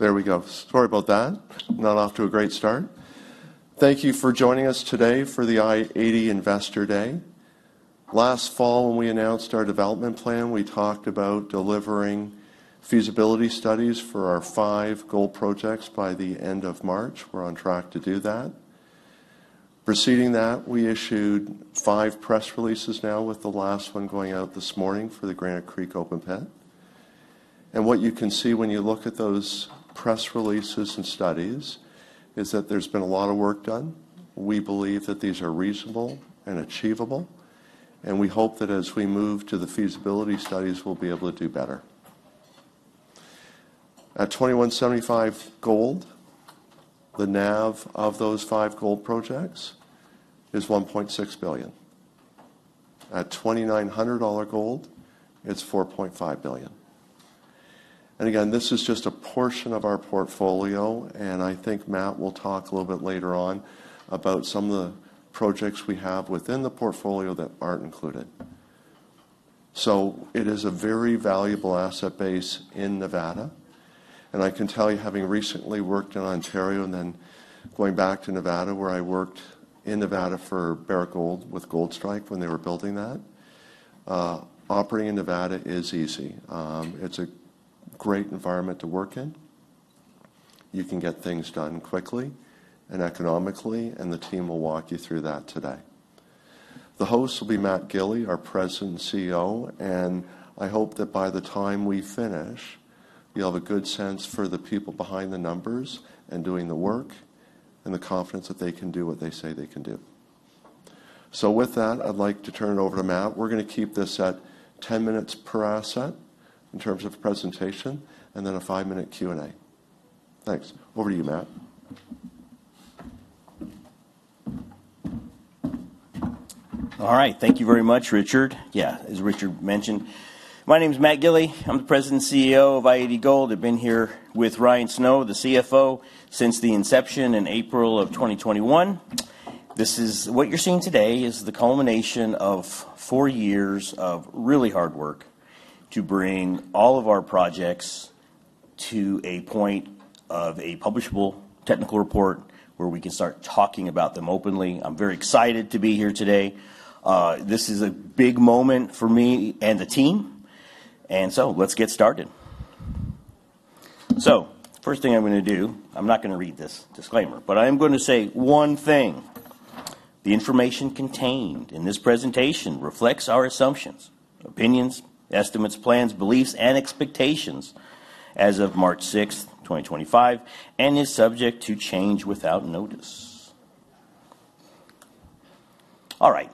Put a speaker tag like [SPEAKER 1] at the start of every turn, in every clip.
[SPEAKER 1] There we go. Sorry about that. Not off to a great start. Thank you for joining us today for the i-80 Investor Day. Last fall, when we announced our development plan, we talked about delivering feasibility studies for our five gold projects by the end of March. We're on track to do that. Preceding that, we issued five press releases now, with the last one going out this morning for the Granite Creek Open Pit. What you can see when you look at those press releases and studies is that there's been a lot of work done. We believe that these are reasonable and achievable, and we hope that as we move to the feasibility studies, we'll be able to do better. At $2,175 gold, the NAV of those five gold projects is $1.6 billion. At $2,900 gold, it's $4.5 billion. This is just a portion of our portfolio, and I think Matt will talk a little bit later on about some of the projects we have within the portfolio that aren't included. It is a very valuable asset base in Nevada. I can tell you, having recently worked in Ontario and then going back to Nevada, where I worked in Nevada for Barrick Gold with Goldstrike when they were building that, operating in Nevada is easy. It's a great environment to work in. You can get things done quickly and economically, and the team will walk you through that today. The host will be Matt Gili, our President and COO, and I hope that by the time we finish, you'll have a good sense for the people behind the numbers and doing the work and the confidence that they can do what they say they can do. With that, I'd like to turn it over to Matt. We're going to keep this at 10 minutes per asset in terms of presentation, and then a five-minute Q&A. Thanks. Over to you, Matt.
[SPEAKER 2] All right. Thank you very much, Richard. Yeah, as Richard mentioned, my name is Matt Gili. I'm the President and CEO of i-80 Gold. I've been here with Ryan Snow, the CFO, since the inception in April of 2021. This is what you're seeing today is the culmination of four years of really hard work to bring all of our projects to a point of a publishable technical report where we can start talking about them openly. I'm very excited to be here today. This is a big moment for me and the team. Let's get started. The first thing I'm going to do, I'm not going to read this disclaimer, but I am going to say one thing. The information contained in this presentation reflects our assumptions, opinions, estimates, plans, beliefs, and expectations as of March 6, 2025, and is subject to change without notice. All right.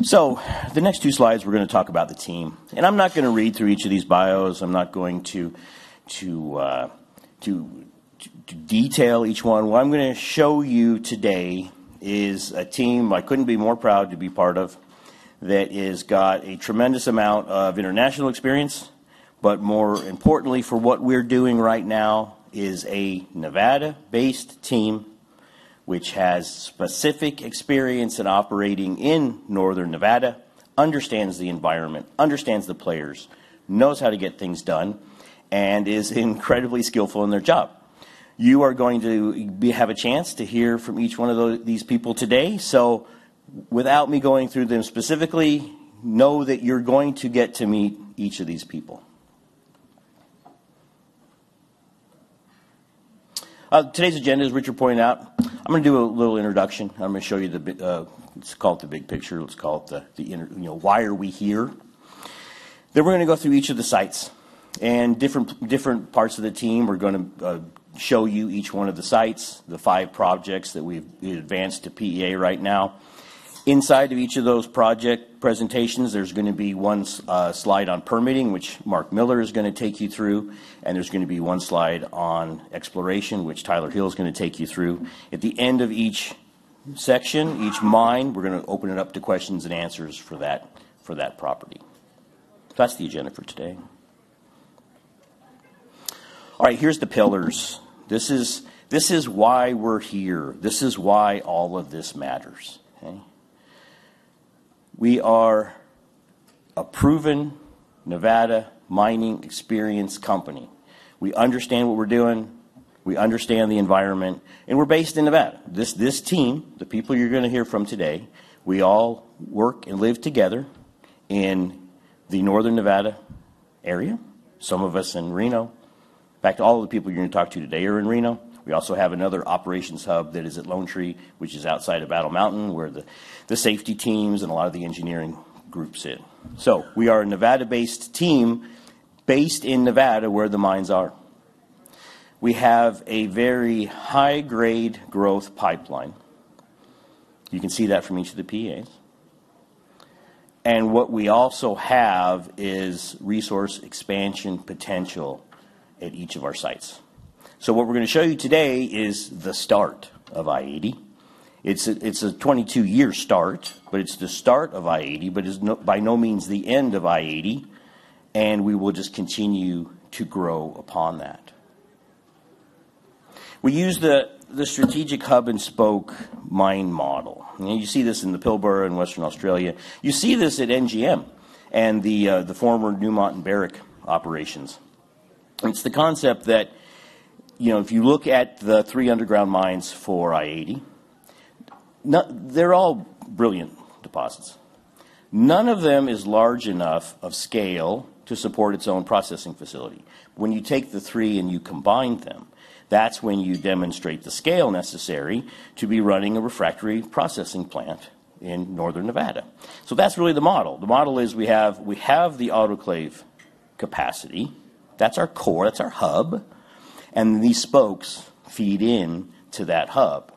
[SPEAKER 2] The next two slides, we're going to talk about the team. I'm not going to read through each of these bios. I'm not going to detail each one. What I'm going to show you today is a team I couldn't be more proud to be part of that has got a tremendous amount of international experience. More importantly, for what we're doing right now, is a Nevada-based team which has specific experience in operating in Northern Nevada, understands the environment, understands the players, knows how to get things done, and is incredibly skillful in their job. You are going to have a chance to hear from each one of these people today. Without me going through them specifically, know that you're going to get to meet each of these people. Today's agenda, as Richard pointed out, I'm going to do a little introduction. I'm going to show you the—it's called the big picture. Let's call it the—why are we here? Then we're going to go through each of the sites and different parts of the team. We're going to show you each one of the sites, the five projects that we've advanced to PEA right now. Inside of each of those project presentations, there's going to be one slide on permitting, which Mark Miller is going to take you through, and there's going to be one slide on exploration, which Tyler Hill is going to take you through. At the end of each section, each mine, we're going to open it up to questions and answers for that property. That's the agenda for today. All right. Here's the pillars. This is why we're here. This is why all of this matters. We are a proven Nevada mining experience company. We understand what we're doing. We understand the environment. And we're based in Nevada. This team, the people you're going to hear from today, we all work and live together in the Northern Nevada area. Some of us in Reno. In fact, all of the people you're going to talk to today are in Reno. We also have another operations hub that is at Lone Tree, which is outside of Battle Mountain, where the safety teams and a lot of the engineering groups sit. We are a Nevada-based team based in Nevada where the mines are. We have a very high-grade growth pipeline. You can see that from each of the PAs. What we also have is resource expansion potential at each of our sites. What we're going to show you today is the start of i-80. It's a 22-year start, but it's the start of i-80, but it's by no means the end of i-80. We will just continue to grow upon that. We use the strategic hub-and-spoke mine model. You see this in the Pilbara in Western Australia. You see this at NGM and the former Newmont and Barrick operations. It's the concept that if you look at the three underground mines for i-80, they're all brilliant deposits. None of them is large enough of scale to support its own processing facility. When you take the three and you combine them, that's when you demonstrate the scale necessary to be running a refractory processing plant in Northern Nevada. That is really the model. The model is we have the autoclave capacity. That's our core. That's our hub. These spokes feed into that hub.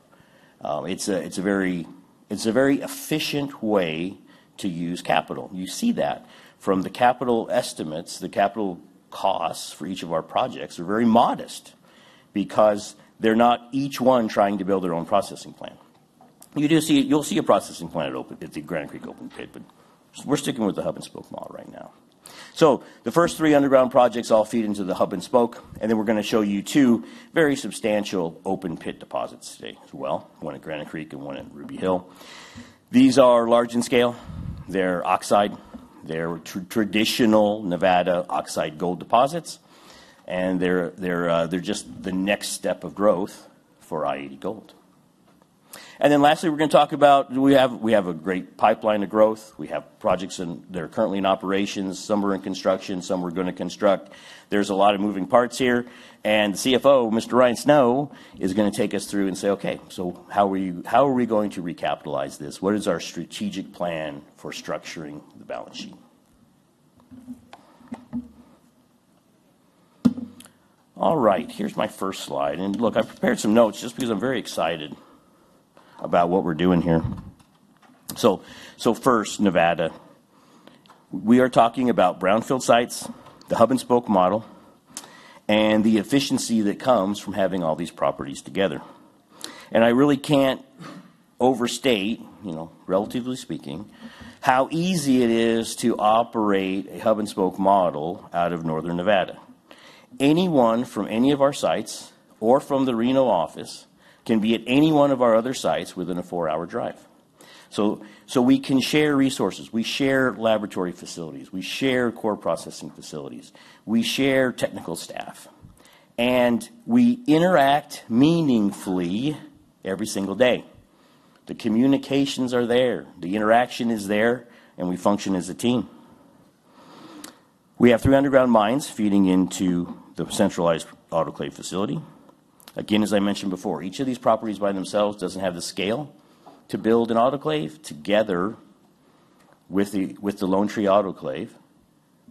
[SPEAKER 2] It's a very efficient way to use capital. You see that from the capital estimates. The capital costs for each of our projects are very modest because they're not each one trying to build their own processing plant. You'll see a processing plant at the Granite Creek Open Pit, but we're sticking with the hub-and-spoke model right now. The first three underground projects all feed into the hub-and-spoke. We are going to show you two very substantial open-pit deposits today as well, one at Granite Creek and one at Ruby Hill. These are large in scale. They're oxide. They're traditional Nevada oxide gold deposits. They're just the next step of growth for i-80 Gold. Lastly, we're going to talk about we have a great pipeline of growth. We have projects that are currently in operations. Some are in construction. Some we're going to construct. There's a lot of moving parts here. The CFO, Mr. Ryan Snow, is going to take us through and say, "Okay. So how are we going to recapitalize this? What is our strategic plan for structuring the balance sheet?" All right. Here is my first slide. Look, I have prepared some notes just because I am very excited about what we are doing here. First, Nevada. We are talking about brownfield sites, the hub-and-spoke model, and the efficiency that comes from having all these properties together. I really cannot overstate, relatively speaking, how easy it is to operate a hub-and-spoke model out of Northern Nevada. Anyone from any of our sites or from the Reno office can be at any one of our other sites within a four-hour drive. We can share resources. We share laboratory facilities. We share core processing facilities. We share technical staff. We interact meaningfully every single day. The communications are there. The interaction is there. We function as a team. We have three underground mines feeding into the centralized autoclave facility. Again, as I mentioned before, each of these properties by themselves does not have the scale to build an autoclave. Together with the Lone Tree Autoclave,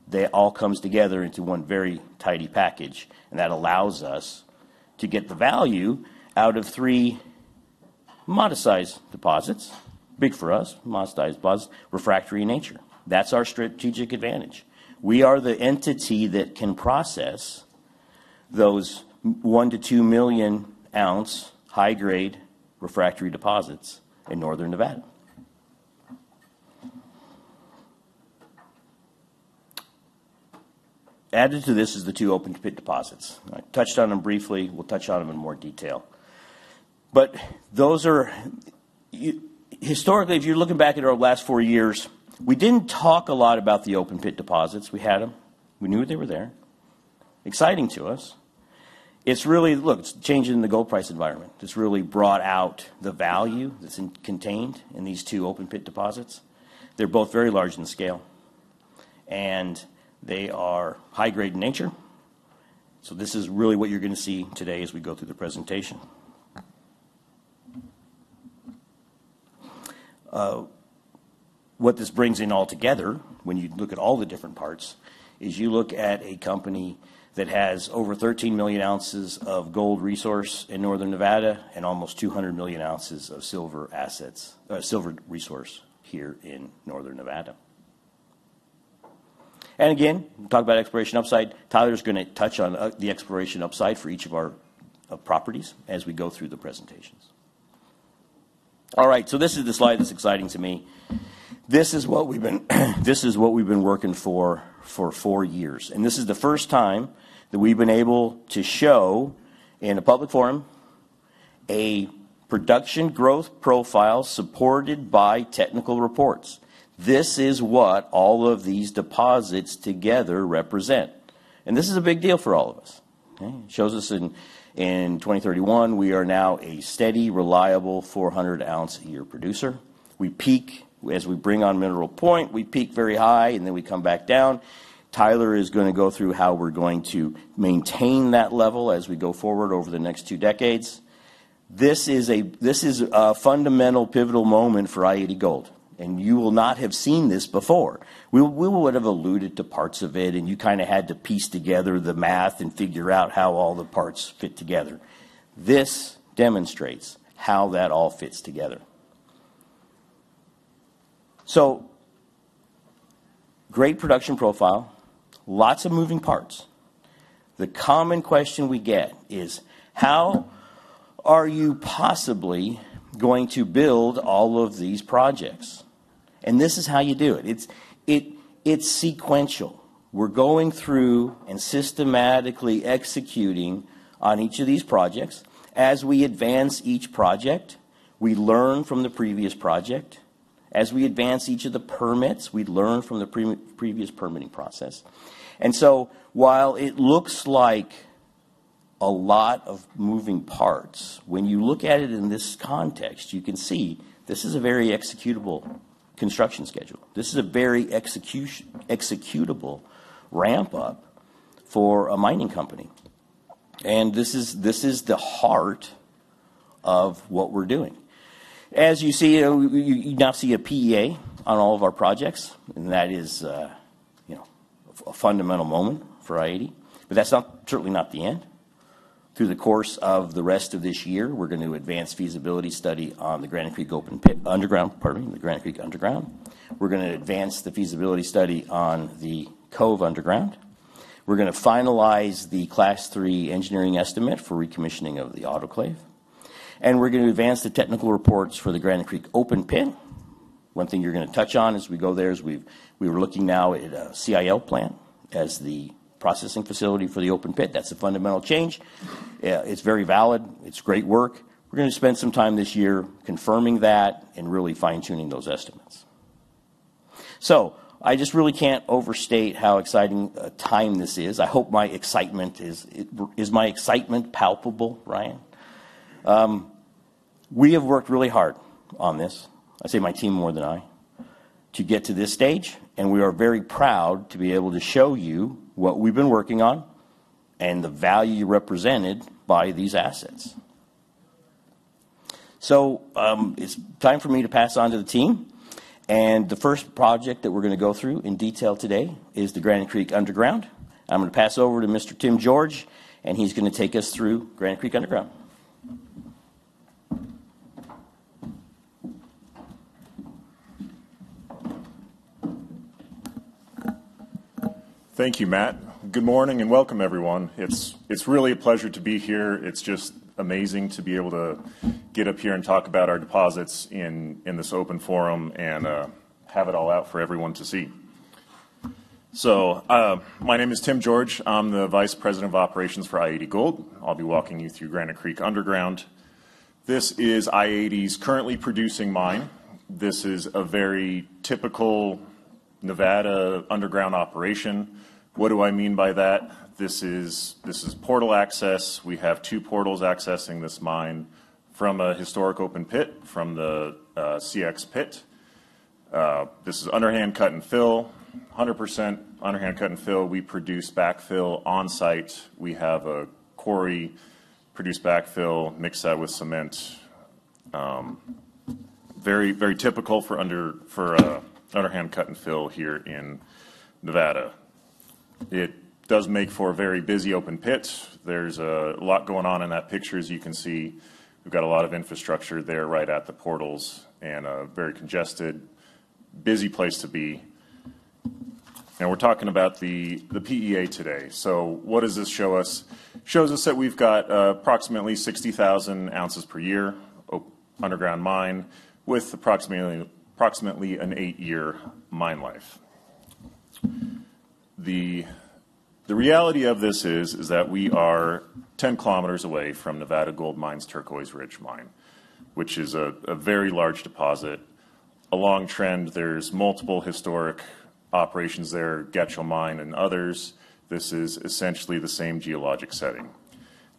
[SPEAKER 2] they all come together into one very tidy package. That allows us to get the value out of three modest-sized deposits, big for us, modest-sized deposits, refractory in nature. That is our strategic advantage. We are the entity that can process those 1-2 million-ounce high-grade refractory deposits in Northern Nevada. Added to this are the two open-pit deposits. I touched on them briefly. We will touch on them in more detail. Historically, if you are looking back at our last four years, we did not talk a lot about the open-pit deposits. We had them. We knew they were there. Exciting to us. Look, it's changing the gold price environment. It's really brought out the value that's contained in these two open-pit deposits. They're both very large in scale. They are high-grade in nature. This is really what you're going to see today as we go through the presentation. What this brings in altogether, when you look at all the different parts, is you look at a company that has over 13 million ounces of gold resource in Northern Nevada and almost 200 million ounces of silver resource here in Northern Nevada. Again, we'll talk about exploration upside. Tyler's going to touch on the exploration upside for each of our properties as we go through the presentations. All right. This is the slide that's exciting to me. This is what we've been working for for four years. This is the first time that we've been able to show in a public forum a production growth profile supported by technical reports. This is what all of these deposits together represent. This is a big deal for all of us. It shows us in 2031, we are now a steady, reliable 400-ounce-a-year producer. As we bring on Mineral Point, we peak very high, and then we come back down. Tyler is going to go through how we're going to maintain that level as we go forward over the next two decades. This is a fundamental pivotal moment for i-80 Gold. You will not have seen this before. We would have alluded to parts of it, and you kind of had to piece together the math and figure out how all the parts fit together. This demonstrates how that all fits together. Great production profile, lots of moving parts. The common question we get is, "How are you possibly going to build all of these projects?" This is how you do it. It's sequential. We're going through and systematically executing on each of these projects. As we advance each project, we learn from the previous project. As we advance each of the permits, we learn from the previous permitting process. While it looks like a lot of moving parts, when you look at it in this context, you can see this is a very executable construction schedule. This is a very executable ramp-up for a mining company. This is the heart of what we're doing. As you see, you now see a PEA on all of our projects. That is a fundamental moment for i-80. That's certainly not the end. Through the course of the rest of this year, we're going to advance feasibility study on the Granite Creek underground, pardon me, the Granite Creek underground. We're going to advance the feasibility study on the Cove Underground. We're going to finalize the Class III engineering estimate for recommissioning of the autoclave. We're going to advance the technical reports for the Granite Creek Open Pit. One thing you're going to touch on as we go there is we were looking now at a CIL plant as the processing facility for the open pit. That's a fundamental change. It's very valid. It's great work. We're going to spend some time this year confirming that and really fine-tuning those estimates. I just really can't overstate how exciting a time this is. I hope my excitement is my excitement palpable, Ryan? We have worked really hard on this. I say my team more than I to get to this stage. We are very proud to be able to show you what we've been working on and the value represented by these assets. It is time for me to pass on to the team. The first project that we're going to go through in detail today is the Granite Creek underground. I'm going to pass over to Mr. Timothy George, and he's going to take us through Granite Creek underground.
[SPEAKER 3] Thank you, Matt. Good morning and welcome, everyone. It's really a pleasure to be here. It's just amazing to be able to get up here and talk about our deposits in this open forum and have it all out for everyone to see. My name is Timothy George. I'm the Vice President of Operations for i-80 Gold. I'll be walking you through Granite Creek underground. This is i-80's currently producing mine. This is a very typical Nevada underground operation. What do I mean by that? This is portal access. We have two portals accessing this mine from a historic open pit, from the CX pit. This is underhand cut and fill, 100% underhand cut and fill. We produce backfill on-site. We have a quarry produce backfill mixed out with cement. Very typical for underhand cut and fill here in Nevada. It does make for a very busy open pit. There is a lot going on in that picture, as you can see. We've got a lot of infrastructure there right at the portals and a very congested, busy place to be. We are talking about the PEA today. What does this show us? It shows us that we've got approximately 60,000 ounces per year underground mine with approximately an eight-year mine life. The reality of this is that we are 10 kilometers away from Nevada Gold Mines Turquoise Ridge Mine, which is a very large deposit. Along trend, there's multiple historic operations there, Getchell Mine and others. This is essentially the same geologic setting.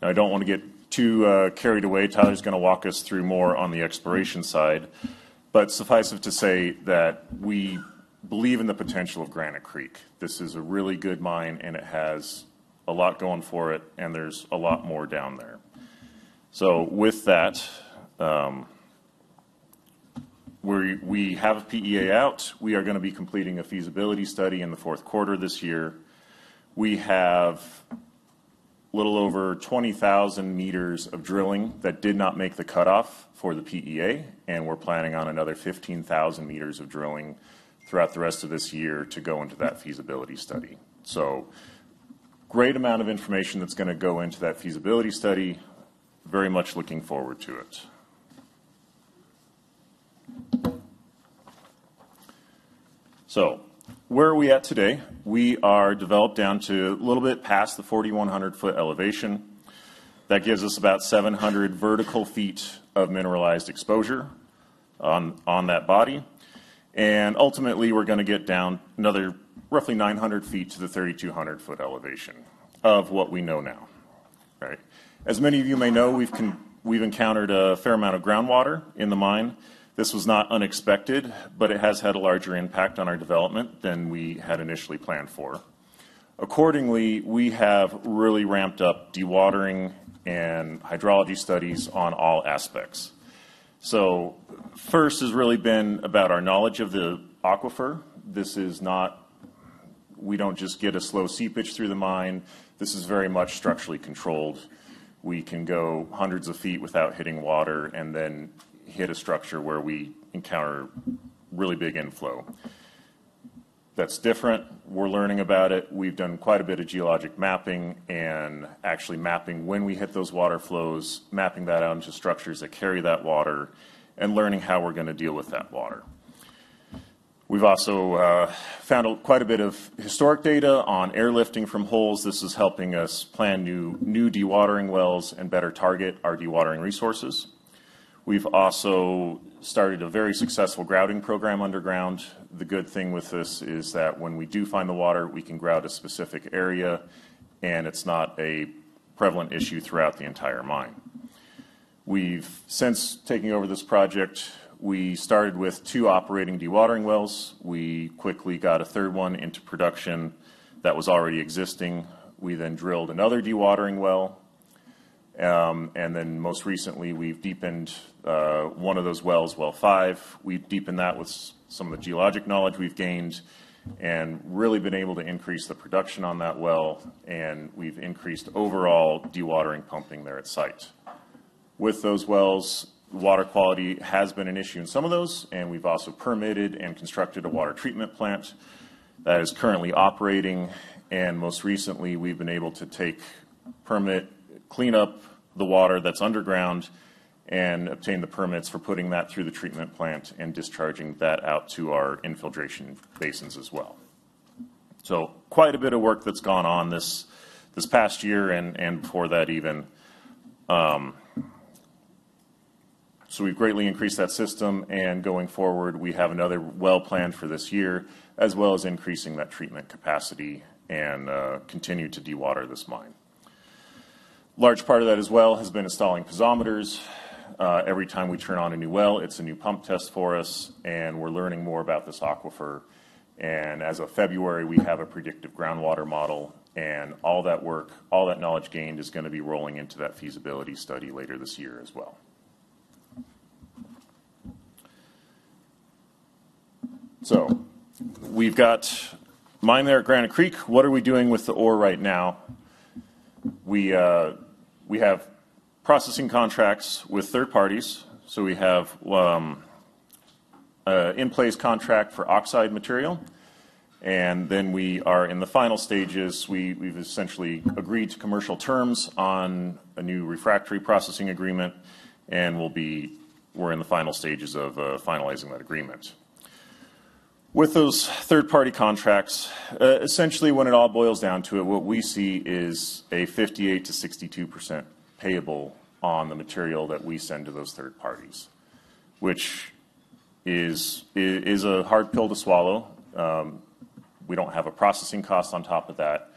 [SPEAKER 3] Now, I don't want to get too carried away. Tyler's going to walk us through more on the exploration side. Suffice it to say that we believe in the potential of Granite Creek. This is a really good mine, and it has a lot going for it. There's a lot more down there. With that, we have a PEA out. We are going to be completing a feasibility study in the fourth quarter of this year. We have a little over 20,000 meters of drilling that did not make the cutoff for the PEA. We are planning on another 15,000 meters of drilling throughout the rest of this year to go into that feasibility study. Great amount of information that is going to go into that feasibility study. Very much looking forward to it. Where are we at today? We are developed down to a little bit past the 4,100-foot elevation. That gives us about 700 vertical feet of mineralized exposure on that body. Ultimately, we are going to get down another roughly 900 feet to the 3,200-foot elevation of what we know now. As many of you may know, we have encountered a fair amount of groundwater in the mine. This was not unexpected, but it has had a larger impact on our development than we had initially planned for. Accordingly, we have really ramped up dewatering and hydrology studies on all aspects. First has really been about our knowledge of the aquifer. We do not just get a slow seepage through the mine. This is very much structurally controlled. We can go hundreds of feet without hitting water and then hit a structure where we encounter really big inflow. That is different. We are learning about it. We have done quite a bit of geologic mapping and actually mapping when we hit those water flows, mapping that out into structures that carry that water, and learning how we are going to deal with that water. We have also found quite a bit of historic data on airlifting from holes. This is helping us plan new dewatering wells and better target our dewatering resources. We have also started a very successful grouting program underground. The good thing with this is that when we do find the water, we can grout a specific area, and it's not a prevalent issue throughout the entire mine. Since taking over this project, we started with two operating dewatering wells. We quickly got a third one into production that was already existing. We drilled another dewatering well. Most recently, we've deepened one of those wells, Well 5. We've deepened that with some of the geologic knowledge we've gained and really been able to increase the production on that well. We've increased overall dewatering pumping there at site. With those wells, water quality has been an issue in some of those. We've also permitted and constructed a water treatment plant that is currently operating. Most recently, we've been able to take permit, clean up the water that's underground, and obtain the permits for putting that through the treatment plant and discharging that out to our infiltration basins as well. Quite a bit of work has gone on this past year and before that even. We've greatly increased that system. Going forward, we have another well planned for this year, as well as increasing that treatment capacity and continuing to dewater this mine. A large part of that as well has been installing piezometers. Every time we turn on a new well, it's a new pump test for us. We're learning more about this aquifer. As of February, we have a predictive groundwater model. All that work, all that knowledge gained is going to be rolling into that feasibility study later this year as well. We've got mine there at Granite Creek. What are we doing with the ore right now? We have processing contracts with third parties. We have an in-place contract for oxide material. We are in the final stages. We've essentially agreed to commercial terms on a new refractory processing agreement. We are in the final stages of finalizing that agreement. With those third-party contracts, essentially, when it all boils down to it, what we see is a 58-62% payable on the material that we send to those third parties, which is a hard pill to swallow. We don't have a processing cost on top of that.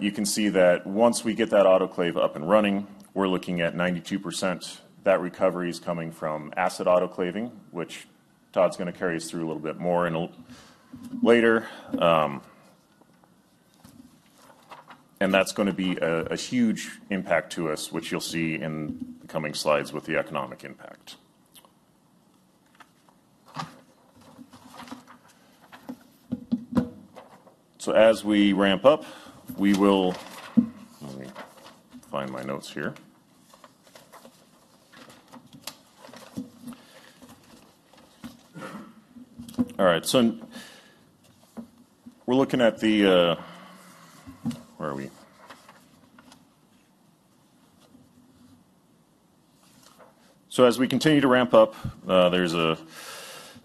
[SPEAKER 3] You can see that once we get that autoclave up and running, we're looking at 92%. That recovery is coming from acid autoclaving, which Todd's going to carry us through a little bit more later. That is going to be a huge impact to us, which you'll see in the coming slides with the economic impact. As we ramp up, let me find my notes here. All right. We are looking at the, where are we? As we continue to ramp up, the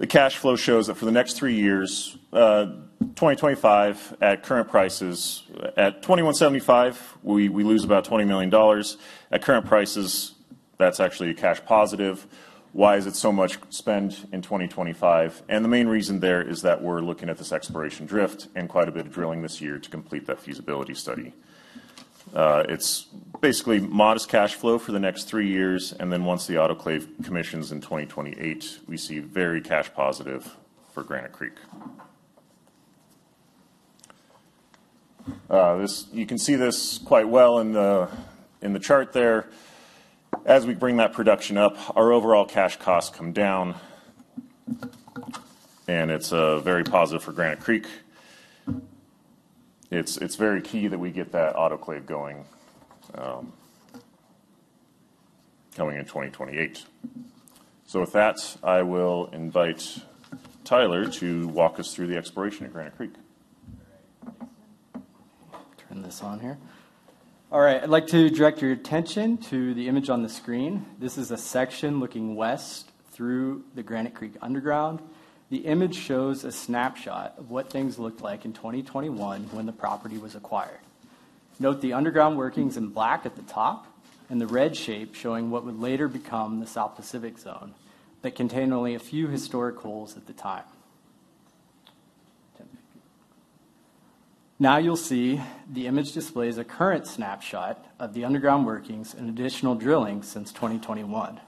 [SPEAKER 3] Cash flow shows that for the next three years, 2025 at current prices, at $2,175, we lose about $20 million. At current prices, that is actually a cash positive. Why is it so much spend in 2025? The main reason there is that we are looking at this exploration drift and quite a bit of drilling this year to complete that feasibility study. It is basically modest Cash flow for the next three years. Once the autoclave commissions in 2028, we see very cash positive for Granite Creek. You can see this quite well in the chart there. As we bring that production up, our overall cash costs come down. It is very positive for Granite Creek. It is very key that we get that autoclave going in 2028. With that, I will invite Tyler to walk us through the exploration at Granite Creek.
[SPEAKER 4] Turn this on here. All right. I'd like to direct your attention to the image on the screen. This is a section looking west through the Granite Creek underground. The image shows a snapshot of what things looked like in 2021 when the property was acquired. Note the underground workings in black at the top and the red shape showing what would later become the South Pacific Zone that contained only a few historic holes at the time. Now you'll see the image displays a current snapshot of the underground workings and additional drilling since 2021.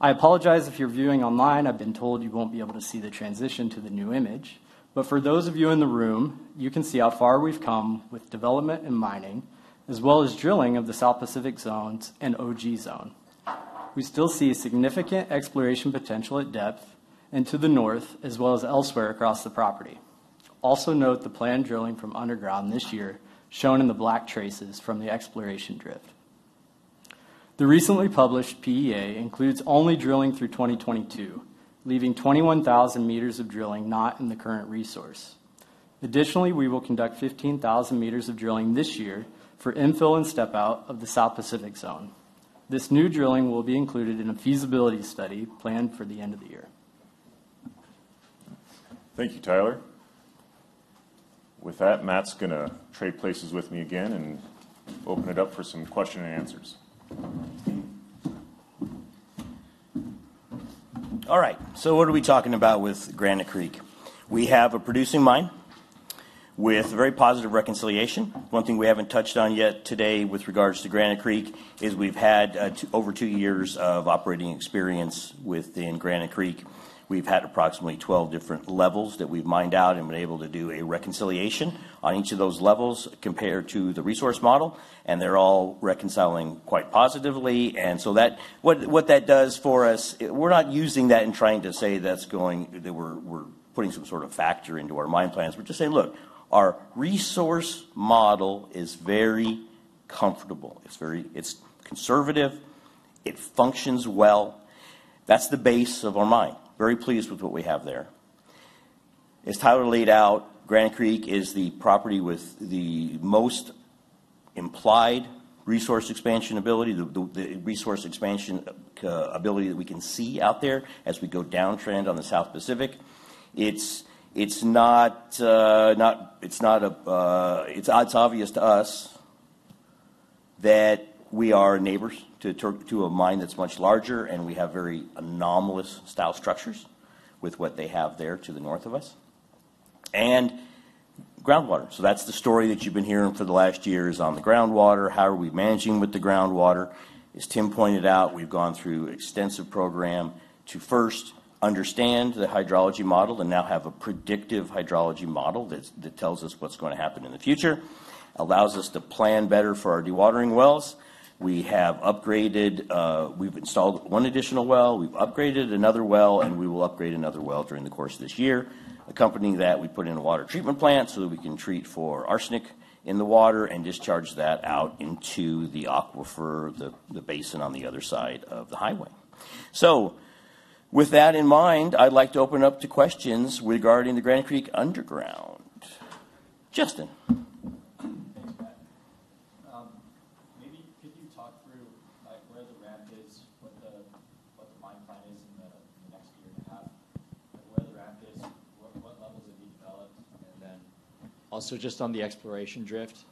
[SPEAKER 4] I apologize if you're viewing online. I've been told you won't be able to see the transition to the new image. For those of you in the room, you can see how far we've come with development and mining, as well as drilling of the South Pacific Zones and OG Zone. We still see significant exploration potential at depth and to the north, as well as elsewhere across the property. Also note the planned drilling from underground this year shown in the black traces from the exploration drift. The recently published PEA includes only drilling through 2022, leaving 21,000 meters of drilling not in the current resource. Additionally, we will conduct 15,000 meters of drilling this year for infill and step-out of the South Pacific Zone. This new drilling will be included in a feasibility study planned for the end of the year.
[SPEAKER 3] Thank you, Tyler. With that, Matt's going to trade places with me again and open it up for some questions and answers.
[SPEAKER 2] All right. What are we talking about with Granite Creek? We have a producing mine with very positive reconciliation. One thing we have not touched on yet today with regards to Granite Creek is we have had over two years of operating experience within Granite Creek. We have had approximately 12 different levels that we have mined out and been able to do a reconciliation on each of those levels compared to the resource model. They are all reconciling quite positively. What that does for us, we are not using that and trying to say that we are putting some sort of factor into our mine plans. We are just saying, "Look, our resource model is very comfortable. It is conservative. It functions well." That is the base of our mine. Very pleased with what we have there. As Tyler laid out, Granite Creek is the property with the most implied resource expansion ability, the resource expansion ability that we can see out there as we go downtrend on the South Pacific. It's not obvious to us that we are neighbors to a mine that's much larger. And we have very anomalous style structures with what they have there to the north of us and groundwater. So that's the story that you've been hearing for the last years on the groundwater. How are we managing with the groundwater? As Timothy pointed out, we've gone through an extensive program to first understand the hydrology model and now have a predictive hydrology model that tells us what's going to happen in the future, allows us to plan better for our dewatering wells. We have upgraded. We've installed one additional well. We've upgraded another well. We will upgrade another well during the course of this year. Accompanying that, we put in a water treatment plant so that we can treat for arsenic in the water and discharge that out into the aquifer, the basin on the other side of the highway. With that in mind, I'd like to open up to questions regarding the Granite Creek underground. Justin.
[SPEAKER 5] Maybe could you talk through where the ramp is, what the mine plan is in the next year and a half, where the ramp is, what levels have you developed, and then? Also just on the exploration drift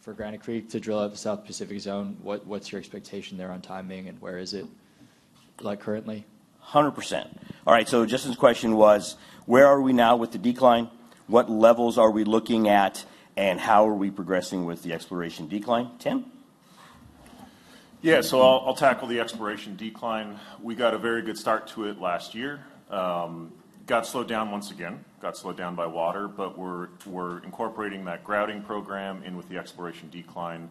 [SPEAKER 5] for Granite Creek to drill out the South Pacific Zone, what's your expectation there on timing and where is it currently?
[SPEAKER 2] 100%. All right. So Justin's question was, where are we now with the decline? What levels are we looking at and how are we progressing with the exploration decline? Timothy?
[SPEAKER 3] Yeah. I'll tackle the exploration decline. We got a very good start to it last year. Got slowed down once again. Got slowed down by water. We're incorporating that grouting program in with the exploration decline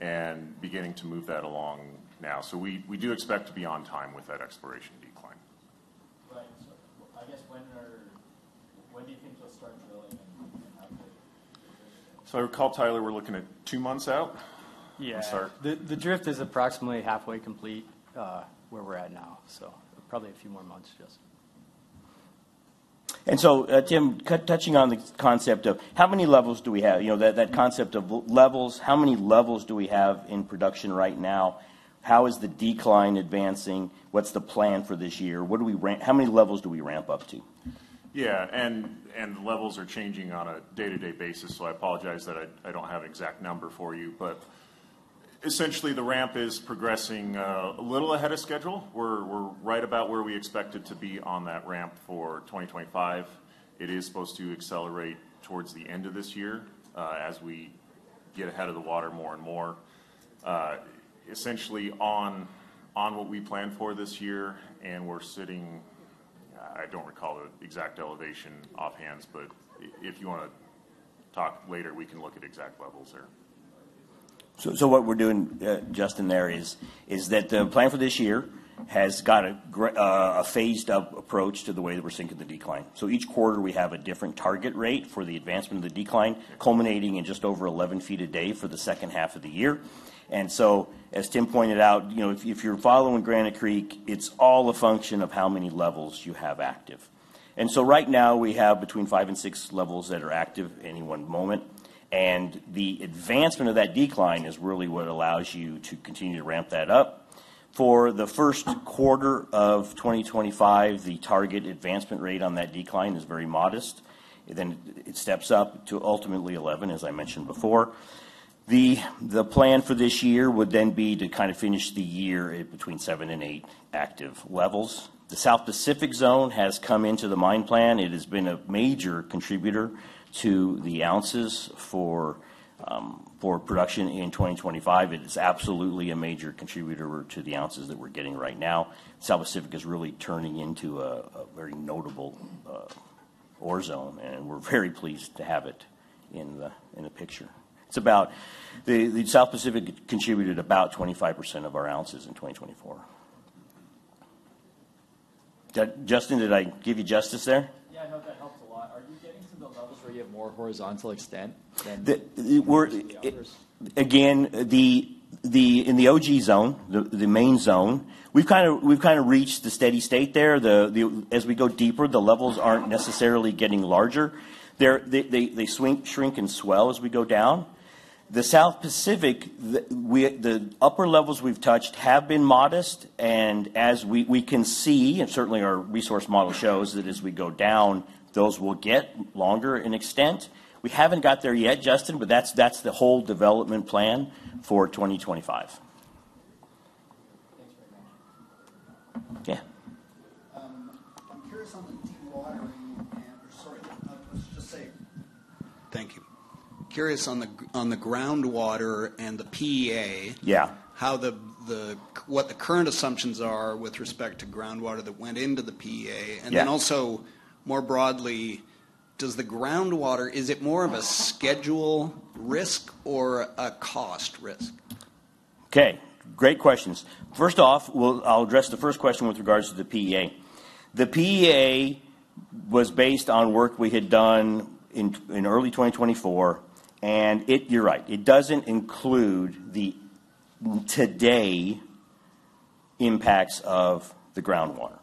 [SPEAKER 3] and beginning to move that along now. We do expect to be on time with that exploration decline.
[SPEAKER 5] I guess when do you think you'll start drilling and how quick?
[SPEAKER 2] I recall, Tyler, we're looking at two months out?
[SPEAKER 4] Yeah. The drift is approximately halfway complete where we're at now. Probably a few more months, just. Timothy, touching on the concept of how many levels do we have? That concept of levels, how many levels do we have in production right now? How is the decline advancing? What's the plan for this year? How many levels do we ramp up to?
[SPEAKER 3] Yeah. Levels are changing on a day-to-day basis. I apologize that I don't have an exact number for you. Essentially, the ramp is progressing a little ahead of schedule. We're right about where we expected to be on that ramp for 2025. It is supposed to accelerate towards the end of this year as we get ahead of the water more and more, essentially on what we planned for this year. We're sitting, I don't recall the exact elevation offhand. If you want to talk later, we can look at exact levels there.
[SPEAKER 4] What we're doing, Justin, there is that the plan for this year has got a phased-up approach to the way that we're syncing the decline. Each quarter, we have a different target rate for the advancement of the decline, culminating in just over 11 feet a day for the second half of the year. As Timothy pointed out, if you're following Granite Creek, it's all a function of how many levels you have active. Right now, we have between five and six levels that are active at any one moment. The advancement of that decline is really what allows you to continue to ramp that up. For the first quarter of 2025, the target advancement rate on that decline is very modest. It steps up to ultimately 11, as I mentioned before. The plan for this year would then be to kind of finish the year between seven and eight active levels. The South Pacific Zone has come into the mine plan. It has been a major contributor to the ounces for production in 2025. It is absolutely a major contributor to the ounces that we're getting right now. South Pacific is really turning into a very notable ore zone. And we're very pleased to have it in the picture. The South Pacific contributed about 25% of our ounces in 2024. Justin, did I give you justice there?
[SPEAKER 5] Yeah. I hope that helps a lot. Are you getting to the levels where you have more horizontal extent than the others?
[SPEAKER 4] Again, in the OG Zone, the main zone, we've kind of reached the steady state there. As we go deeper, the levels aren't necessarily getting larger. They shrink and swell as we go down. The South Pacific, the upper levels we've touched have been modest. As we can see, and certainly our resource model shows that as we go down, those will get longer in extent. We haven't got there yet, Justin. That is the whole development plan for 2025.
[SPEAKER 5] Thanks very much.
[SPEAKER 4] Yeah.
[SPEAKER 5] I'm curious on the dewatering, or sorry, let's just say.
[SPEAKER 4] Thank you. Curious on the groundwater and the PEA, what the current assumptions are with respect to groundwater that went into the PEA. Also, more broadly, does the groundwater, is it more of a schedule risk or a cost risk? Okay. Great questions. First off, I'll address the first question with regards to the PEA. The PEA was based on work we had done in early 2024. You're right. It doesn't include the today impacts of the groundwater.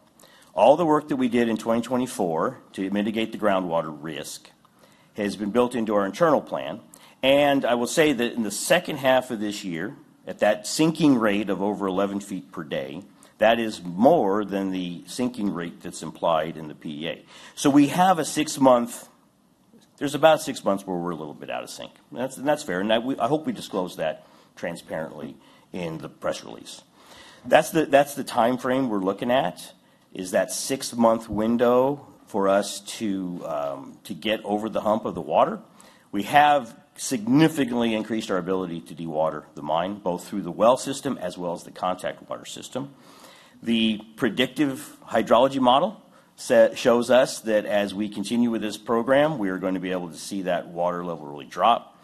[SPEAKER 4] All the work that we did in 2024 to mitigate the groundwater risk has been built into our internal plan. I will say that in the second half of this year, at that sinking rate of over 11 feet per day, that is more than the sinking rate that's implied in the PEA. We have a six-month, there is about six months where we are a little bit out of sync. That is fair. I hope we disclose that transparently in the press release. That is the time frame we are looking at, is that six-month window for us to get over the hump of the water. We have significantly increased our ability to dewater the mine, both through the well system as well as the contact water system. The predictive hydrology model shows us that as we continue with this program, we are going to be able to see that water level really drop.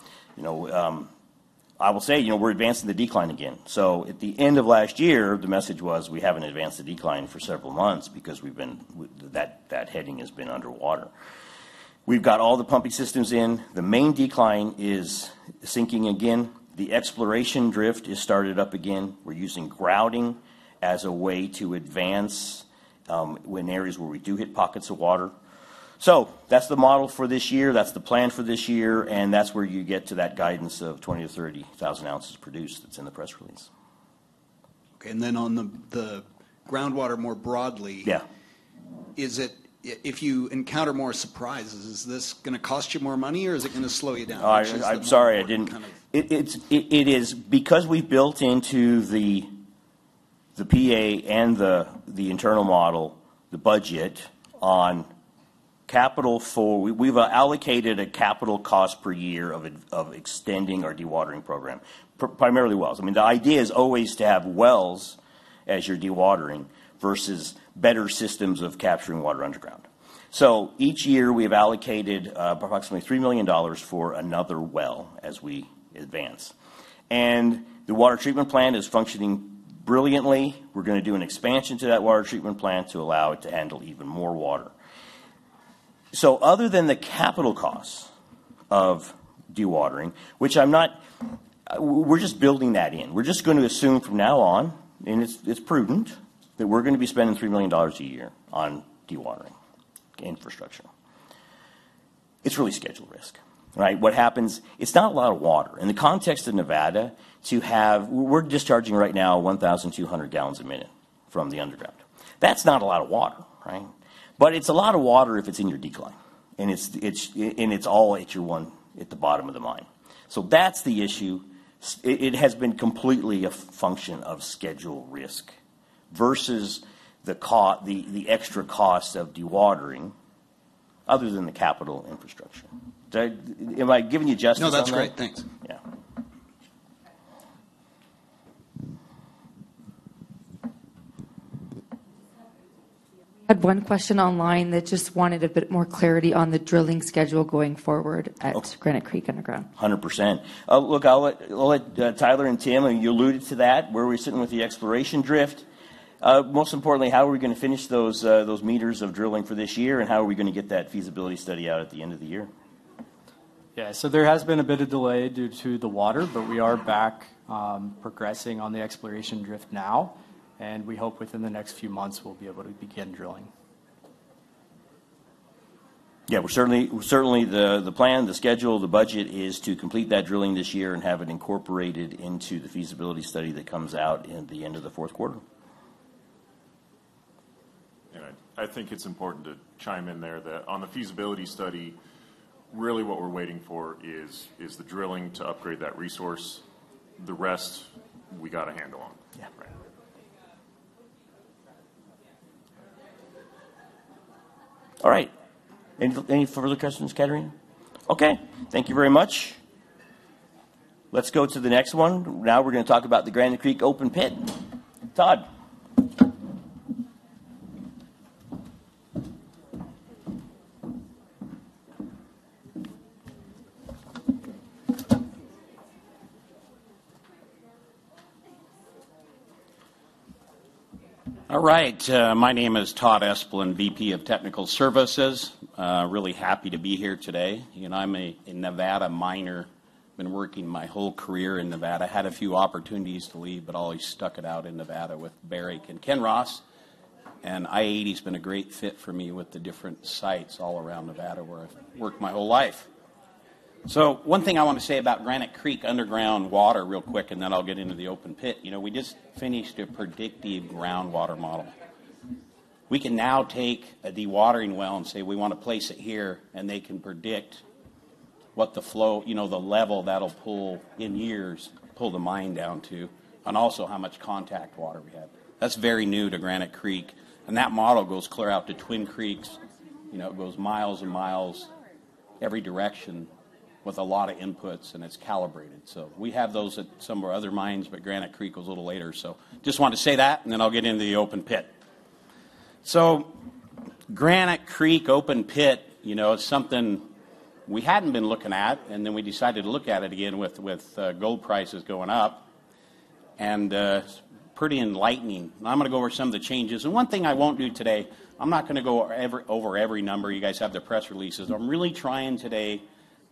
[SPEAKER 4] I will say we are advancing the decline again. At the end of last year, the message was we have not advanced the decline for several months because that heading has been underwater. We have all the pumping systems in. The main decline is sinking again. The exploration drift has started up again. We're using grouting as a way to advance in areas where we do hit pockets of water. That's the model for this year. That's the plan for this year. That's where you get to that guidance of 20,000-30,000 ounces produced that's in the press release. Okay. On the groundwater more broadly, if you encounter more surprises, is this going to cost you more money, or is it going to slow you down? I'm sorry. It is because we've built into the PEA and the internal model the budget on capital for we've allocated a capital cost per year of extending our dewatering program, primarily wells. I mean, the idea is always to have wells as you're dewatering versus better systems of capturing water underground. Each year, we have allocated approximately $3 million for another well as we advance. The water treatment plant is functioning brilliantly. We are going to do an expansion to that water treatment plant to allow it to handle even more water. Other than the capital costs of dewatering, which we are just building in, we are just going to assume from now on, and it is prudent, that we are going to be spending $3 million a year on dewatering infrastructure. It is really schedule risk. Right? What happens? It is not a lot of water. In the context of Nevada, we are discharging right now 1,200 gallons a minute from the underground. That is not a lot of water. Right? It is a lot of water if it is in your decline. It is all H-1 at the bottom of the mine. That is the issue. It has been completely a function of schedule risk versus the extra cost of dewatering other than the capital infrastructure. Am I giving you justice there?
[SPEAKER 2] No, that's great. Thanks.
[SPEAKER 5] We had one question online that just wanted a bit more clarity on the drilling schedule going forward at Granite Creek Underground.
[SPEAKER 6] 100%. Look, I'll let Tyler and Timothy, you alluded to that, where we're sitting with the exploration drift. Most importantly, how are we going to finish those meters of drilling for this year? How are we going to get that feasibility study out at the end of the year?
[SPEAKER 4] Yeah. There has been a bit of delay due to the water. We are back progressing on the exploration drift now. We hope within the next few months, we'll be able to begin drilling.
[SPEAKER 6] Yeah. Certainly, the plan, the schedule, the budget is to complete that drilling this year and have it incorporated into the feasibility study that comes out at the end of the fourth quarter.
[SPEAKER 2] I think it's important to chime in there that on the feasibility study, really what we're waiting for is the drilling to upgrade that resource. The rest, we got a handle on. Yeah. All right. Any further questions, Kathrine? Okay. Thank you very much. Let's go to the next one. Now we're going to talk about the Granite Creek Open Pit. Todd.
[SPEAKER 6] All right. My name is Todd Esplin, VP of Technical Services. Really happy to be here today. And I'm a Nevada miner. I've been working my whole career in Nevada. Had a few opportunities to leave, but always stuck it out in Nevada with Barrick and Kinross. And i-80 has been a great fit for me with the different sites all around Nevada where I've worked my whole life. One thing I want to say about Granite Creek Underground Water real quick, and then I'll get into the Open Pit. We just finished a predictive groundwater model. We can now take a dewatering well and say, "We want to place it here." They can predict what the level that'll pull in years pull the mine down to, and also how much contact water we have. That is very new to Granite Creek. That model goes clear out to Twin Creeks. It goes miles and miles every direction with a lot of inputs. It is calibrated. We have those at some of our other mines. Granite Creek was a little later. I just wanted to say that. I will get into the Open Pit. Granite Creek Open Pit is something we had not been looking at. We decided to look at it again with gold prices going up. It is pretty enlightening. I am going to go over some of the changes. One thing I will not do today, I am not going to go over every number. You guys have the press releases. I am really trying today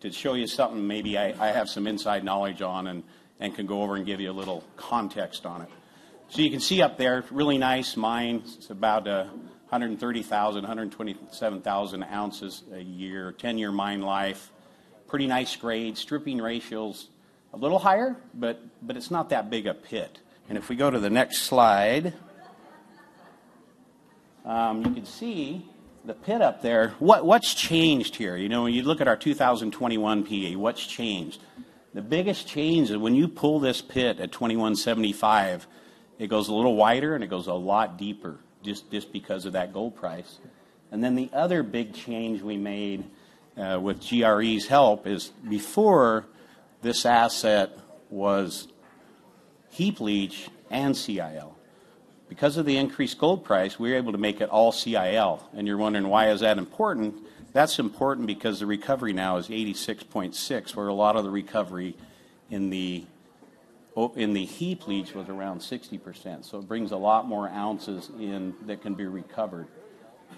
[SPEAKER 6] to show you something maybe I have some inside knowledge on and can go over and give you a little context on it. You can see up there, really nice mine. It is about 130,000, 127,000 ounces a year, 10-year mine life. Pretty nice grade. Stripping ratio is a little higher. It is not that big a pit. If we go to the next slide, you can see the pit up there. What has changed here? When you look at our 2021 PEA, what has changed? The biggest change is when you pull this pit at $2,175, it goes a little wider. It goes a lot deeper just because of that gold price. The other big change we made with GRE's help is before this asset was heap leach and CIL. Because of the increased gold price, we were able to make it all CIL. You're wondering, why is that important? That's important because the recovery now is 86.6%, where a lot of the recovery in the heap leach was around 60%. It brings a lot more ounces in that can be recovered.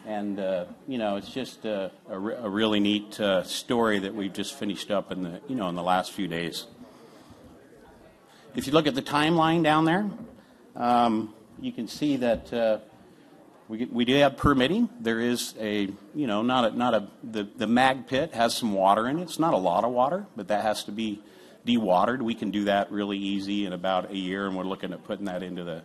[SPEAKER 6] It's just a really neat story that we've just finished up in the last few days. If you look at the timeline down there, you can see that we do have permitting. There is not a lot of water in the mag pit. It's not a lot of water, but that has to be dewatered. We can do that really easily in about a year. We're looking at putting that into the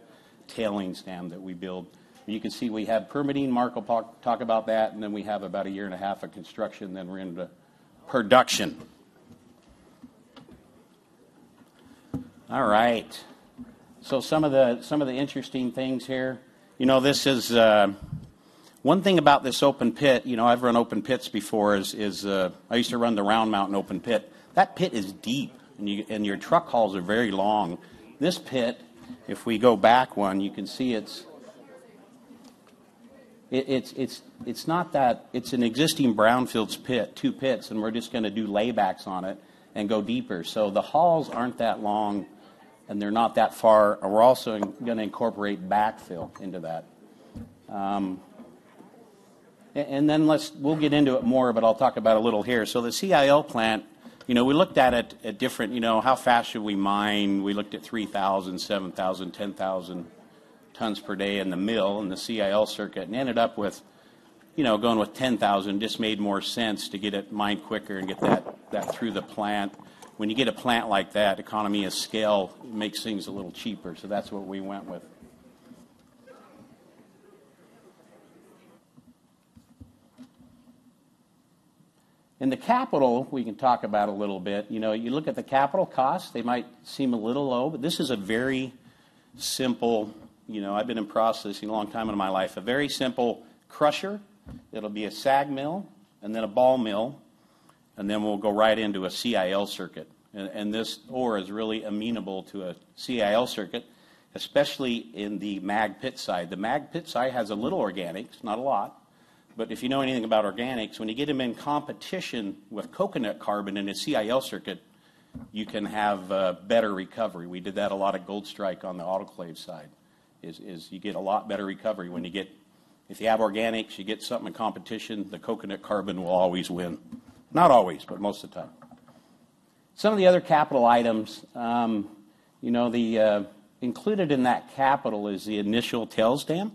[SPEAKER 6] tailings dam that we build. You can see we have permitting. Michael talked about that. We have about a year and a half of construction. We're into production. All right. Some of the interesting things here. One thing about this open pit, I've run open pits before. I used to run the Round Mountain Open Pit. That pit is deep, and your truck hauls are very long. This pit, if we go back one, you can see it's not that. It's an existing brownfields pit, two pits. We're just going to do laybacks on it and go deeper. The hauls aren't that long, and they're not that far. We're also going to incorporate backfill into that. We'll get into it more, but I'll talk about it a little here. The CIL plant, we looked at it at different how fast should we mine? We looked at 3,000, 7,000, 10,000 tons per day in the mill in the CIL circuit. Ended up with going with 10,000 just made more sense to get it mined quicker and get that through the plant. When you get a plant like that, economy of scale makes things a little cheaper. That's what we went with. The capital, we can talk about a little bit. You look at the capital costs, they might seem a little low. This is a very simple I've been in processing a long time in my life. A very simple crusher. It'll be a SAG mill, and then a ball mill. Then we'll go right into a CIL circuit. This ore is really amenable to a CIL circuit, especially in the mag pit side. The mag pit side has a little organics. Not a lot. If you know anything about organics, when you get them in competition with coconut carbon in a CIL circuit, you can have better recovery. We did that a lot at Gold Strike on the autoclave side. You get a lot better recovery when you get, if you have organics, you get something in competition, the coconut carbon will always win. Not always, but most of the time. Some of the other capital items included in that capital is the initial tail stem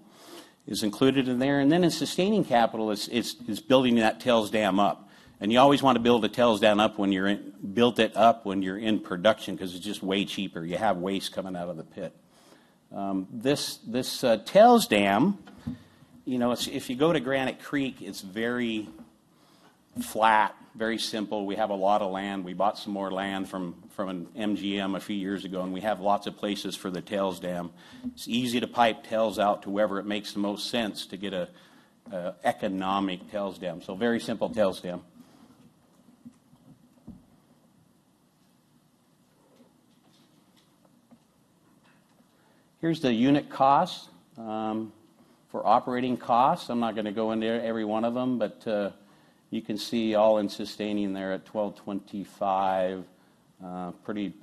[SPEAKER 6] is included in there. In sustaining capital, it's building that tail stem up. You always want to build the tail stem up when you're in production because it's just way cheaper. You have waste coming out of the pit. This tail stem, if you go to Granite Creek, it's very flat, very simple. We have a lot of land. We bought some more land from an MGM a few years ago. We have lots of places for the tail stem. It's easy to pipe tails out to wherever it makes the most sense to get an economic tail stem. Very simple tail stem. Here's the unit cost for operating costs. I'm not going to go into every one of them. You can see all in sustaining there at $1,225.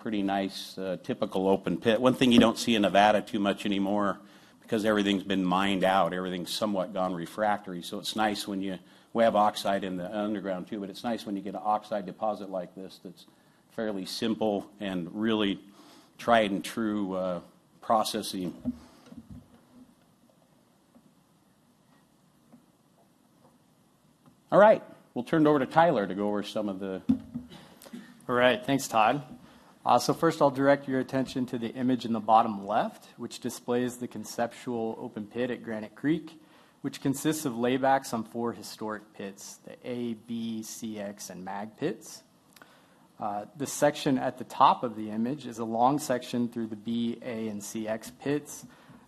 [SPEAKER 6] Pretty nice typical open pit. One thing you don't see in Nevada too much anymore because everything's been mined out. Everything's somewhat gone refractory. It's nice when you we have oxide in the underground too. It is nice when you get an oxide deposit like this that is fairly simple and really tried and true processing. All right. We will turn it over to Tyler to go over some of the
[SPEAKER 4] All right. Thanks, Todd. First, I'll direct your attention to the image in the bottom left, which displays the conceptual open pit at Granite Creek, which consists of lay backs on four historic pits, the A, B, CX, and mag pits. The section at the top of the image is a long section through the B, A, and CX pits.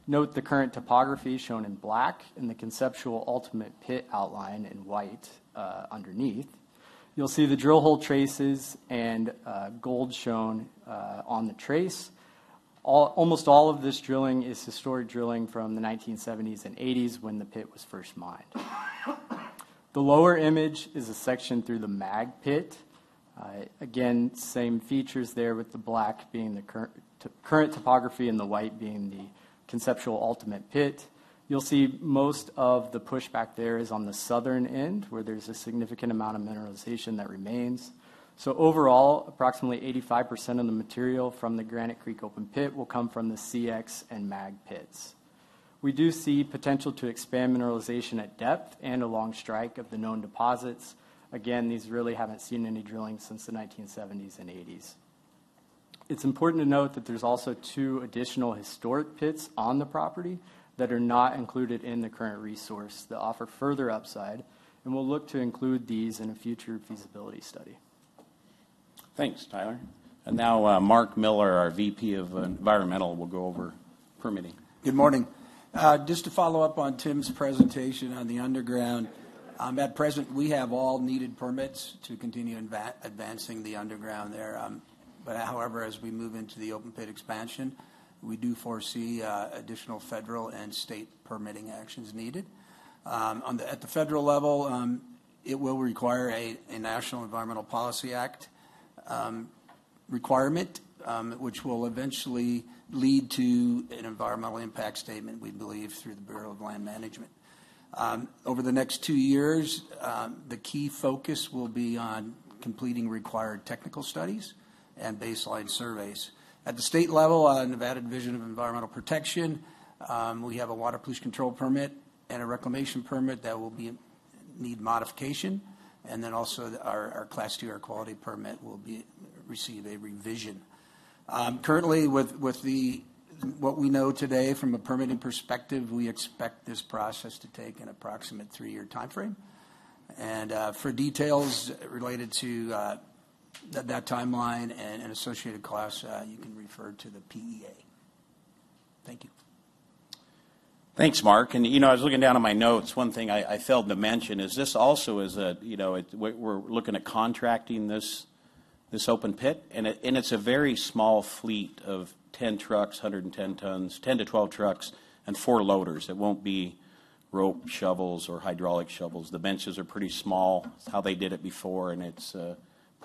[SPEAKER 4] Note the current topography shown in black and the conceptual ultimate pit outline in white underneath. You'll see the drill hole traces and gold shown on the trace. Almost all of this drilling is historic drilling from the 1970s and 1980s when the pit was first mined. The lower image is a section through the mag pit. Again, same features there with the black being the current topography and the white being the conceptual ultimate pit. You'll see most of the pushback there is on the southern end where there's a significant amount of mineralization that remains. Overall, approximately 85% of the material from the Granite Creek open pit will come from the CX and mag pits. We do see potential to expand mineralization at depth and along strike of the known deposits. Again, these really haven't seen any drilling since the 1970s and 1980s. It's important to note that there's also two additional historic pits on the property that are not included in the current resource that offer further upside. We'll look to include these in a future feasibility study.
[SPEAKER 6] Thanks, Tyler. Now Mark Miller, our VP of Environmental, will go over permitting.
[SPEAKER 7] Good morning. Just to follow up on Timothy's presentation on the underground, at present, we have all needed permits to continue advancing the underground there. However, as we move into the open pit expansion, we do foresee additional federal and state permitting actions needed. At the federal level, it will require a National Environmental Policy Act requirement, which will eventually lead to an environmental impact statement, we believe, through the Bureau of Land Management. Over the next two years, the key focus will be on completing required technical studies and baseline surveys. At the state level, on Nevada Division of Environmental Protection, we have a water pollution control permit and a reclamation permit that will need modification. Also, our Class 2 air quality permit will receive a revision. Currently, with what we know today from a permitting perspective, we expect this process to take an approximate three-year time frame. For details related to that timeline and associated costs, you can refer to the PEA. Thank you.
[SPEAKER 6] Thanks, Mark. I was looking down at my notes. One thing I failed to mention is this also is a we're looking at contracting this open pit. It's a very small fleet of 10 trucks, 110 tons, 10-12 trucks, and four loaders. It will not be rope shovels or hydraulic shovels. The benches are pretty small. It's how they did it before. It's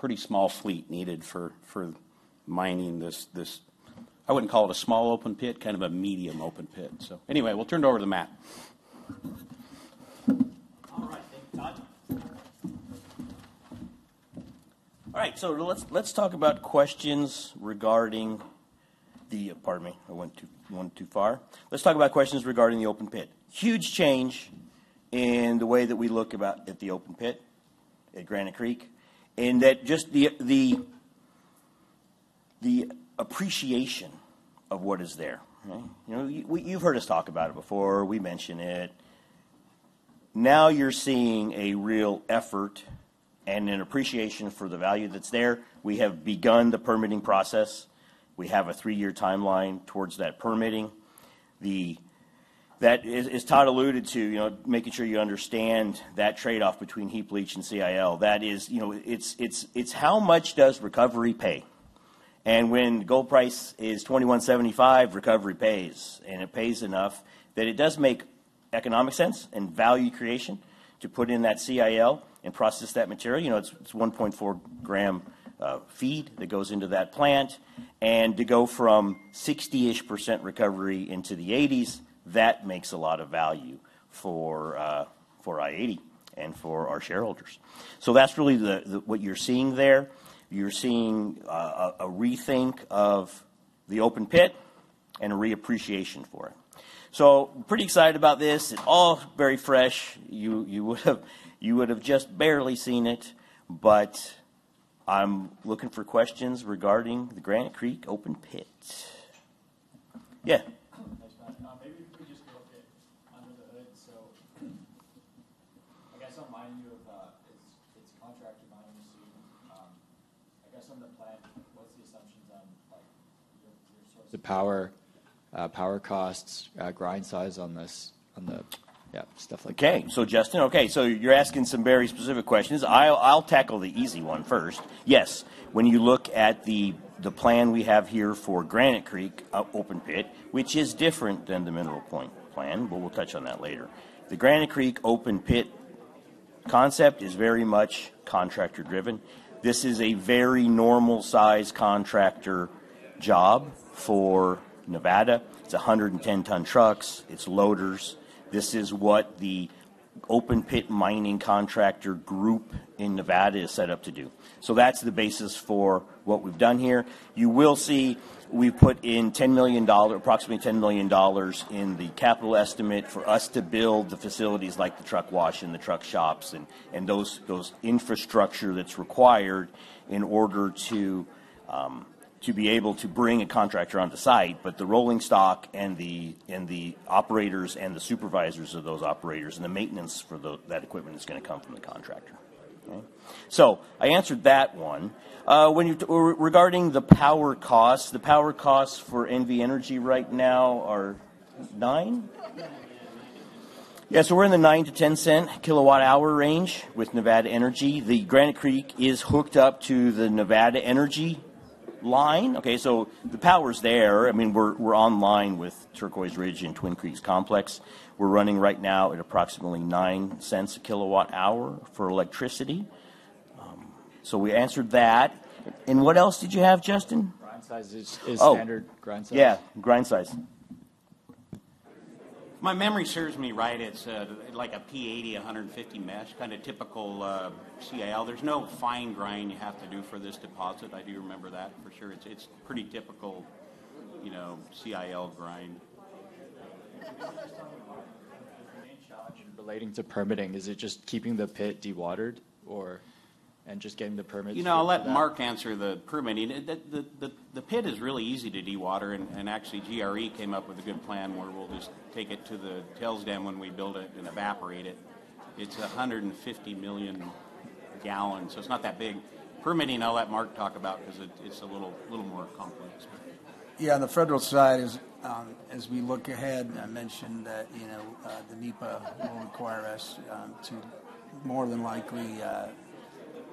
[SPEAKER 6] a pretty small fleet needed for mining this. I would not call it a small open pit, kind of a medium open pit. Anyway, we will turn it over to Matt.
[SPEAKER 2] All right. Thank you, Todd. All right. Let's talk about questions regarding the, pardon me, I went too far. Let's talk about questions regarding the open pit. Huge change in the way that we look at the open pit at Granite Creek and just the appreciation of what is there. You've heard us talk about it before. We mention it. Now you're seeing a real effort and an appreciation for the value that's there. We have begun the permitting process. We have a three-year timeline towards that permitting. That is, Todd alluded to, making sure you understand that trade-off between heap leach and CIL. That is, it's how much does recovery pay? When gold price is $2,175, recovery pays. It pays enough that it does make economic sense and value creation to put in that CIL and process that material. It's 1.4 gram feed that goes into that plant. To go from 60-ish % recovery into the '80s, that makes a lot of value for i-80 and for our shareholders. That's really what you're seeing there. You're seeing a rethink of the open pit and a reappreciation for it. Pretty excited about this. It's all very fresh. You would have just barely seen it. I'm looking for questions regarding the Granite Creek open pit. Yeah.
[SPEAKER 5] Thanks, Todd. Maybe if we just go a bit under the hood. I guess I'll remind you of its contracted mining machine. I guess on the plant, what's the assumptions on your source?
[SPEAKER 2] The power, power costs, grind size on this, on the yeah, stuff like that. Okay. So Justin, okay. So you're asking some very specific questions. I'll tackle the easy one first. Yes. When you look at the plan we have here for Granite Creek open pit, which is different than the Mineral Point plan, but we'll touch on that later. The Granite Creek open pit concept is very much contractor-driven. This is a very normal-sized contractor job for Nevada. It's 110-ton trucks. It's loaders. This is what the open pit mining contractor group in Nevada is set up to do. So that's the basis for what we've done here. You will see we've put in approximately $10 million in the capital estimate for us to build the facilities like the truck wash and the truck shops and those infrastructure that's required in order to be able to bring a contractor on the site. The rolling stock and the operators and the supervisors of those operators and the maintenance for that equipment is going to come from the contractor. I answered that one. Regarding the power costs, the power costs for NV Energy right now are 9? Yeah. We're in the 9-10 cent kilowatt-hour range with Nevada Energy. Granite Creek is hooked up to the Nevada Energy line. The power's there. I mean, we're online with Turquoise Ridge and Twin Creeks Complex. We're running right now at approximately 9 cents a kilowatt-hour for electricity. We answered that. What else did you have, Justin?
[SPEAKER 5] Grind size is standard grind size. Oh. Yeah. Grind size. my memory serves me right, it's like a P80, 150 mesh, kind of typical CIL. There's no fine grind you have to do for this deposit. I do remember that for sure. It's pretty typical CIL grind.
[SPEAKER 2] Relating to permitting, is it just keeping the pit dewatered and just getting the permits? I'll let Mark answer the permitting. The pit is really easy to dewater. Actually, GRE came up with a good plan where we'll just take it to the tail stem when we build it and evaporate it. It's 150 million gallons, so it's not that big. Permitting, I'll let Mark talk about it because it's a little more complex.
[SPEAKER 7] Yeah. On the federal side, as we look ahead, I mentioned that the NEPA will require us to more than likely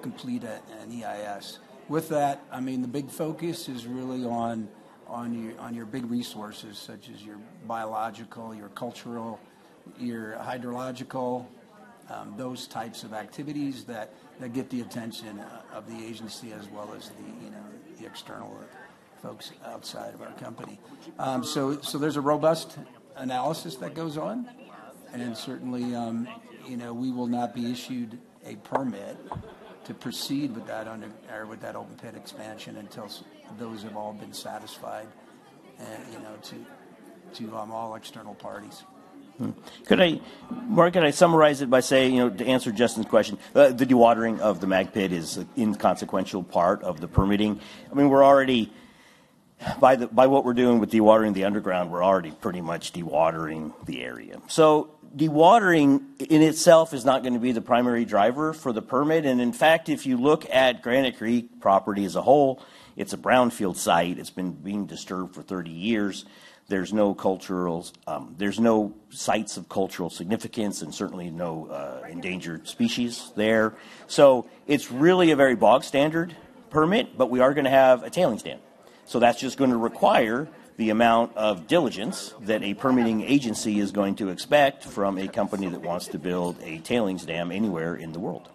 [SPEAKER 7] complete an EIS. With that, I mean, the big focus is really on your big resources such as your biological, your cultural, your hydrological, those types of activities that get the attention of the agency as well as the external folks outside of our company. There is a robust analysis that goes on. Certainly, we will not be issued a permit to proceed with that open pit expansion until those have all been satisfied to all external parties.
[SPEAKER 4] Could I, Mark, can I summarize it by saying to answer Justin's question, the dewatering of the mag pit is an inconsequential part of the permitting? I mean, by what we're doing with dewatering the underground, we're already pretty much dewatering the area. Dewatering in itself is not going to be the primary driver for the permit. In fact, if you look at Granite Creek property as a whole, it's a brownfield site. It's been being disturbed for 30 years. There's no sites of cultural significance and certainly no endangered species there. It's really a very bog-standard permit. We are going to have a tailings dam. That's just going to require the amount of diligence that a permitting agency is going to expect from a company that wants to build a tailings dam anywhere in the world.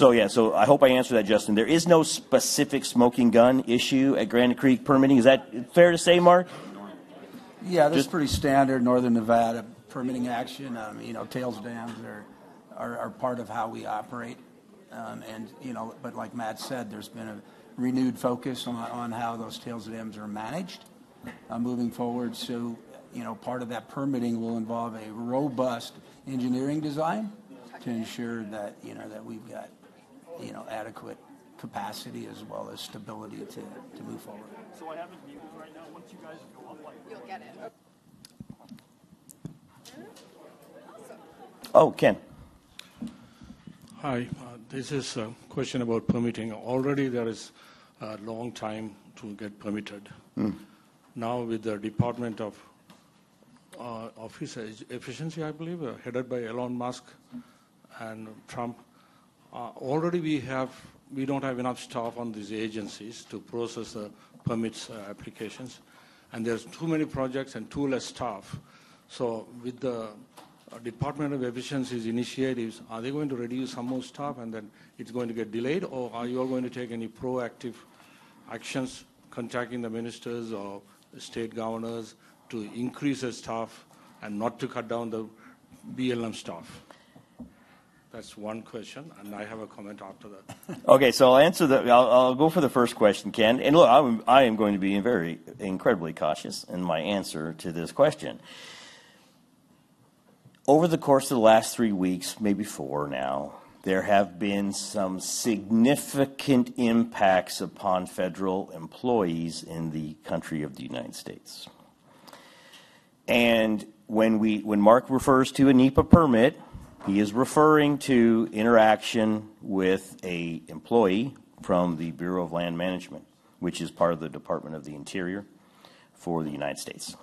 [SPEAKER 4] Yeah. I hope I answered that, Justin. There is no specific smoking gun issue at Granite Creek permitting. Is that fair to say, Mark?
[SPEAKER 7] Yeah. That's pretty standard Northern Nevada permitting action. Tailings dams are part of how we operate. Like Matt said, there's been a renewed focus on how those tailings dams are managed moving forward. Part of that permitting will involve a robust engineering design to ensure that we've got adequate capacity as well as stability to move forward.
[SPEAKER 2] I have a meeting right now. Once you guys go off.
[SPEAKER 5] You'll get it.
[SPEAKER 2] Oh, Ken.
[SPEAKER 5] Hi. This is a question about permitting. Already, there is a long time to get permitted. Now, with the Department of Office Efficiency, I believe, headed by Elon Musk and Trump, already we do not have enough staff on these agencies to process the permits applications. There are too many projects and too less staff. With the Department of Efficiency's initiatives, are they going to reduce some more staff and then it is going to get delayed? Are you all going to take any proactive actions, contacting the ministers or state governors to increase the staff and not to cut down the BLM staff? That is one question. I have a comment after that.
[SPEAKER 2] Okay. I'll answer that. I'll go for the first question, Ken. Look, I am going to be very incredibly cautious in my answer to this question. Over the course of the last three weeks, maybe four now, there have been some significant impacts upon federal employees in the country of the United States. When Mark refers to a NEPA permit, he is referring to interaction with an employee from the Bureau of Land Management, which is part of the Department of the Interior for the United States.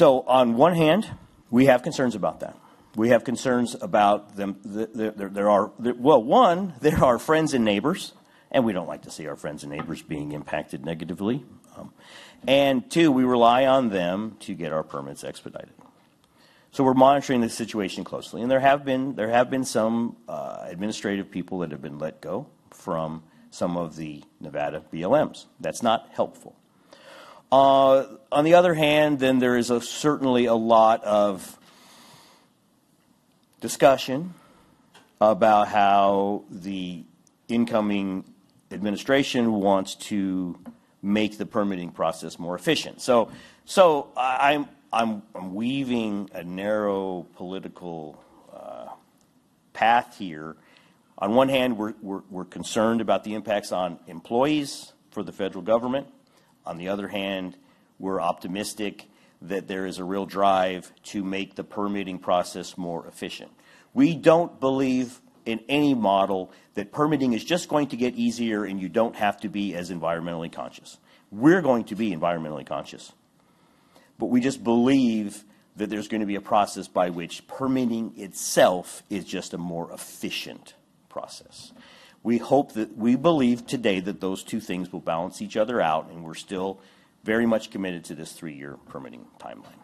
[SPEAKER 2] On one hand, we have concerns about that. We have concerns about them. One, they're our friends and neighbors. We do not like to see our friends and neighbors being impacted negatively. Two, we rely on them to get our permits expedited. We're monitoring the situation closely. There have been some administrative people that have been let go from some of the Nevada BLMs. That is not helpful. On the other hand, there is certainly a lot of discussion about how the incoming administration wants to make the permitting process more efficient. I am weaving a narrow political path here. On one hand, we are concerned about the impacts on employees for the federal government. On the other hand, we are optimistic that there is a real drive to make the permitting process more efficient. We do not believe in any model that permitting is just going to get easier and you do not have to be as environmentally conscious. We are going to be environmentally conscious. We just believe that there is going to be a process by which permitting itself is just a more efficient process. We believe today that those two things will balance each other out. We're still very much committed to this three-year permitting timeline.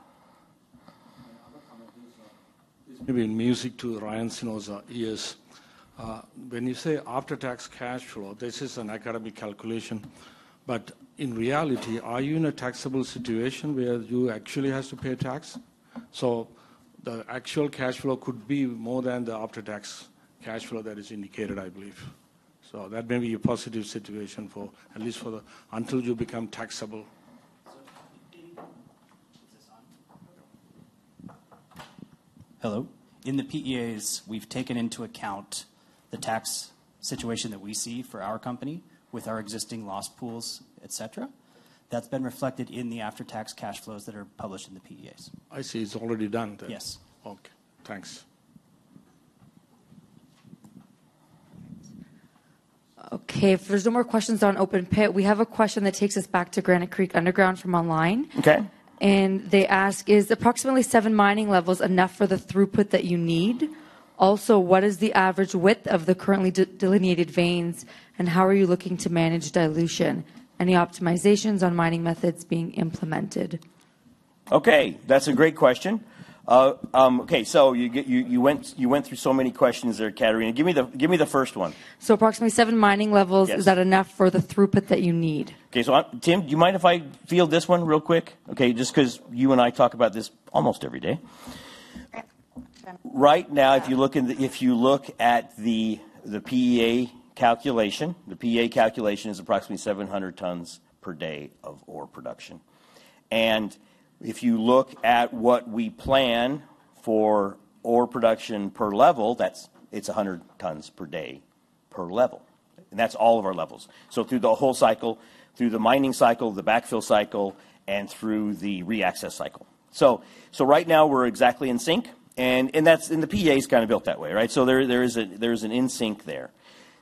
[SPEAKER 5] Maybe music to Ryan Snow is when you say after-tax Cash flow, this is an academic calculation. In reality, are you in a taxable situation where you actually have to pay tax? The actual Cash flow could be more than the after-tax Cash flow that is indicated, I believe. That may be a positive situation at least until you become taxable. Is this on?
[SPEAKER 8] Hello. In the PEAs, we've taken into account the tax situation that we see for our company with our existing loss pools, etc. That's been reflected in the after-tax Cash flows that are published in the PEAs.
[SPEAKER 5] I see. It's already done there.
[SPEAKER 8] Yes.
[SPEAKER 5] Okay. Thanks.
[SPEAKER 9] Okay. If there are no more questions on open pit, we have a question that takes us back to Granite Creek Underground from online. They ask, "Is approximately seven mining levels enough for the throughput that you need? Also, what is the average width of the currently delineated veins? And how are you looking to manage dilution? Any optimizations on mining methods being implemented?
[SPEAKER 2] Okay. That's a great question. Okay. You went through so many questions there, Katerina. Give me the first one.
[SPEAKER 9] Approximately seven mining levels, is that enough for the throughput that you need?
[SPEAKER 2] Okay. Timothy, do you mind if I field this one real quick? Just because you and I talk about this almost every day.
[SPEAKER 3] Right now, if you look at the PEA calculation, the PEA calculation is approximately 700 tons per day of ore production. If you look at what we plan for ore production per level, it's 100 tons per day per level. That's all of our levels. Through the whole cycle, through the mining cycle, the backfill cycle, and through the reaccess cycle. Right now, we're exactly in sync. The PEA is kind of built that way, right? There is an in-sync there.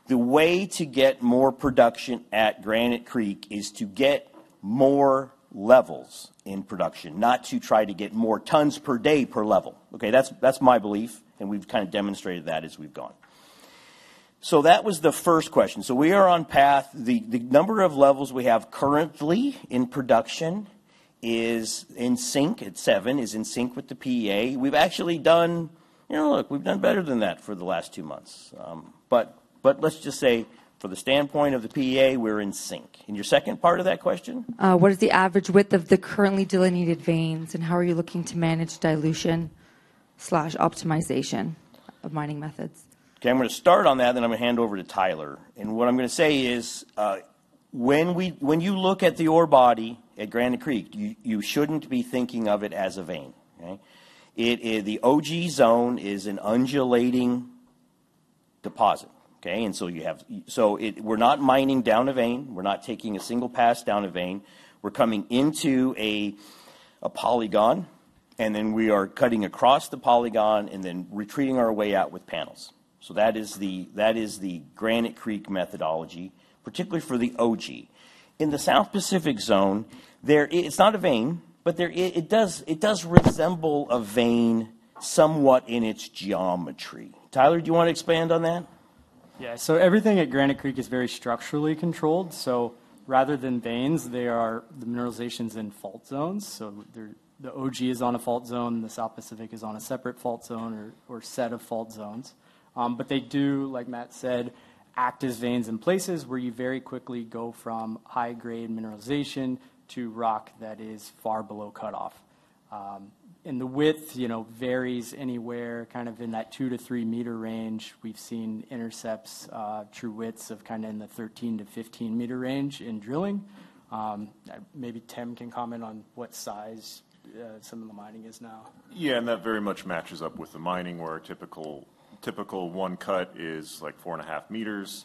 [SPEAKER 3] The way to get more production at Granite Creek is to get more levels in production, not to try to get more tons per day per level. That's my belief. We have kind of demonstrated that as we have gone. That was the first question. We are on path. The number of levels we have currently in production is in sync. It is seven, is in sync with the PEA. We have actually done, look, we have done better than that for the last two months. Let us just say, from the standpoint of the PEA, we are in sync. Your second part of that question?
[SPEAKER 5] What is the average width of the currently delineated veins? How are you looking to manage dilution/optimization of mining methods?
[SPEAKER 3] Okay. I'm going to start on that. Then I'm going to hand over to Tyler. And what I'm going to say is, when you look at the ore body at Granite Creek, you shouldn't be thinking of it as a vein. Okay? The OG zone is an undulating deposit. Okay? We are not mining down a vein. We are not taking a single pass down a vein. We are coming into a polygon. Then we are cutting across the polygon and then retreating our way out with panels. That is the Granite Creek methodology, particularly for the OG. In the South Pacific zone, it's not a vein, but it does resemble a vein somewhat in its geometry. Tyler, do you want to expand on that?
[SPEAKER 4] Yeah. Everything at Granite Creek is very structurally controlled. Rather than veins, the mineralizations are in fault zones. The OG is on a fault zone. The South Pacific is on a separate fault zone or set of fault zones. They do, like Matt said, act as veins in places where you very quickly go from high-grade mineralization to rock that is far below cutoff. The width varies anywhere kind of in that 2-3 meter range. We have seen intercepts, true widths of kind of in the 13-15 meter range in drilling. Maybe Timothy can comment on what size some of the mining is now.
[SPEAKER 3] Yeah. That very much matches up with the mining where a typical one cut is like 4.5 meters.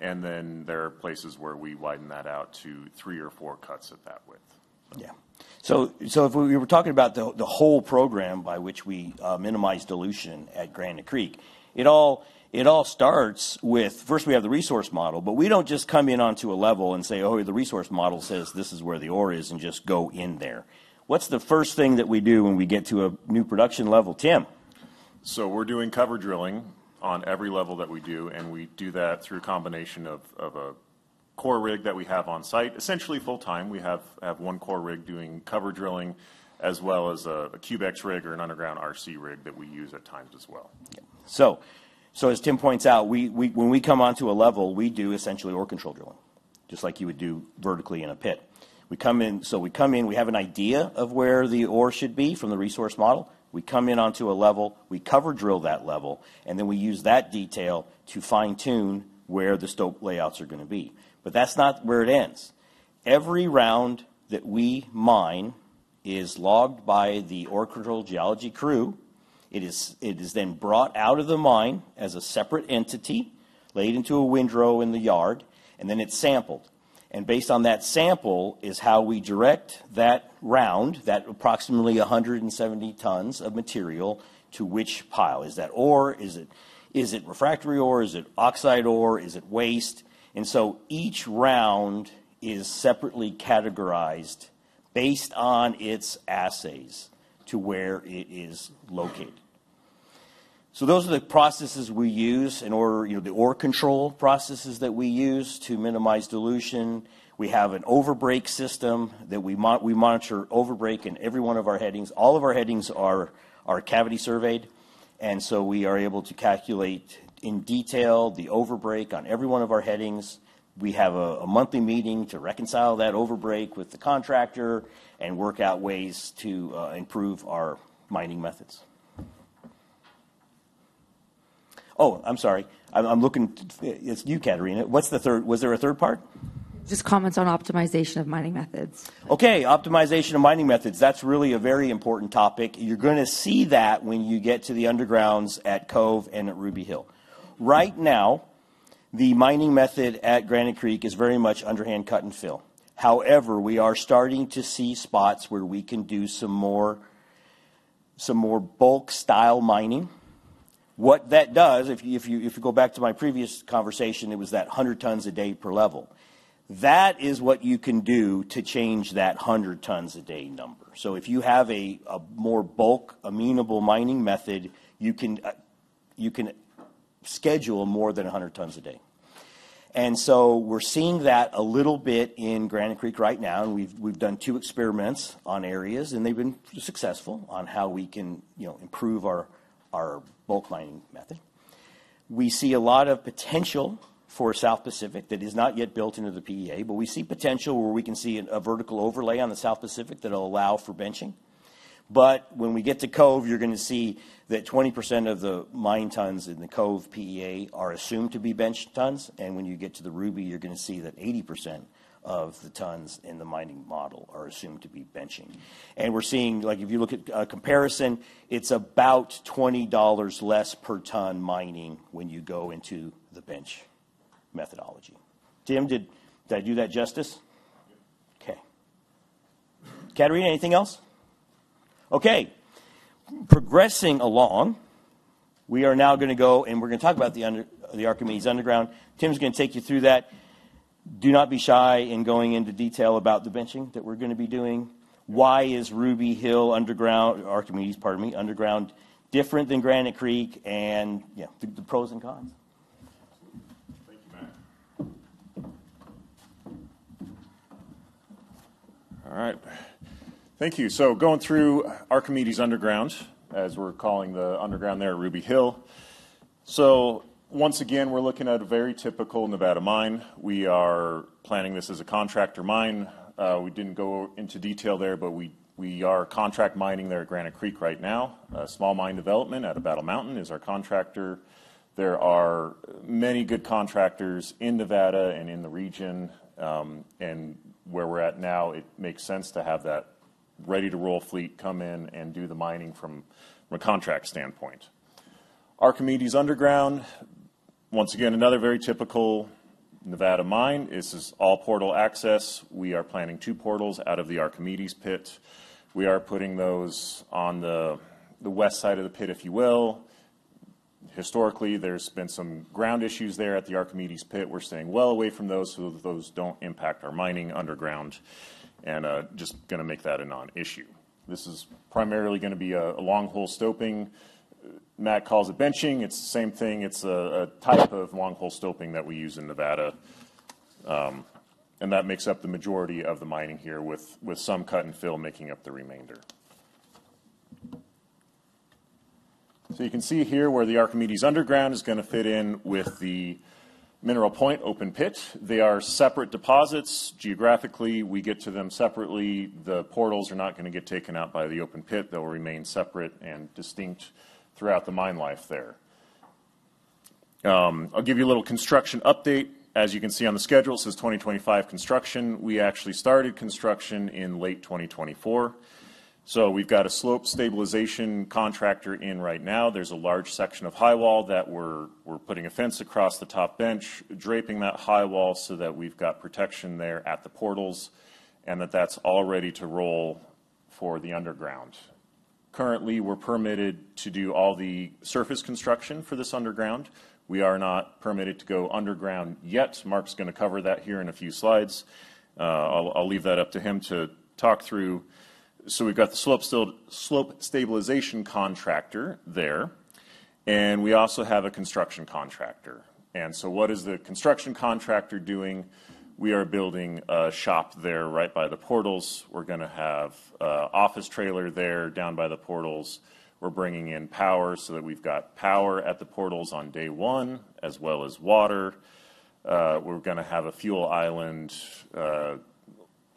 [SPEAKER 3] There are places where we widen that out to three or four cuts at that width.
[SPEAKER 2] Yeah. If we were talking about the whole program by which we minimize dilution at Granite Creek, it all starts with, first, we have the resource model. We do not just come in onto a level and say, "Oh, the resource model says this is where the ore is," and just go in there. What is the first thing that we do when we get to a new production level, Timothy?
[SPEAKER 3] We're doing cover drilling on every level that we do. We do that through a combination of a core rig that we have on site, essentially full-time. We have one core rig doing cover drilling as well as a QX rig or an underground RC rig that we use at times as well.
[SPEAKER 2] As Timothy points out, when we come onto a level, we do essentially ore control drilling, just like you would do vertically in a pit. We come in. We have an idea of where the ore should be from the resource model. We come in onto a level. We cover drill that level. We use that detail to fine-tune where the stoke layouts are going to be. That is not where it ends. Every round that we mine is logged by the ore control geology crew. It is then brought out of the mine as a separate entity, laid into a windrow in the yard. It is sampled. Based on that sample is how we direct that round, that approximately 170 tons of material, to which pile. Is that ore? Is it refractory ore? Is it oxide ore? Is it waste? Each round is separately categorized based on its assays to where it is located. Those are the processes we use in order, the ore control processes that we use to minimize dilution. We have an overbreak system that we monitor overbreak in every one of our headings. All of our headings are cavity-surveyed. We are able to calculate in detail the overbreak on every one of our headings. We have a monthly meeting to reconcile that overbreak with the contractor and work out ways to improve our mining methods. Oh, I'm sorry. It's you, Katerina. Was there a third part?
[SPEAKER 9] Just comments on optimization of mining methods.
[SPEAKER 2] Okay. Optimization of mining methods. That's really a very important topic. You're going to see that when you get to the undergrounds at Cove and at Ruby Hill. Right now, the mining method at Granite Creek is very much underhand cut and fill. However, we are starting to see spots where we can do some more bulk-style mining. What that does, if you go back to my previous conversation, it was that 100 tons a day per level. That is what you can do to change that 100 tons a day number. If you have a more bulk, amenable mining method, you can schedule more than 100 tons a day. We are seeing that a little bit in Granite Creek right now. We have done two experiments on areas. They have been successful on how we can improve our bulk mining method. We see a lot of potential for South Pacific that is not yet built into the PEA. We see potential where we can see a vertical overlay on the South Pacific that will allow for benching. When we get to Cove, you're going to see that 20% of the mine tons in the Cove PEA are assumed to be bench tons. When you get to the Ruby, you're going to see that 80% of the tons in the mining model are assumed to be benching. We're seeing, if you look at a comparison, it's about $20 less per ton mining when you go into the bench methodology. Timothy, did I do that justice?
[SPEAKER 3] Yep.
[SPEAKER 2] Okay. Katerina, anything else? Okay. Progressing along, we are now going to go and we're going to talk about the Archimedes Underground. Timothy's going to take you through that. Do not be shy in going into detail about the benching that we're going to be doing. Why is Ruby Hill Underground, Archimedes, pardon me, Underground different than Granite Creek? And the pros and cons.
[SPEAKER 3] Thank you, Matt. All right. Thank you. Going through Archimedes Underground, as we're calling the underground there at Ruby Hill. Once again, we're looking at a very typical Nevada mine. We are planning this as a contractor mine. We did not go into detail there. We are contract mining there at Granite Creek right now. Small Mine Development out of Battle Mountain is our contractor. There are many good contractors in Nevada and in the region. Where we are now, it makes sense to have that ready-to-roll fleet come in and do the mining from a contract standpoint. Archimedes Underground, once again, another very typical Nevada mine. This is all portal access. We are planning two portals out of the Archimedes pit. We are putting those on the west side of the pit, if you will. Historically, there have been some ground issues there at the Archimedes pit. We're staying well away from those so that those don't impact our mining underground. Just going to make that a non-issue. This is primarily going to be a long-hole stoping. Matt calls it benching. It's the same thing. It's a type of long-hole stoping that we use in Nevada. That makes up the majority of the mining here with some cut and fill making up the remainder. You can see here where the Archimedes Underground is going to fit in with the Mineral Point open pit. They are separate deposits. Geographically, we get to them separately. The portals are not going to get taken out by the open pit. They'll remain separate and distinct throughout the mine life there. I'll give you a little construction update. As you can see on the schedule, it says 2025 construction. We actually started construction in late 2024. We've got a slope stabilization contractor in right now. There's a large section of high wall that we're putting a fence across the top bench, draping that high wall so that we've got protection there at the portals and that that's all ready to roll for the underground. Currently, we're permitted to do all the surface construction for this underground. We are not permitted to go underground yet. Mark's going to cover that here in a few slides. I'll leave that up to him to talk through. We've got the slope stabilization contractor there. We also have a construction contractor. What is the construction contractor doing? We are building a shop there right by the portals. We're going to have an office trailer there down by the portals. We're bringing in power so that we've got power at the portals on day one, as well as water. We're going to have a fuel island,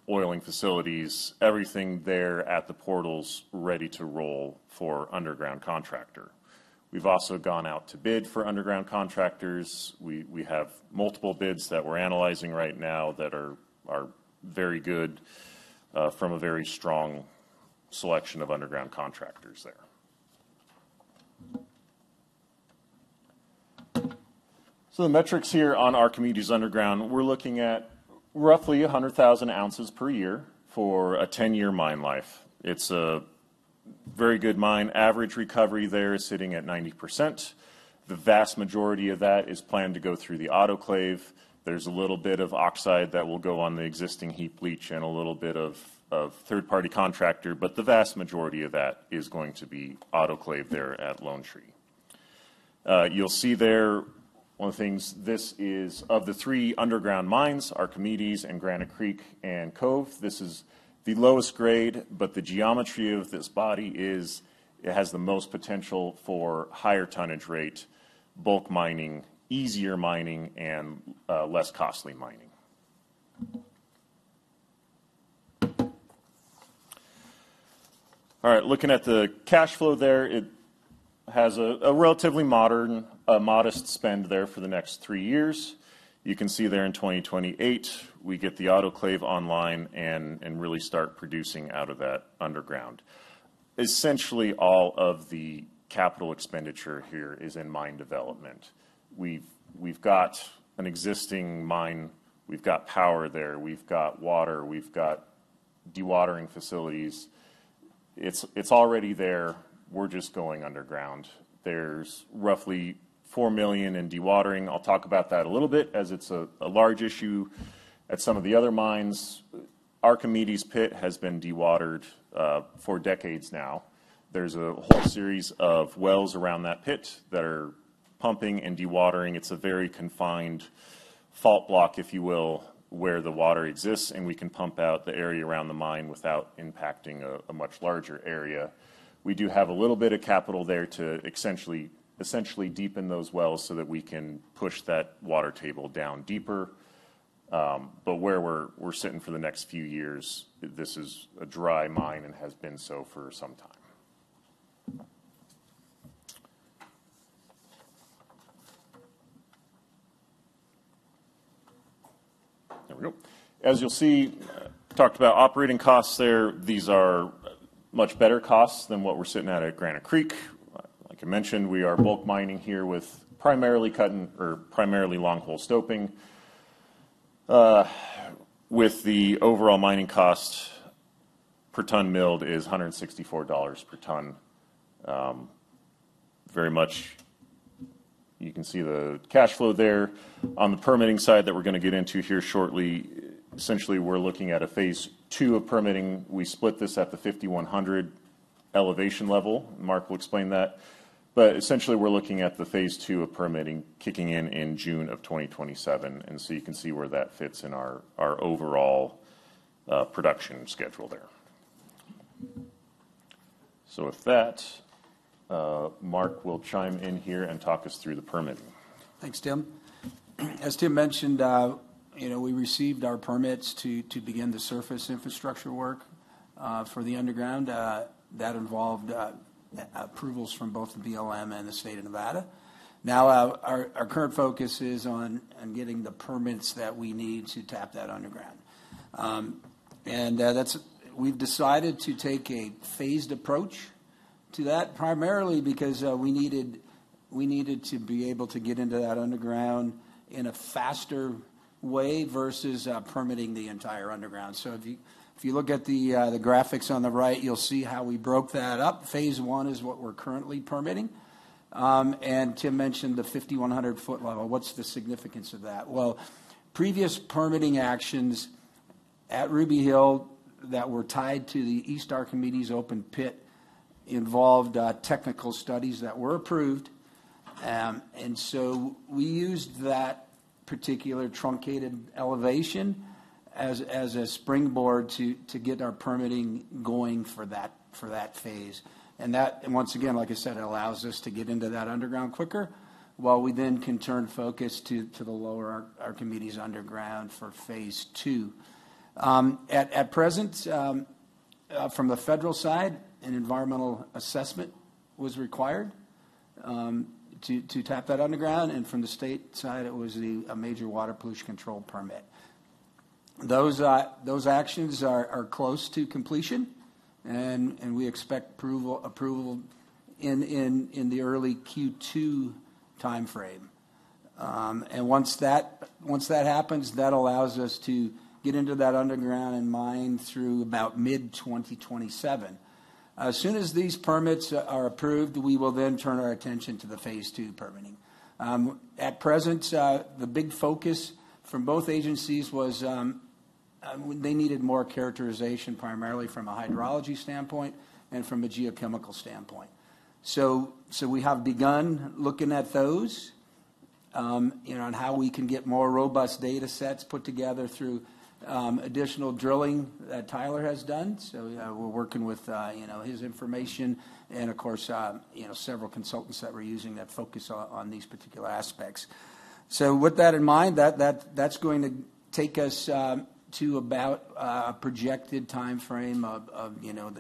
[SPEAKER 3] oiling facilities, everything there at the portals ready to roll for underground contractor. We've also gone out to bid for underground contractors. We have multiple bids that we're analyzing right now that are very good from a very strong selection of underground contractors there. The metrics here on Archimedes Underground, we're looking at roughly 100,000 ounces per year for a 10-year mine life. It's a very good mine. Average recovery there is sitting at 90%. The vast majority of that is planned to go through the autoclave. There's a little bit of oxide that will go on the existing heap leach and a little bit of third-party contractor. The vast majority of that is going to be autoclave there at Lone Tree. You'll see there one of the things this is of the three underground mines, Archimedes and Granite Creek and Cove, this is the lowest grade. The geometry of this body is it has the most potential for higher tonnage rate, bulk mining, easier mining, and less costly mining. All right. Looking at the Cash flow there, it has a relatively modest spend there for the next three years. You can see there in 2028, we get the autoclave online and really start producing out of that underground. Essentially, all of the capital expenditure here is in mine development. We've got an existing mine. We've got power there. We've got water. We've got dewatering facilities. It's already there. We're just going underground. There's roughly $4 million in dewatering. I'll talk about that a little bit as it's a large issue at some of the other mines. Archimedes Pit has been dewatered for decades now. There's a whole series of wells around that pit that are pumping and dewatering. It's a very confined fault block, if you will, where the water exists. We can pump out the area around the mine without impacting a much larger area. We do have a little bit of capital there to essentially deepen those wells so that we can push that water table down deeper. Where we're sitting for the next few years, this is a dry mine and has been so for some time. There we go. As you'll see, talked about operating costs there. These are much better costs than what we're sitting at at Granite Creek. Like I mentioned, we are bulk mining here with primarily cutting or primarily long-hole stoping. The overall mining cost per ton milled is $164 per ton. Very much, you can see the Cash flow there. On the permitting side that we're going to get into here shortly, essentially, we're looking at a phase two of permitting. We split this at the 5,100 elevation level. Mark will explain that. Essentially, we're looking at the phase two of permitting kicking in in June of 2027. You can see where that fits in our overall production schedule there. With that, Mark will chime in here and talk us through the permitting.
[SPEAKER 7] Thanks, Timothy. As Timothy mentioned, we received our permits to begin the surface infrastructure work for the underground. That involved approvals from both the BLM and the state of Nevada. Now, our current focus is on getting the permits that we need to tap that underground. We have decided to take a phased approach to that primarily because we needed to be able to get into that underground in a faster way versus permitting the entire underground. If you look at the graphics on the right, you will see how we broke that up. Phase one is what we are currently permitting. Timothy mentioned the 5,100-foot level. What is the significance of that? Previous permitting actions at Ruby Hill that were tied to the East Archimedes Open Pit involved technical studies that were approved. We used that particular truncated elevation as a springboard to get our permitting going for that phase. That, once again, like I said, allows us to get into that underground quicker while we then can turn focus to the lower Archimedes Underground for phase two. At present, from the federal side, an environmental assessment was required to tap that underground. From the state side, it was a major water pollution control permit. Those actions are close to completion. We expect approval in the early Q2 time frame. Once that happens, that allows us to get into that underground and mine through about mid-2027. As soon as these permits are approved, we will then turn our attention to the phase two permitting. At present, the big focus from both agencies was they needed more characterization primarily from a hydrology standpoint and from a geochemical standpoint. We have begun looking at those and on how we can get more robust data sets put together through additional drilling that Tyler has done. We are working with his information and, of course, several consultants that we are using that focus on these particular aspects. With that in mind, that is going to take us to about a projected time frame of the end of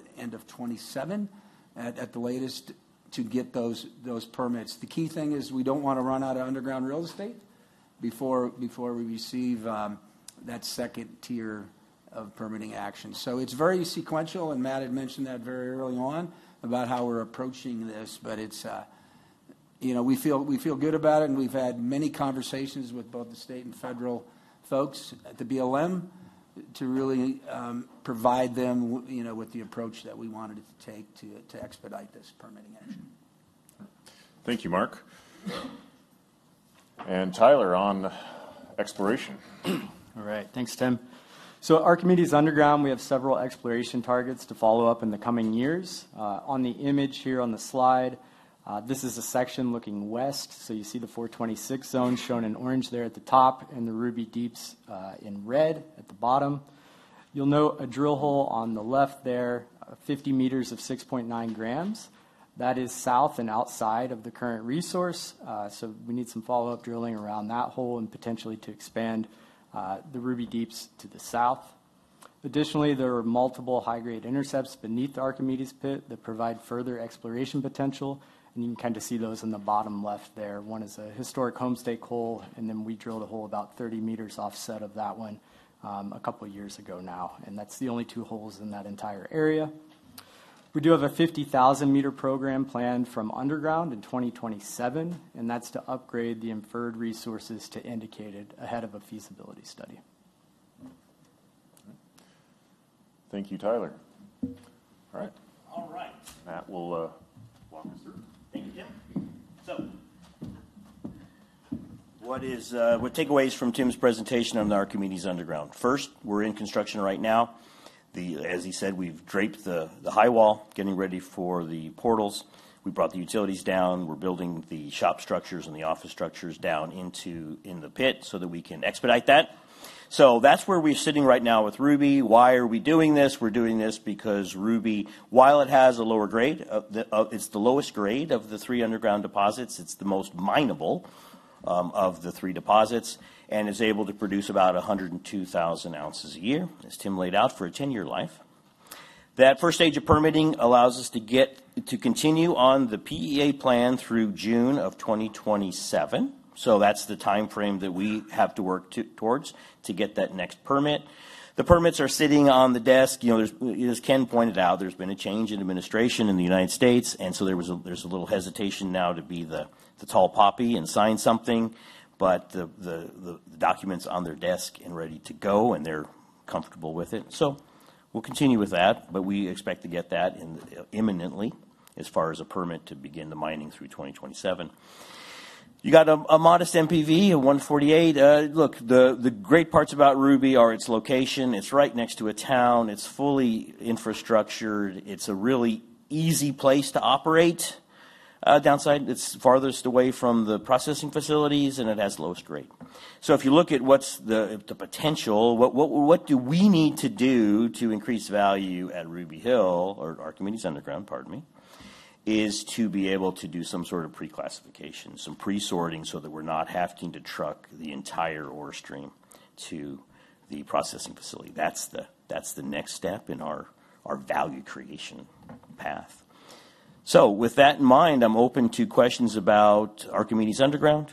[SPEAKER 7] 2027 at the latest to get those permits. The key thing is we do not want to run out of underground real estate before we receive that second tier of permitting action. It is very sequential. Matt had mentioned that very early on about how we are approaching this. We feel good about it. We have had many conversations with both the state and federal folks at the BLM to really provide them with the approach that we wanted to take to expedite this permitting action.
[SPEAKER 3] Thank you, Mark. Tyler on exploration.
[SPEAKER 4] All right. Thanks, Timothy. Archimedes Underground, we have several exploration targets to follow up in the coming years. On the image here on the slide, this is a section looking west. You see the 426 zone shown in orange there at the top and the Ruby Deeps in red at the bottom. You'll note a drill hole on the left there, 50 meters of 6.9 grams. That is south and outside of the current resource. We need some follow-up drilling around that hole and potentially to expand the Ruby Deeps to the south. Additionally, there are multiple high-grade intercepts beneath the Archimedes Pit that provide further exploration potential. You can kind of see those in the bottom left there. One is a historic Homestead hole. We drilled a hole about 30 meters offset of that one a couple of years ago now. That is the only two holes in that entire area. We do have a 50,000-meter program planned from underground in 2027. That is to upgrade the inferred resources to indicated ahead of a feasibility study.
[SPEAKER 3] Thank you, Tyler. All right.
[SPEAKER 7] All right.
[SPEAKER 3] Matt will walk us through.
[SPEAKER 2] Thank you, Timothy. What takeaways from Timothy's presentation on the Archimedes Underground? First, we're in construction right now. As he said, we've draped the high wall getting ready for the portals. We brought the utilities down. We're building the shop structures and the office structures down in the pit so that we can expedite that. That's where we're sitting right now with Ruby. Why are we doing this? We're doing this because Ruby, while it has a lower grade, it's the lowest grade of the three underground deposits. It's the most minable of the three deposits and is able to produce about 102,000 ounces a year, as Timothy laid out, for a 10-year life. That first stage of permitting allows us to continue on the PEA plan through June of 2027. That's the time frame that we have to work towards to get that next permit. The permits are sitting on the desk. As Ken pointed out, there's been a change in administration in the U.S. and so there's a little hesitation now to be the tall poppy and sign something. The document's on their desk and ready to go. They're comfortable with it. We'll continue with that. We expect to get that imminently as far as a permit to begin the mining through 2027. You got a modest MPV, a 148. Look, the great parts about Ruby are its location. It's right next to a town. It's fully infrastructured. It's a really easy place to operate. Downside, it's farthest away from the processing facilities. It has lowest grade. If you look at what's the potential, what do we need to do to increase value at Ruby Hill or Archimedes Underground, pardon me, is to be able to do some sort of pre-classification, some pre-sorting so that we're not having to truck the entire ore stream to the processing facility. That's the next step in our value creation path. With that in mind, I'm open to questions about Archimedes Underground.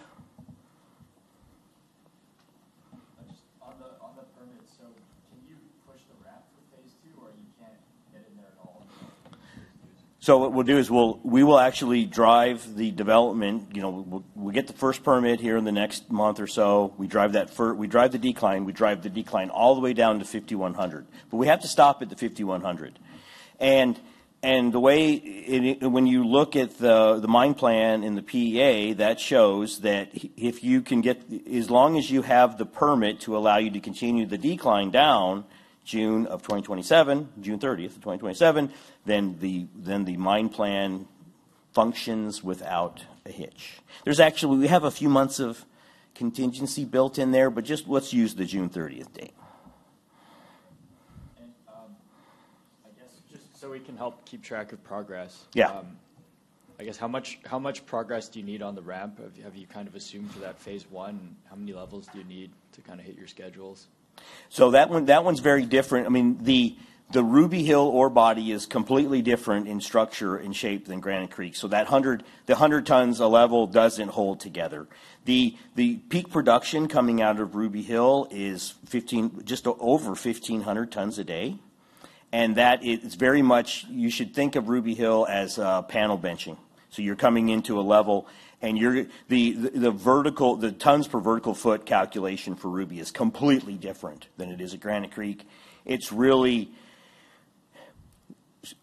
[SPEAKER 5] On the permits, can you push the ramp for phase two or you can't get in there at all?
[SPEAKER 3] What we'll do is we will actually drive the development. We'll get the first permit here in the next month or so. We drive the decline. We drive the decline all the way down to 5,100. We have to stop at the 5,100. When you look at the mine plan and the PEA, that shows that if you can get, as long as you have the permit to allow you to continue the decline down June of 2027, June 30th of 2027, then the mine plan functions without a hitch. We have a few months of contingency built in there. Just let's use the June 30th date.
[SPEAKER 5] Just so we can help keep track of progress, I guess how much progress do you need on the ramp? Have you kind of assumed for that phase one? How many levels do you need to kind of hit your schedules?
[SPEAKER 3] That one's very different. I mean, the Ruby Hill ore body is completely different in structure and shape than Granite Creek. The 100 tons a level does not hold together. The peak production coming out of Ruby Hill is just over 1,500 tons a day. That is very much, you should think of Ruby Hill as a panel benching. You are coming into a level. The tons per vertical foot calculation for Ruby is completely different than it is at Granite Creek. It is really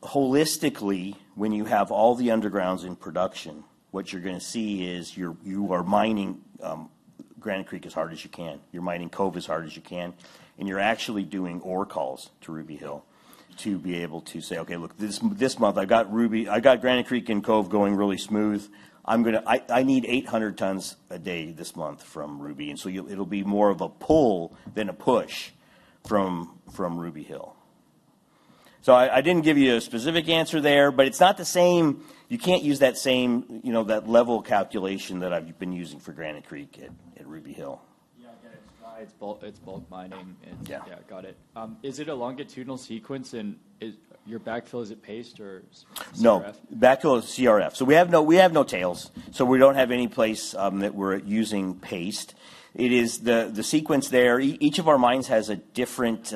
[SPEAKER 3] holistically, when you have all the undergrounds in production, what you are going to see is you are mining Granite Creek as hard as you can. You are mining Cove as hard as you can. You are actually doing ore calls to Ruby Hill to be able to say, "Okay, look, this month I got Granite Creek and Cove going really smooth. I need 800 tons a day this month from Ruby. It will be more of a pull than a push from Ruby Hill. I did not give you a specific answer there. It is not the same; you cannot use that same level calculation that I have been using for Granite Creek at Ruby Hill.
[SPEAKER 5] Yeah, I get it. It's bulk mining. Yeah, got it. Is it a longitudinal sequence? And your backfill, is it paste or CRF?
[SPEAKER 3] No, backfill is CRF. We have no tails. We do not have any place that we are using paste. The sequence there, each of our mines has a different—it's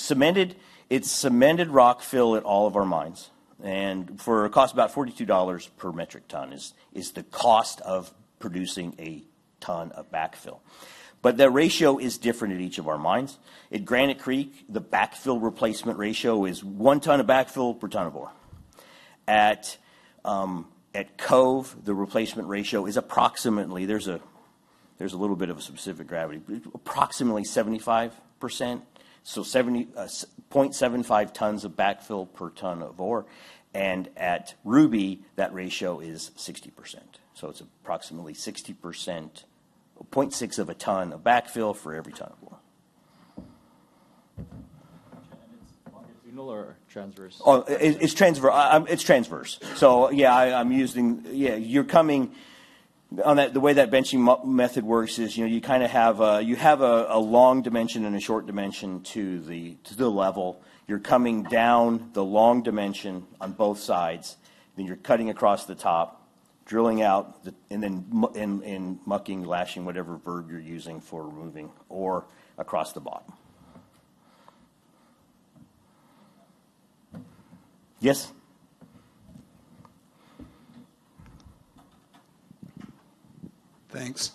[SPEAKER 3] cemented rock fill at all of our mines. It costs about $42 per metric ton is the cost of producing a ton of backfill. That ratio is different at each of our mines. At Granite Creek, the backfill replacement ratio is one ton of backfill per ton of ore. At Cove, the replacement ratio is approximately—there is a little bit of a specific gravity—approximately 75%. So 0.75 tons of backfill per ton of ore. At Ruby, that ratio is 60%. It is approximately 0.6 of a ton of backfill for every ton of ore. Is it longitudinal or transverse? It's transverse. Yeah, I'm using, yeah, you're coming on that. The way that benching method works is you kind of have a long dimension and a short dimension to the level. You're coming down the long dimension on both sides. You're cutting across the top, drilling out, and then mucking, lashing, whatever verb you're using for removing, or across the bottom. Yes.
[SPEAKER 5] Thanks.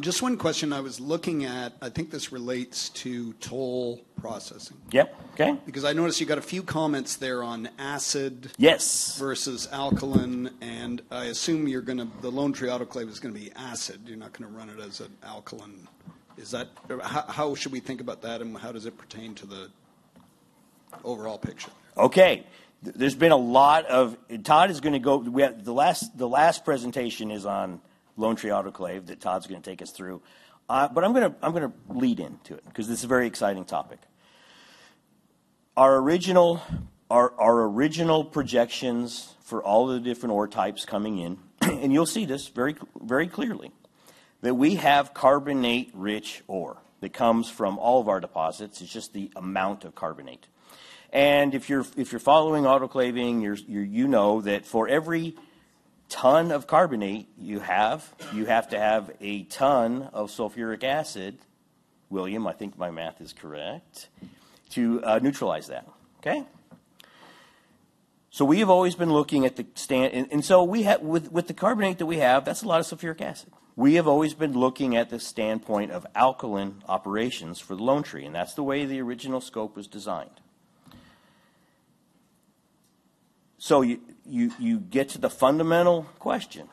[SPEAKER 5] Just one question. I was looking at I think this relates to toll processing.
[SPEAKER 3] Yep. Okay.
[SPEAKER 5] Because I noticed you got a few comments there on acid versus alkaline. I assume you're going to the Lone Tree autoclave is going to be acid. You're not going to run it as an alkaline. How should we think about that? How does it pertain to the overall picture?
[SPEAKER 3] Okay. There's been a lot of Todd is going to go the last presentation is on Lone Tree autoclave that Todd's going to take us through. I am going to lead into it because this is a very exciting topic. Our original projections for all of the different ore types coming in and you'll see this very clearly that we have carbonate-rich ore that comes from all of our deposits. It's just the amount of carbonate. If you're following autoclaving, you know that for every ton of carbonate you have, you have to have a ton of sulfuric acid, William, I think my math is correct, to neutralize that. Okay? We have always been looking at the and with the carbonate that we have, that's a lot of sulfuric acid. We have always been looking at the standpoint of alkaline operations for the Lone Tree. That's the way the original scope was designed. You get to the fundamental question.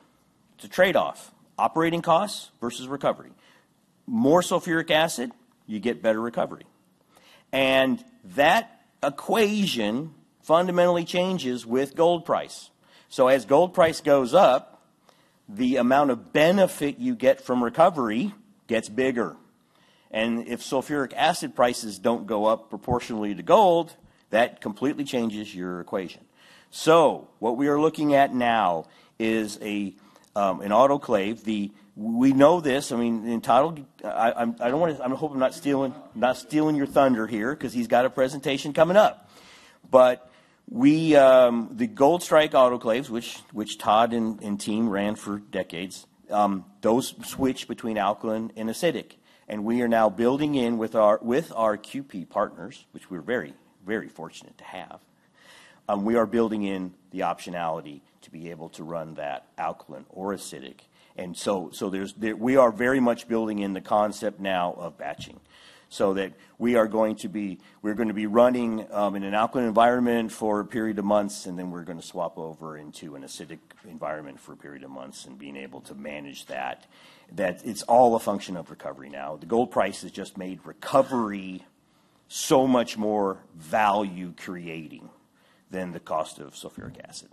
[SPEAKER 3] It's a trade-off: operating costs versus recovery. More sulfuric acid, you get better recovery. That equation fundamentally changes with gold price. As gold price goes up, the amount of benefit you get from recovery gets bigger. If sulfuric acid prices do not go up proportionally to gold, that completely changes your equation. What we are looking at now is an autoclave. We know this. I mean, I do not want to, I am hoping I am not stealing your thunder here because he has got a presentation coming up. The Goldstrike autoclaves, which Todd and team ran for decades, those switch between alkaline and acidic. We are now building in with our QP partners, which we are very, very fortunate to have. We are building in the optionality to be able to run that alkaline or acidic. We are very much building in the concept now of batching, so that we are going to be running in an alkaline environment for a period of months. Then we are going to swap over into an acidic environment for a period of months and being able to manage that. It is all a function of recovery now. The gold price has just made recovery so much more value-creating than the cost of sulfuric acid.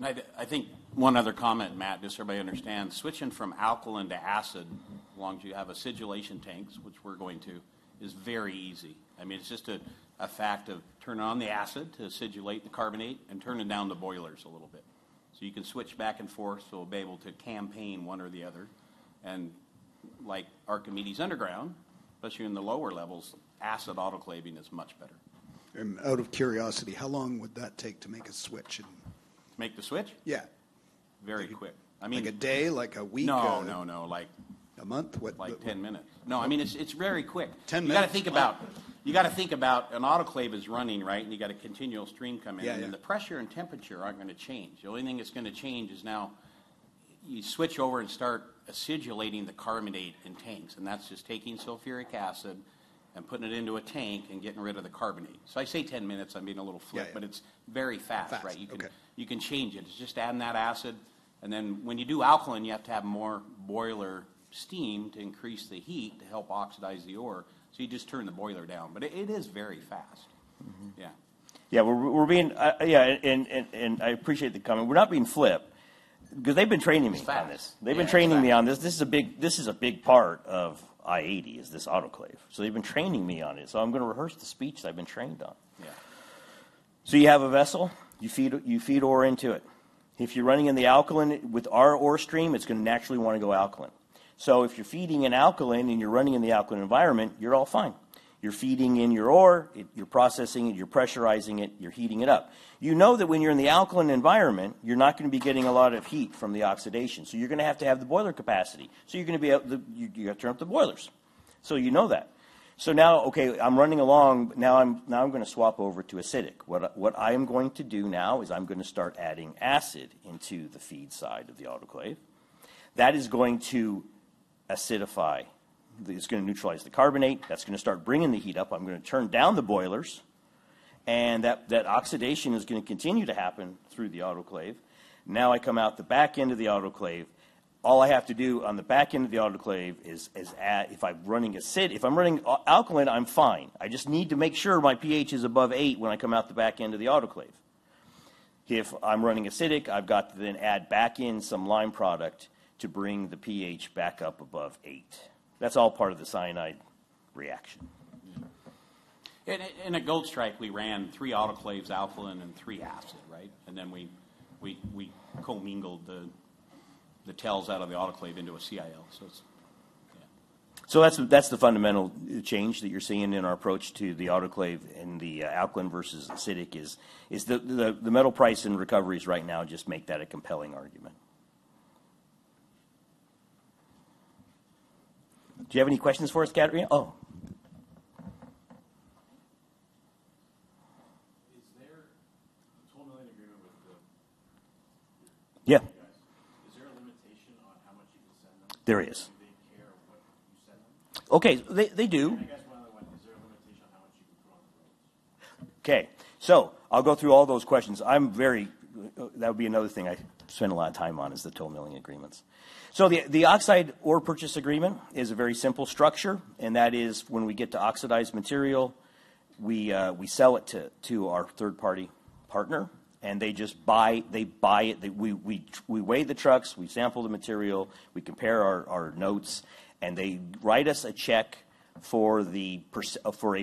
[SPEAKER 4] I think one other comment, Matt, just so everybody understands. Switching from alkaline to acid, as long as you have acidulation tanks, which we're going to, is very easy. I mean, it's just a fact of turning on the acid to acidulate the carbonate and turning down the boilers a little bit. You can switch back and forth. We'll be able to campaign one or the other. Like Archimedes Underground, especially in the lower levels, acid autoclaving is much better.
[SPEAKER 5] Out of curiosity, how long would that take to make a switch? To make the switch? Yeah.
[SPEAKER 3] Very quick.
[SPEAKER 7] Like a day? Like a week?
[SPEAKER 3] No, no, no.
[SPEAKER 7] A month?
[SPEAKER 3] Like 10 minutes.
[SPEAKER 7] No, I mean, it's very quick.
[SPEAKER 3] 10 minutes.
[SPEAKER 7] You got to think about an autoclave is running, right? You got a continual stream coming in. The pressure and temperature are not going to change. The only thing that is going to change is now you switch over and start acidulating the carbonate in tanks. That is just taking sulfuric acid and putting it into a tank and getting rid of the carbonate. I say 10 minutes. I am being a little flick. It is very fast, right? You can change it. It is just adding that acid. When you do alkaline, you have to have more boiler steam to increase the heat to help oxidize the ore. You just turn the boiler down. It is very fast. Yeah.
[SPEAKER 3] Yeah. Yeah. I appreciate the comment. We're not being flip because they've been training me on this.
[SPEAKER 7] It's fast.
[SPEAKER 3] They've been training me on this. This is a big part of i-80 is this autoclave. They've been training me on it. I'm going to rehearse the speech that I've been trained on.
[SPEAKER 7] Yeah.
[SPEAKER 3] You have a vessel. You feed ore into it. If you're running in the alkaline with our ore stream, it's going to naturally want to go alkaline. If you're feeding in alkaline and you're running in the alkaline environment, you're all fine. You're feeding in your ore. You're processing it. You're pressurizing it. You're heating it up. You know that when you're in the alkaline environment, you're not going to be getting a lot of heat from the oxidation. You're going to have to have the boiler capacity. You have to turn up the boilers. You know that. Now, okay, I'm running along. Now I'm going to swap over to acidic. What I am going to do now is I'm going to start adding acid into the feed side of the autoclave. That is going to acidify. It's going to neutralize the carbonate. That's going to start bringing the heat up. I'm going to turn down the boilers. That oxidation is going to continue to happen through the autoclave. Now I come out the back end of the autoclave. All I have to do on the back end of the autoclave is if I'm running acidic, if I'm running alkaline, I'm fine. I just need to make sure my pH is above 8 when I come out the back end of the autoclave. If I'm running acidic, I've got to then add back in some lime product to bring the pH back up above 8. That's all part of the cyanide reaction.
[SPEAKER 5] At Goldstrike, we ran three autoclaves, alkaline, and three acid, right? Then we co-mingled the tails out of the autoclave into a CIL. So it's yeah.
[SPEAKER 3] That is the fundamental change that you're seeing in our approach to the autoclave and the alkaline versus acidic is the metal price and recoveries right now just make that a compelling argument.
[SPEAKER 2] Do you have any questions for us, Katarina? Oh. Is there a $12 million agreement with the guys?
[SPEAKER 4] Yeah.
[SPEAKER 2] Is there a limitation on how much you can send them?
[SPEAKER 3] There is.
[SPEAKER 7] Do they care what you send them?
[SPEAKER 3] Okay. They do.
[SPEAKER 7] I guess one other one. Is there a limitation on how much you can put on the ropes?
[SPEAKER 3] Okay. I'll go through all those questions. That would be another thing I spend a lot of time on is the 12 million agreements. The oxide ore purchase agreement is a very simple structure. That is when we get to oxidized material, we sell it to our third-party partner. They just buy it. We weigh the trucks. We sample the material. We compare our notes. They write us a check for a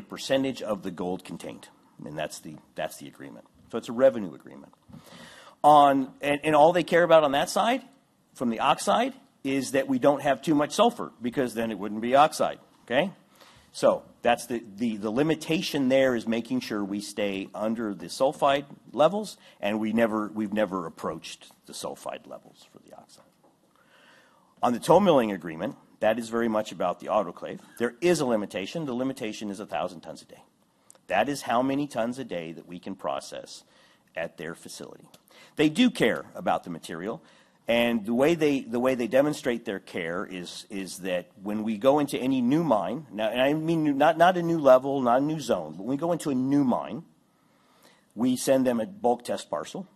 [SPEAKER 3] percentage of the gold contained. That's the agreement. It's a revenue agreement. All they care about on that side from the oxide is that we don't have too much sulfur because then it wouldn't be oxide. The limitation there is making sure we stay under the sulfide levels. We've never approached the sulfide levels for the oxide. On the $12 million agreement, that is very much about the autoclave. There is a limitation. The limitation is 1,000 tons a day. That is how many tons a day that we can process at their facility. They do care about the material. The way they demonstrate their care is that when we go into any new mine now, and I mean not a new level, not a new zone. When we go into a new mine, we send them a bulk test parcel.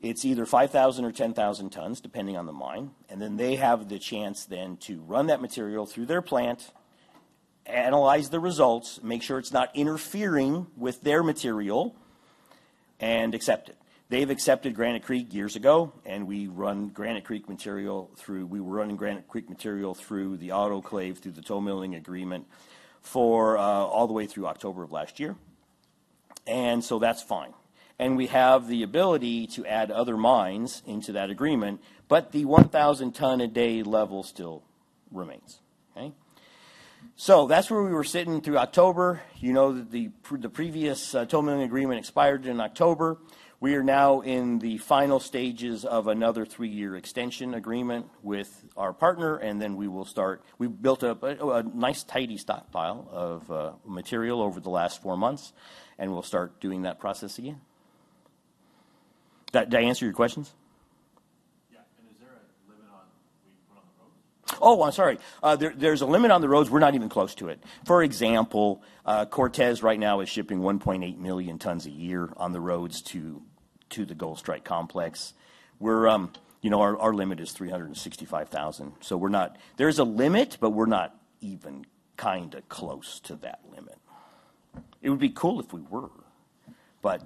[SPEAKER 3] It's either 5,000 or 10,000 tons, depending on the mine. They have the chance then to run that material through their plant, analyze the results, make sure it's not interfering with their material, and accept it. They've accepted Granite Creek years ago. We run Granite Creek material through. We were running Granite Creek material through the autoclave, through the $12 million agreement, all the way through October of last year. That is fine. We have the ability to add other mines into that agreement, but the 1,000-ton-a-day level still remains. Okay? That is where we were sitting through October. You know that the previous $12 million agreement expired in October. We are now in the final stages of another three-year extension agreement with our partner. We built up a nice tidy stockpile of material over the last four months, and we will start doing that process again. Did I answer your questions?
[SPEAKER 7] Yeah. Is there a limit on what you put on the roads?
[SPEAKER 3] Oh, I'm sorry. There's a limit on the roads. We're not even close to it. For example, Cortez right now is shipping 1.8 million tons a year on the roads to the Goldstrike complex. Our limit is 365,000. So there's a limit, but we're not even kind of close to that limit. It would be cool if we were.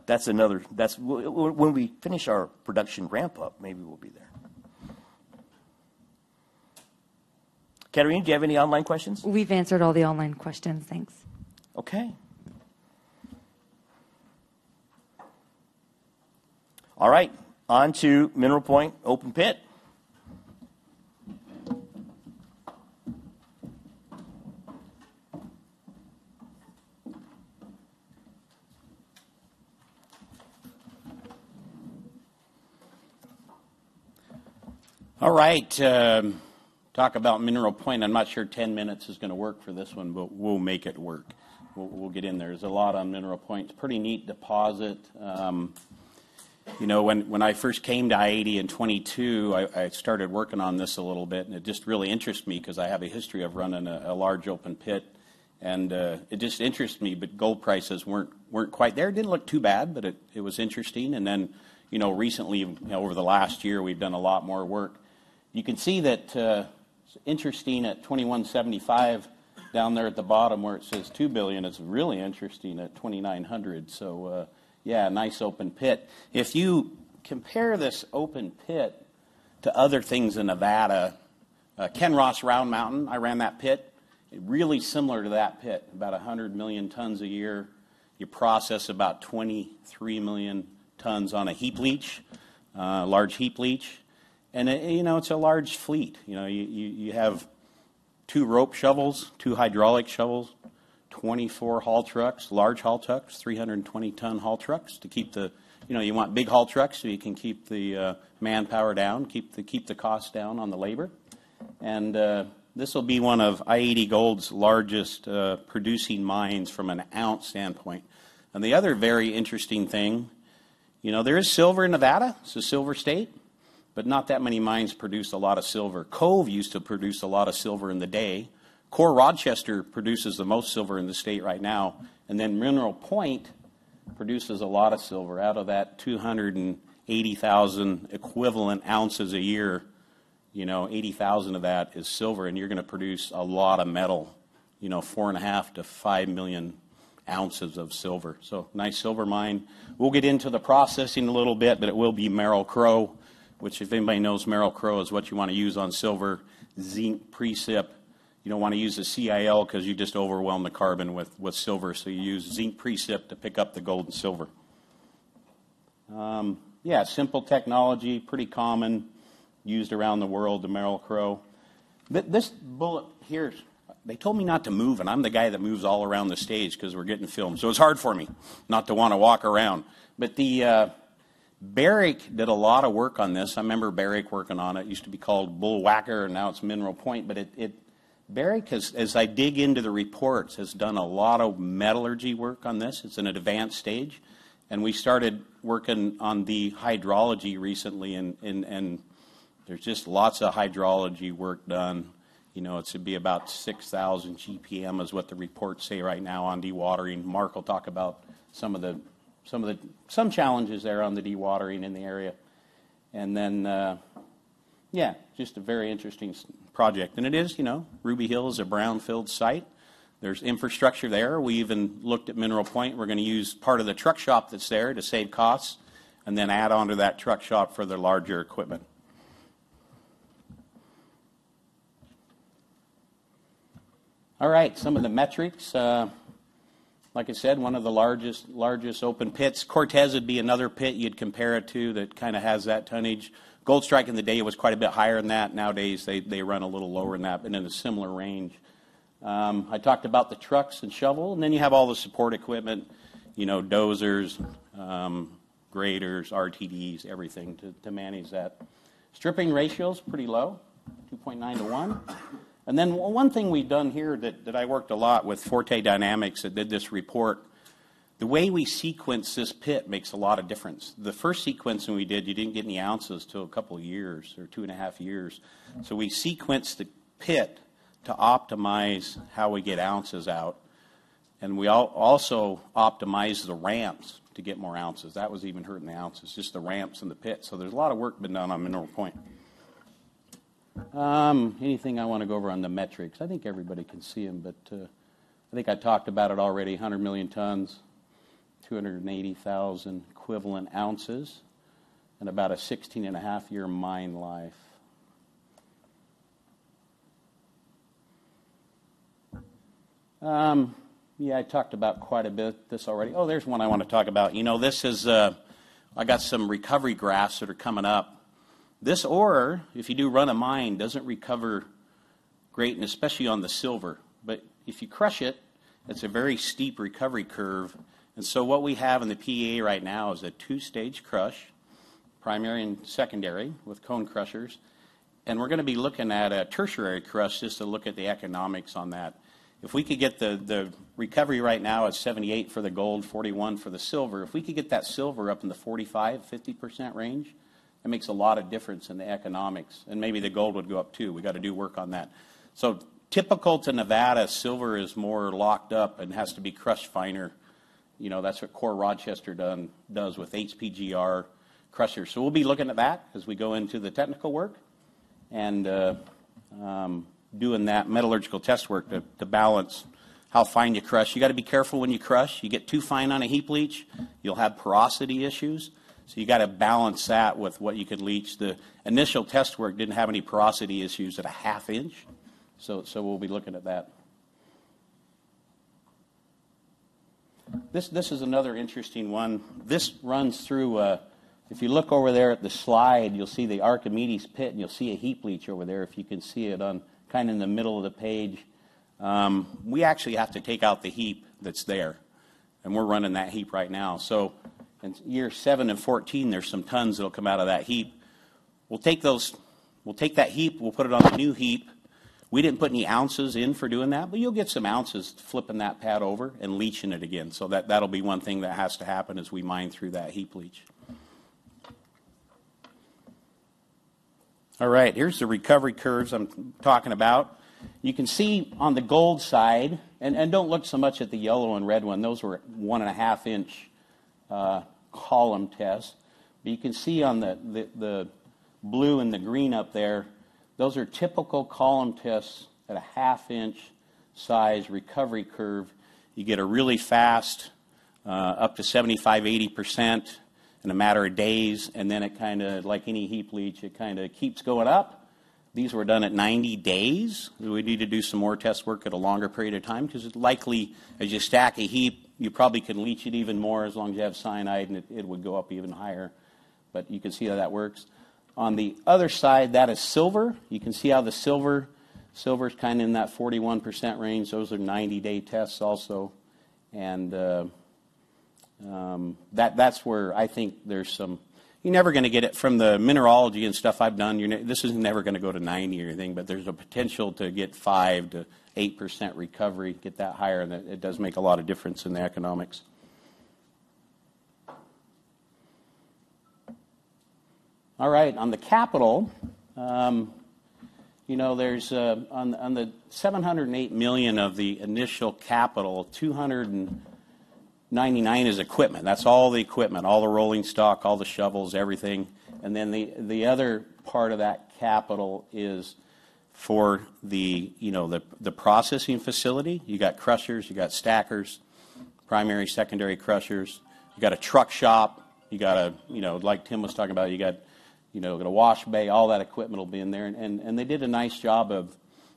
[SPEAKER 3] That is another when we finish our production ramp-up, maybe we'll be there. Katarina, do you have any online questions?
[SPEAKER 5] We've answered all the online questions. Thanks.
[SPEAKER 3] Okay. All right. On to Mineral Point Open Pit. All right. Talk about Mineral Point. I'm not sure 10 minutes is going to work for this one, but we'll make it work. We'll get in there. There's a lot on Mineral Point. It's a pretty neat deposit. When I first came to i-80 in 2022, I started working on this a little bit. And it just really interests me because I have a history of running a large open pit. It just interests me. But gold prices weren't quite there. It didn't look too bad, but it was interesting. Recently, over the last year, we've done a lot more work. You can see that it's interesting at $2,175 down there at the bottom where it says 2 billion. It's really interesting at $2,900. Yeah, nice open pit. If you compare this open pit to other things in Nevada, Kinross Round Mountain, I ran that pit. Really similar to that pit, about 100 million tons a year. You process about 23 million tons on a heap leach, a large heap leach. It's a large fleet. You have two rope shovels, two hydraulic shovels, 24 haul trucks, large haul trucks, 320-ton haul trucks to keep the you want big haul trucks so you can keep the manpower down, keep the cost down on the labor. This will be one of i-80 Gold's largest producing mines from an ounce standpoint. The other very interesting thing, there is silver in Nevada. It's a silver state. Not that many mines produce a lot of silver. Cove used to produce a lot of silver in the day. Coeur Rochester produces the most silver in the state right now. Mineral Point produces a lot of silver. Out of that 280,000 equivalent ounces a year, 80,000 of that is silver. You are going to produce a lot of metal, 4.5-5 million ounces of silver. Nice silver mine. We will get into the processing a little bit. It will be Meryl Crow, which if anybody knows Meryl Crow is what you want to use on silver, zinc precipitation. You do not want to use a CIL because you just overwhelm the carbon with silver. You use zinc precipitation to pick up the gold and silver. Simple technology, pretty common, used around the world to Meryl Crow. This bullet here, they told me not to move. I am the guy that moves all around the stage because we are getting filmed. It is hard for me not to want to walk around. Barrick did a lot of work on this. I remember Barrick working on it. It used to be called Bullwacker. Now it is Mineral Point. Barrick, as I dig into the reports, has done a lot of metallurgy work on this. It is in an advanced stage. We started working on the hydrology recently. There is just lots of hydrology work done. It should be about 6,000 GPM is what the reports say right now on dewatering. Mark will talk about some of the challenges there on the dewatering in the area. Yeah, just a very interesting project. It is Ruby Hill, a brownfield site. There is infrastructure there. We even looked at Mineral Point. We are going to use part of the truck shop that is there to save costs and then add on to that truck shop for the larger equipment. All right. Some of the metrics. Like I said, one of the largest open pits. Cortez would be another pit you'd compare it to that kind of has that tonnage. Goldstrike in the day was quite a bit higher than that. Nowadays, they run a little lower than that and in a similar range. I talked about the trucks and shovel. You have all the support equipment, dozers, graders, RTDs, everything to manage that. Stripping ratio is pretty low, 2.9-1. One thing we've done here that I worked a lot with Forte Dynamics that did this report, the way we sequence this pit makes a lot of difference. The first sequencing we did, you didn't get any ounces till a couple of years or two and a half years. We sequenced the pit to optimize how we get ounces out. We also optimized the ramps to get more ounces. That was even hurting the ounces, just the ramps and the pits. There is a lot of work been done on Mineral Point. Anything I want to go over on the metrics? I think everybody can see them. I think I talked about it already, 100 million tons, 280,000 equivalent ounces, and about a 16 and a half year mine life. Yeah. I talked about quite a bit of this already. There is one I want to talk about. I have some recovery graphs that are coming up. This ore, if you do run a mine, does not recover great, and especially on the silver. If you crush it, it is a very steep recovery curve. What we have in the PEA right now is a two-stage crush, primary and secondary, with cone crushers. We're going to be looking at a tertiary crush just to look at the economics on that. If we could get the recovery right now at 78% for the gold, 41% for the silver, if we could get that silver up in the 45-50% range, that makes a lot of difference in the economics. Maybe the gold would go up too. We got to do work on that. Typical to Nevada, silver is more locked up and has to be crushed finer. That's what Coeur Rochester does with HPGR crushers. We'll be looking at that as we go into the technical work and doing that metallurgical test work to balance how fine you crush. You got to be careful when you crush. You get too fine on a heap leach, you'll have porosity issues. You got to balance that with what you can leach. The initial test work did not have any porosity issues at a half inch. We will be looking at that. This is another interesting one. This runs through, if you look over there at the slide, you will see the Archimedes pit. You will see a heap leach over there if you can see it kind of in the middle of the page. We actually have to take out the heap that is there. We are running that heap right now. In years 7 and 14, there are some tons that will come out of that heap. We will take that heap and put it on the new heap. We did not put any ounces in for doing that, but you will get some ounces flipping that pad over and leaching it again. That'll be one thing that has to happen as we mine through that heap leach. All right. Here are the recovery curves I'm talking about. You can see on the gold side, and don't look so much at the yellow and red one. Those were 1.5 inch column tests. You can see on the blue and the green up there, those are typical column tests at a half inch size recovery curve. You get a really fast up to 75-80% in a matter of days. Then, like any heap leach, it kind of keeps going up. These were done at 90 days. We need to do some more test work at a longer period of time because it's likely as you stack a heap, you probably can leach it even more as long as you have cyanide. It would go up even higher. You can see how that works. On the other side, that is silver. You can see how the silver is kind of in that 41% range. Those are 90-day tests also. That is where I think there is some you are never going to get it from the mineralogy and stuff I have done. This is never going to go to 90 or anything. There is a potential to get 5-8% recovery, get that higher. It does make a lot of difference in the economics. All right. On the capital, on the $708 million of the initial capital, $299 million is equipment. That is all the equipment, all the rolling stock, all the shovels, everything. The other part of that capital is for the processing facility. You have crushers. You have stackers, primary, secondary crushers.
[SPEAKER 2] You got a truck shop. You got a, like Timothy was talking about, you got a wash bay. All that equipment will be in there. They did a nice job of,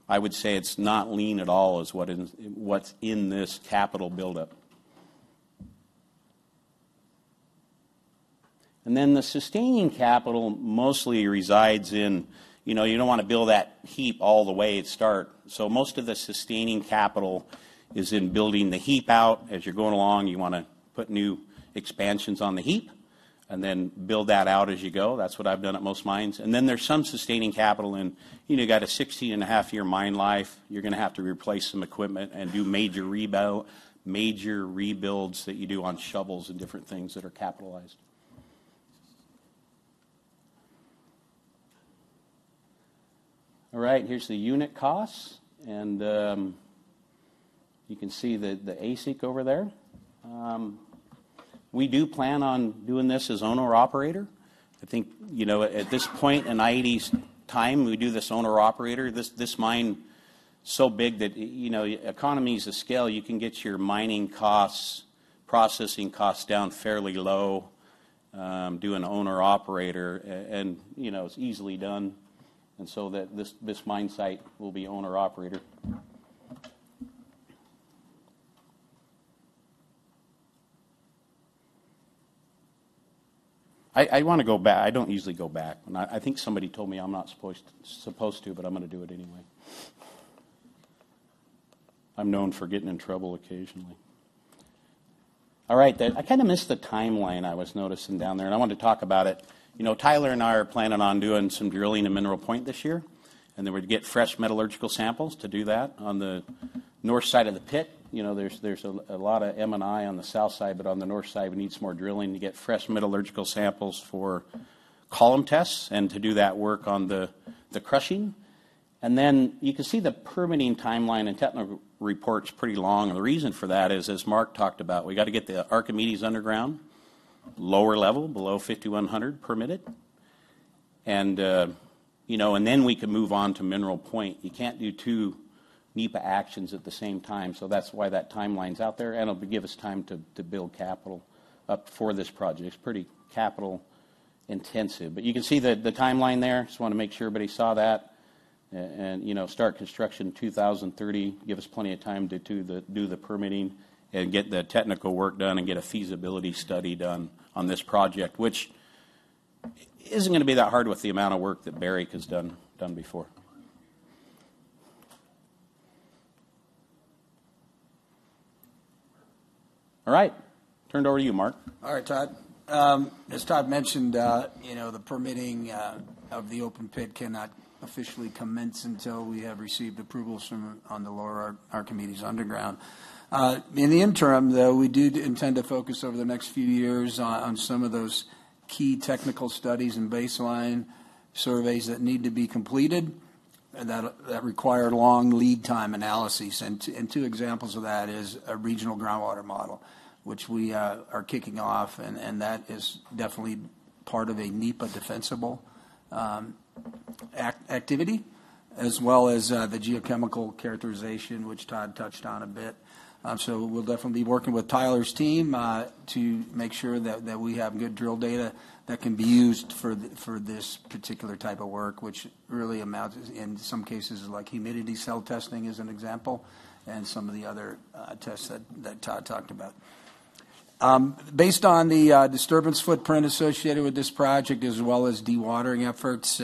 [SPEAKER 2] I would say, it's not lean at all is what's in this capital buildup. The sustaining capital mostly resides in you don't want to build that heap all the way at start. Most of the sustaining capital is in building the heap out. As you're going along, you want to put new expansions on the heap and then build that out as you go. That's what I've done at most mines. There is some sustaining capital in you got a 16 and a half year mine life. You're going to have to replace some equipment and do major rebuilds that you do on shovels and different things that are capitalized. All right. Here's the unit costs. You can see the ASIC over there. We do plan on doing this as owner-operator. I think at this point in I-80's time, we do this owner-operator. This mine is so big that economies of scale, you can get your mining costs, processing costs down fairly low doing owner-operator. It is easily done. This mine site will be owner-operator. I want to go back. I do not usually go back. I think somebody told me I am not supposed to, but I am going to do it anyway. I am known for getting in trouble occasionally. All right. I kind of missed the timeline I was noticing down there. I wanted to talk about it. Tyler and I are planning on doing some drilling in Mineral Point this year. Then we would get fresh metallurgical samples to do that on the north side of the pit. There's a lot of M&I on the south side. On the north side, we need some more drilling to get fresh metallurgical samples for column tests and to do that work on the crushing. You can see the permitting timeline and technical report is pretty long. The reason for that is, as Mark talked about, we got to get the Archimedes underground, lower level, below 5,100 permitted. Then we can move on to Mineral Point. You can't do two NEPA actions at the same time. That's why that timeline's out there. It'll give us time to build capital up for this project. It's pretty capital intensive. You can see the timeline there. Just want to make sure everybody saw that. Start construction 2030, give us plenty of time to do the permitting and get the technical work done and get a feasibility study done on this project, which isn't going to be that hard with the amount of work that Barrick has done before. All right. Turned over to you, Mark.
[SPEAKER 7] All right, Todd. As Todd mentioned, the permitting of the open pit cannot officially commence until we have received approvals on the lower Archimedes Underground. In the interim, though, we do intend to focus over the next few years on some of those key technical studies and baseline surveys that need to be completed that require long lead time analyses. Two examples of that is a regional groundwater model, which we are kicking off. That is definitely part of a NEPA defensible activity, as well as the geochemical characterization, which Todd touched on a bit. We'll definitely be working with Tyler's team to make sure that we have good drill data that can be used for this particular type of work, which really amounts in some cases like humidity cell testing as an example and some of the other tests that Todd talked about.
[SPEAKER 4] Based on the disturbance footprint associated with this project, as well as dewatering efforts,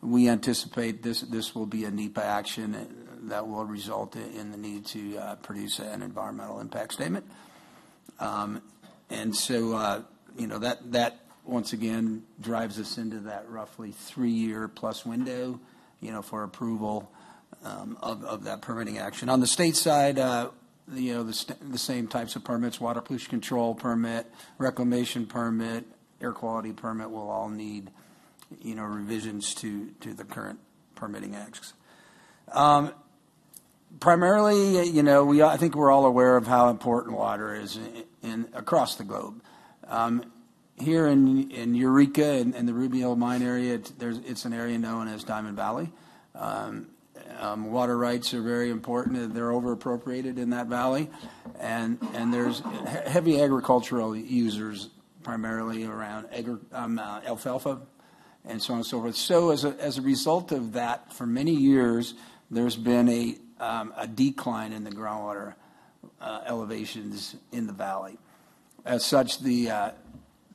[SPEAKER 4] we anticipate this will be a NEPA action that will result in the need to produce an environmental impact statement. That, once again, drives us into that roughly three-year-plus window for approval of that permitting action. On the state side, the same types of permits: water pollution control permit, reclamation permit, air quality permit will all need revisions to the current permitting acts. Primarily, I think we're all aware of how important water is across the globe. Here in Eureka and the Ruby Hill mine area, it's an area known as Diamond Valley. Water rights are very important. They're over-appropriated in that valley. There's heavy agricultural users primarily around alfalfa and so on and so forth. As a result of that, for many years, there's been a decline in the groundwater elevations in the valley. As such, the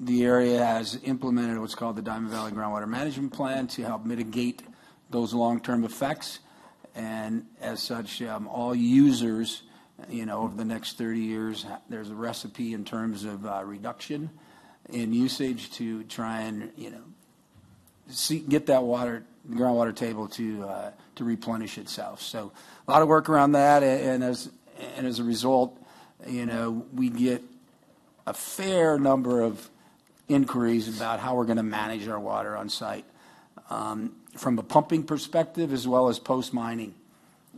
[SPEAKER 4] area has implemented what's called the Diamond Valley Groundwater Management Plan to help mitigate those long-term effects. As such, all users over the next 30 years, there's a recipe in terms of reduction in usage to try and get that groundwater table to replenish itself. A lot of work around that. As a result, we get a fair number of inquiries about how we're going to manage our water on site from a pumping perspective as well as post-mining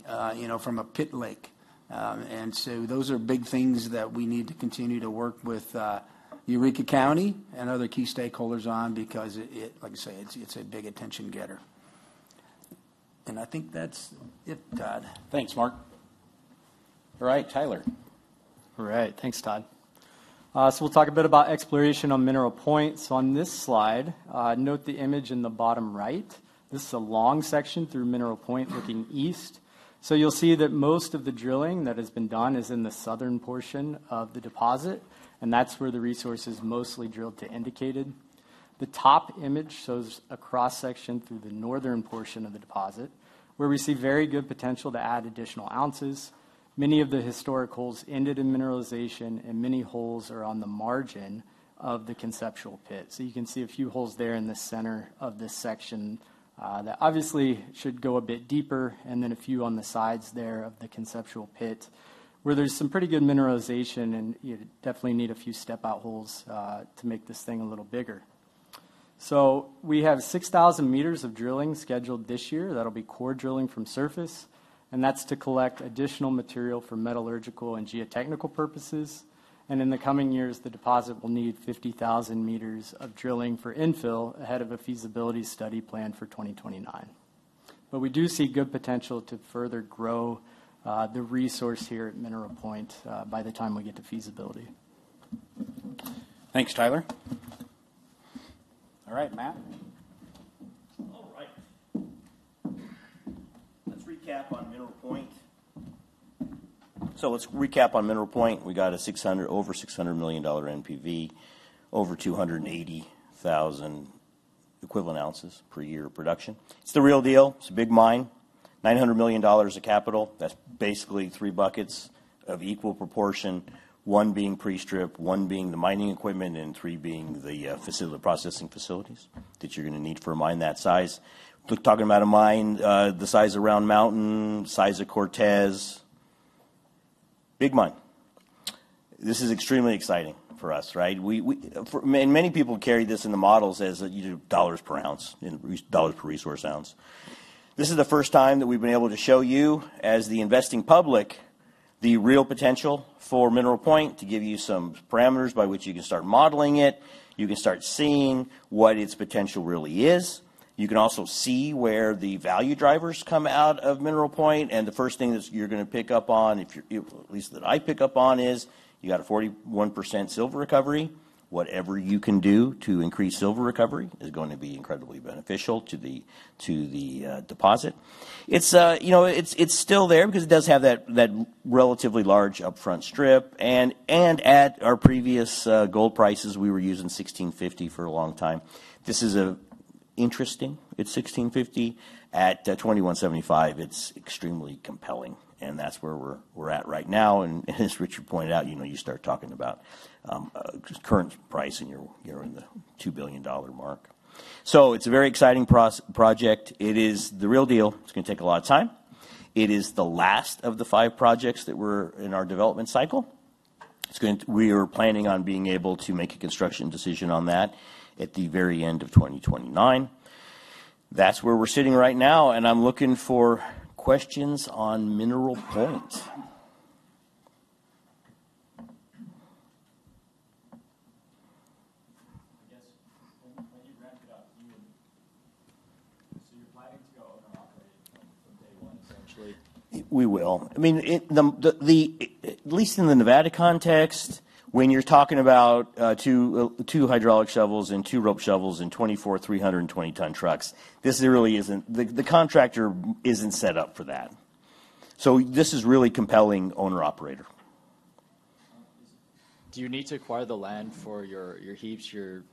[SPEAKER 4] from a pit lake. Those are big things that we need to continue to work with Eureka County and other key stakeholders on because, like I say, it's a big attention getter. I think that's it, Todd.
[SPEAKER 6] Thanks, Mark. All right. Tyler.
[SPEAKER 7] All right. Thanks, Todd. We'll talk a bit about exploration on Mineral Point. On this slide, note the image in the bottom right. This is a long section through Mineral Point looking east. You'll see that most of the drilling that has been done is in the southern portion of the deposit. That's where the resource is mostly drilled to indicated. The top image shows a cross-section through the northern portion of the deposit where we see very good potential to add additional ounces. Many of the historic holes ended in mineralization. Many holes are on the margin of the conceptual pit. You can see a few holes there in the center of this section that obviously should go a bit deeper and then a few on the sides there of the conceptual pit where there's some pretty good mineralization. You definitely need a few step-out holes to make this thing a little bigger. We have 6,000 meters of drilling scheduled this year. That will be core drilling from surface. That is to collect additional material for metallurgical and geotechnical purposes. In the coming years, the deposit will need 50,000 meters of drilling for infill ahead of a feasibility study planned for 2029. We do see good potential to further grow the resource here at Mineral Point by the time we get to feasibility.
[SPEAKER 4] Thanks, Tyler. All right. Matt.
[SPEAKER 6] All right. Let's recap on Mineral Point.
[SPEAKER 4] Let's recap on Mineral Point. We got over $600 million NPV, over 280,000 equivalent ounces per year of production. It's the real deal. It's a big mine. $900 million of capital. That's basically three buckets of equal proportion, one being pre-strip, one being the mining equipment, and three being the processing facilities that you're going to need for a mine that size. We're talking about a mine the size of Round Mountain, the size of Cortez. Big mine. This is extremely exciting for us, right? Many people carry this in the models as dollars per ounce, dollars per resource ounce. This is the first time that we've been able to show you, as the investing public, the real potential for Mineral Point to give you some parameters by which you can start modeling it. You can start seeing what its potential really is. You can also see where the value drivers come out of Mineral Point. The first thing that you're going to pick up on, at least that I pick up on, is you got a 41% silver recovery. Whatever you can do to increase silver recovery is going to be incredibly beneficial to the deposit. It's still there because it does have that relatively large upfront strip. At our previous gold prices, we were using $1,650 for a long time. This is interesting. At $1,650, at $2,175, it's extremely compelling. That is where we're at right now. As Richard pointed out, you start talking about current price and you're in the $2 billion mark. It is a very exciting project. It is the real deal. It's going to take a lot of time. It is the last of the five projects that were in our development cycle. We were planning on being able to make a construction decision on that at the very end of 2029. That is where we are sitting right now. I am looking for questions on Mineral Point.
[SPEAKER 5] I guess when you ramp it up, you're planning to go owner-operated from day one, essentially?
[SPEAKER 4] We will. I mean, at least in the Nevada context, when you're talking about two hydraulic shovels and two rope shovels and 24 320-ton trucks, this really isn't—the contractor isn't set up for that. This is really compelling owner-operator.
[SPEAKER 5] Do you need to acquire the land for your heaps, your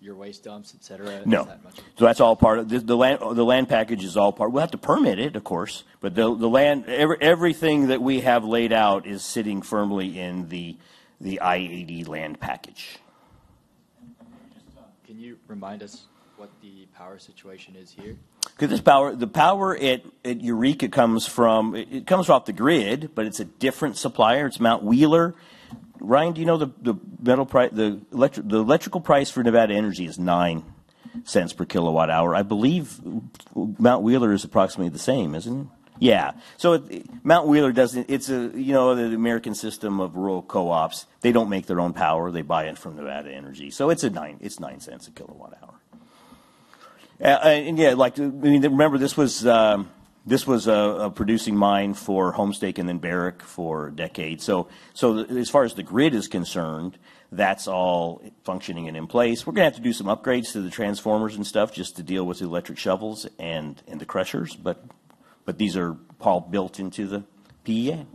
[SPEAKER 5] waste dumps, et cetera?
[SPEAKER 4] No. That is all part of the land package, it is all part. We will have to permit it, of course. Everything that we have laid out is sitting firmly in the i-80 land package.
[SPEAKER 5] Can you remind us what the power situation is here?
[SPEAKER 4] Because the power at Eureka comes from it comes off the grid, but it's a different supplier. It's Mount Wheeler. Ryan, do you know the electrical price for Nevada Energy is $0.09 per kilowatt-hour? I believe Mount Wheeler is approximately the same, isn't it? Yeah. Mount Wheeler doesn't it's the American system of rural co-ops. They don't make their own power. They buy it from Nevada Energy. It's $0.09 a kilowatt-hour. Yeah, remember, this was a producing mine for Homestead and then Barrick for decades. As far as the grid is concerned, that's all functioning and in place. We're going to have to do some upgrades to the transformers and stuff just to deal with the electric shovels and the crushers. These are all built into the PEA.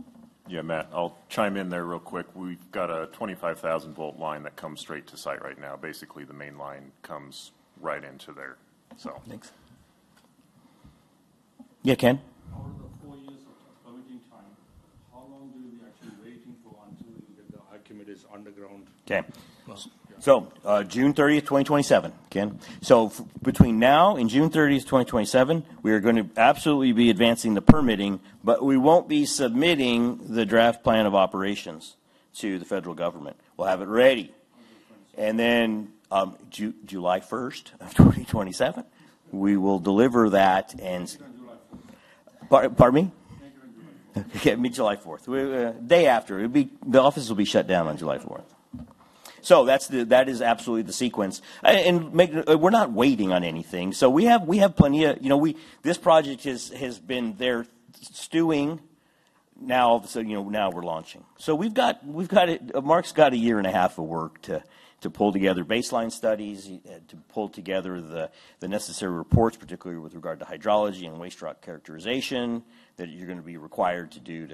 [SPEAKER 4] Yeah, Matt. I'll chime in there real quick. We've got a 25,000-volt line that comes straight to site right now. Basically, the main line comes right into there, so. Thanks. Yeah, Ken?
[SPEAKER 5] Over the four years of permitting time, how long do you actually wait until you get the high-committed underground?
[SPEAKER 4] Okay. June 30th, 2027, Ken. Between now and June 30th, 2027, we are going to absolutely be advancing the permitting, but we won't be submitting the draft plan of operations to the federal government. We'll have it ready. July 1st, 2027, we will deliver that.
[SPEAKER 6] It's on July 4th.
[SPEAKER 4] Pardon me?
[SPEAKER 6] Maybe on July 4th.
[SPEAKER 4] Okay. Meet July 4th. Day after, the office will be shut down on July 4th. That is absolutely the sequence. We are not waiting on anything. We have plenty of this project has been there stewing. Now, all of a sudden, now we are launching. Mark's got a year and a half of work to pull together baseline studies, to pull together the necessary reports, particularly with regard to hydrology and waste rock characterization that you are going to be required to do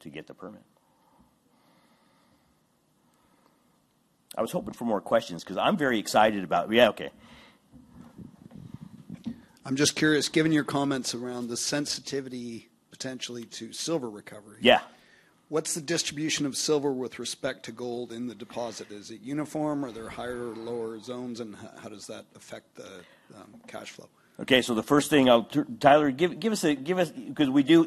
[SPEAKER 4] to get the permit. I was hoping for more questions because I am very excited about yeah, okay.
[SPEAKER 5] I'm just curious, given your comments around the sensitivity potentially to silver recovery, what's the distribution of silver with respect to gold in the deposit? Is it uniform? Are there higher or lower zones? How does that affect the Cash flow? Okay. The first thing, Tyler, give us a because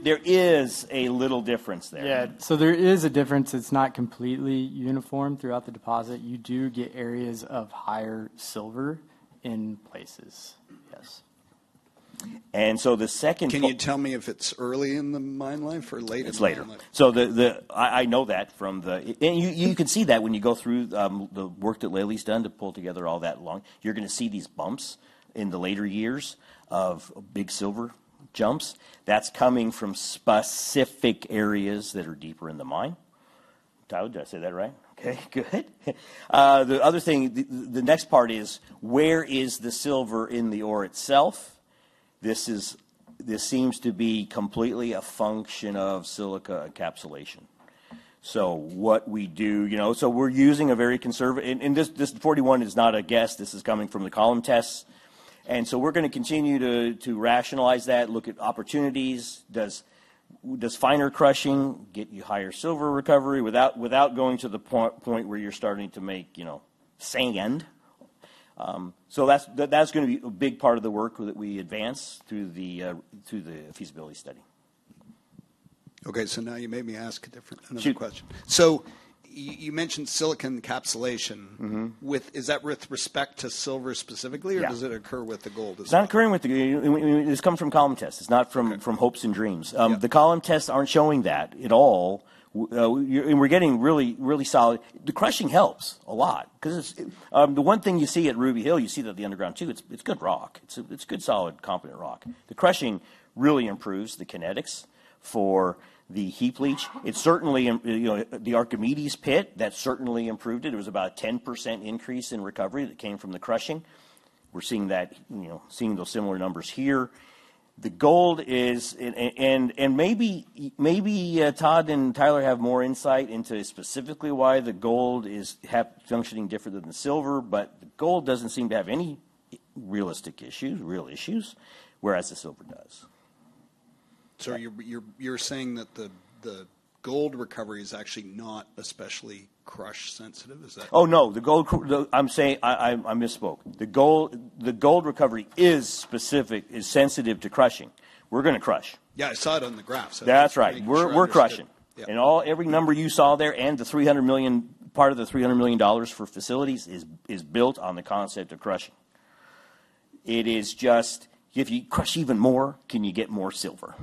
[SPEAKER 5] there is a little difference there.
[SPEAKER 2] Yeah. There is a difference. It's not completely uniform throughout the deposit. You do get areas of higher silver in places. Yes.
[SPEAKER 4] The second.
[SPEAKER 2] Can you tell me if it's early in the mine life or late in the mine life? It's later. I know that from the and you can see that when you go through the work that Layley's done to pull together all that long. You're going to see these bumps in the later years of big silver jumps. That's coming from specific areas that are deeper in the mine. Tyler, did I say that right? Okay. Good. The other thing, the next part is where is the silver in the ore itself? This seems to be completely a function of silica encapsulation. What we do, we are using a very conservative and this 41 is not a guess. This is coming from the column tests. We are going to continue to rationalize that, look at opportunities. Does finer crushing get you higher silver recovery without going to the point where you're starting to make sand?
[SPEAKER 4] That's going to be a big part of the work that we advance through the feasibility study.
[SPEAKER 5] Okay. Now you made me ask a different question. You mentioned silica encapsulation. Is that with respect to silver specifically, or does it occur with the gold?
[SPEAKER 2] It's not occurring with the gold. It's coming from column tests. It's not from hopes and dreams. The column tests aren't showing that at all. We're getting really solid, the crushing helps a lot. Because the one thing you see at Ruby Hill, you see that the underground too, it's good rock. It's good, solid, competent rock. The crushing really improves the kinetics for the heap leach. It's certainly the Archimedes pit. That certainly improved it. It was about a 10% increase in recovery that came from the crushing. We're seeing those similar numbers here. The gold is, and maybe Todd and Tyler have more insight into specifically why the gold is functioning different than the silver. The gold doesn't seem to have any realistic issues, real issues, whereas the silver does.
[SPEAKER 5] You're saying that the gold recovery is actually not especially crush-sensitive. Is that?
[SPEAKER 4] Oh, no. I'm saying I misspoke. The gold recovery is specific, is sensitive to crushing. We're going to crush. Yeah. I saw it on the graph. That's right. We're crushing. And every number you saw there and the $300 million part of the $300 million for facilities is built on the concept of crushing. It is just if you crush even more, can you get more silver?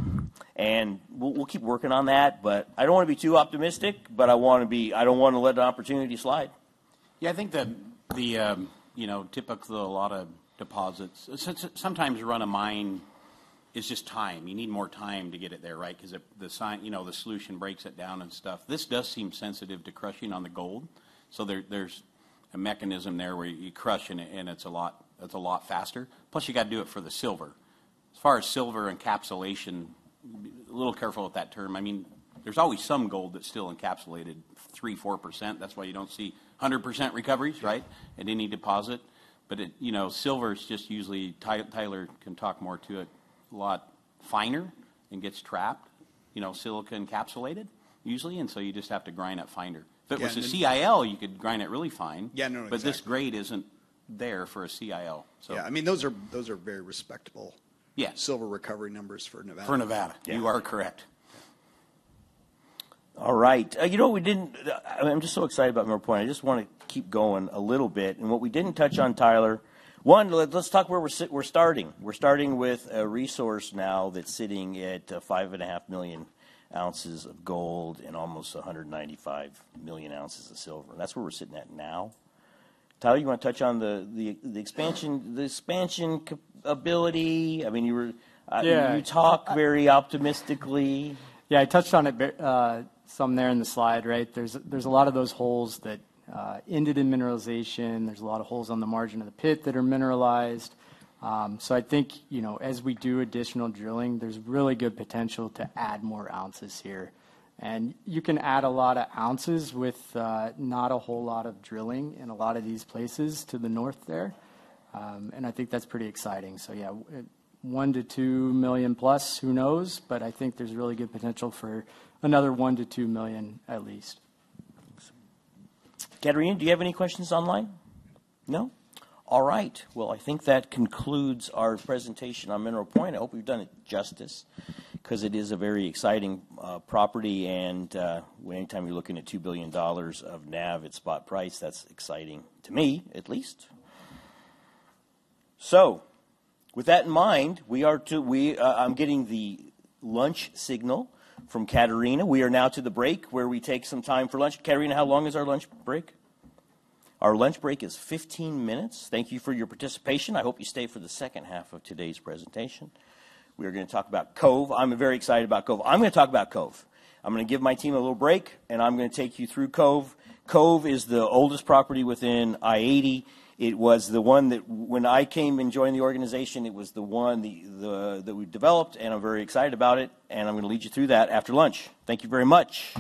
[SPEAKER 4] We'll keep working on that. I don't want to be too optimistic, but I don't want to let opportunity slide.
[SPEAKER 2] Yeah. I think that typically a lot of deposits sometimes run a mine is just time. You need more time to get it there, right? Because the solution breaks it down and stuff. This does seem sensitive to crushing on the gold. So there's a mechanism there where you crush and it's a lot faster. Plus, you got to do it for the silver. As far as silver encapsulation, a little careful with that term. I mean, there's always some gold that's still encapsulated, 3-4%. That's why you don't see 100% recoveries, right, in any deposit. But silver is just usually, Tyler can talk more to it, a lot finer and gets trapped, silica encapsulated usually. And so you just have to grind it finer. If it was a CIL, you could grind it really fine. But this grade isn't there for a CIL.
[SPEAKER 4] Yeah. I mean, those are very respectable silver recovery numbers for Nevada.
[SPEAKER 2] For Nevada. You are correct. All right. You know what we didn't, I'm just so excited about Mineral Point. I just want to keep going a little bit. What we didn't touch on, Tyler, one, let's talk where we're starting. We're starting with a resource now that's sitting at 5.5 million ounces of gold and almost 195 million ounces of silver. That's where we're sitting at now. Tyler, you want to touch on the expansion ability? I mean, you talk very optimistically. Yeah. I touched on it some there in the slide, right? There's a lot of those holes that ended in mineralization. There's a lot of holes on the margin of the pit that are mineralized. I think as we do additional drilling, there's really good potential to add more ounces here. You can add a lot of ounces with not a whole lot of drilling in a lot of these places to the north there. I think that's pretty exciting. Yeah, 1-2 million plus, who knows? I think there's really good potential for another 1-2 million at least.
[SPEAKER 4] Excellent.
[SPEAKER 2] Gadarin, do you have any questions online? No? All right. I think that concludes our presentation on Mineral Point. I hope we've done it justice because it is a very exciting property. Anytime you're looking at $2 billion of nav at spot price, that's exciting to me, at least. With that in mind, I'm getting the lunch signal from Katerina. We are now to the break where we take some time for lunch. Katerina, how long is our lunch break? Our lunch break is 15 minutes. Thank you for your participation. I hope you stay for the second half of today's presentation. We are going to talk about Cove. I'm very excited about Cove. I'm going to talk about Cove. I'm going to give my team a little break, and I'm going to take you through Cove. Cove is the oldest property within i-80. It was the one that when I came and joined the organization, it was the one that we developed. And I'm very excited about it. I'm going to lead you through that after lunch. Thank you very much.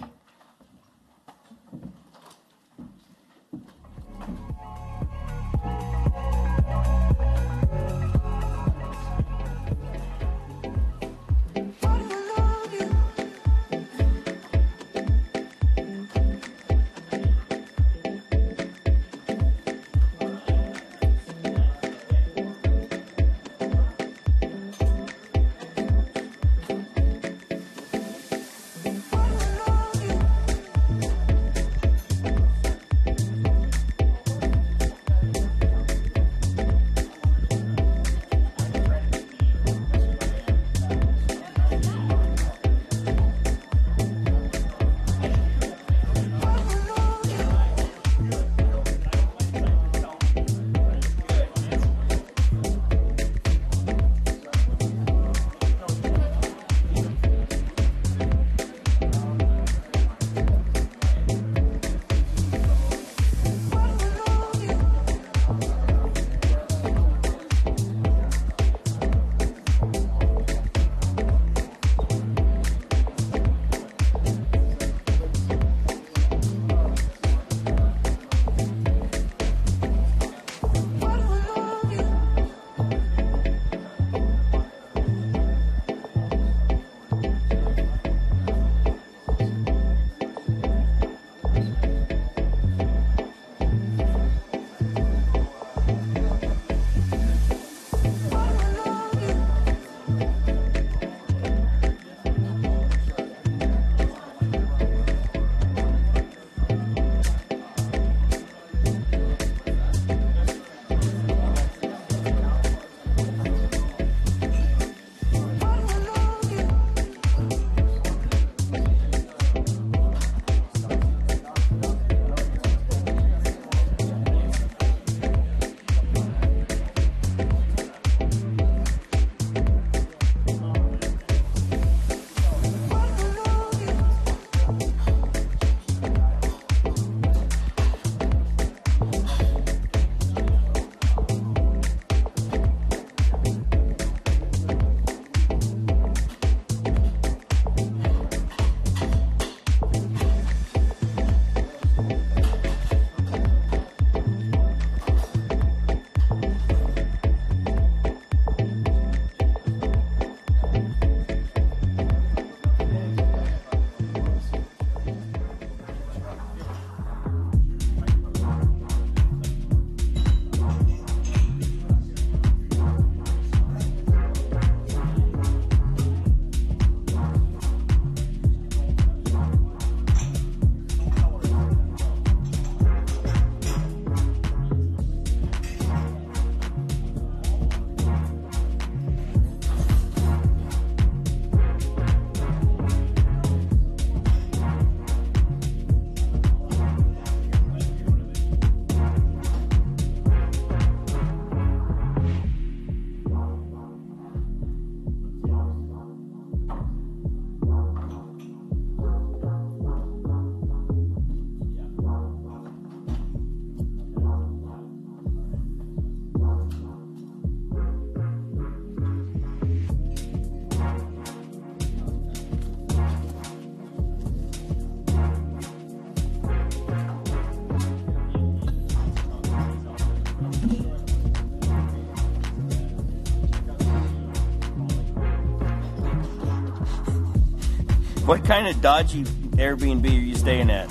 [SPEAKER 2] What kind of dodgy Airbnb are you staying at?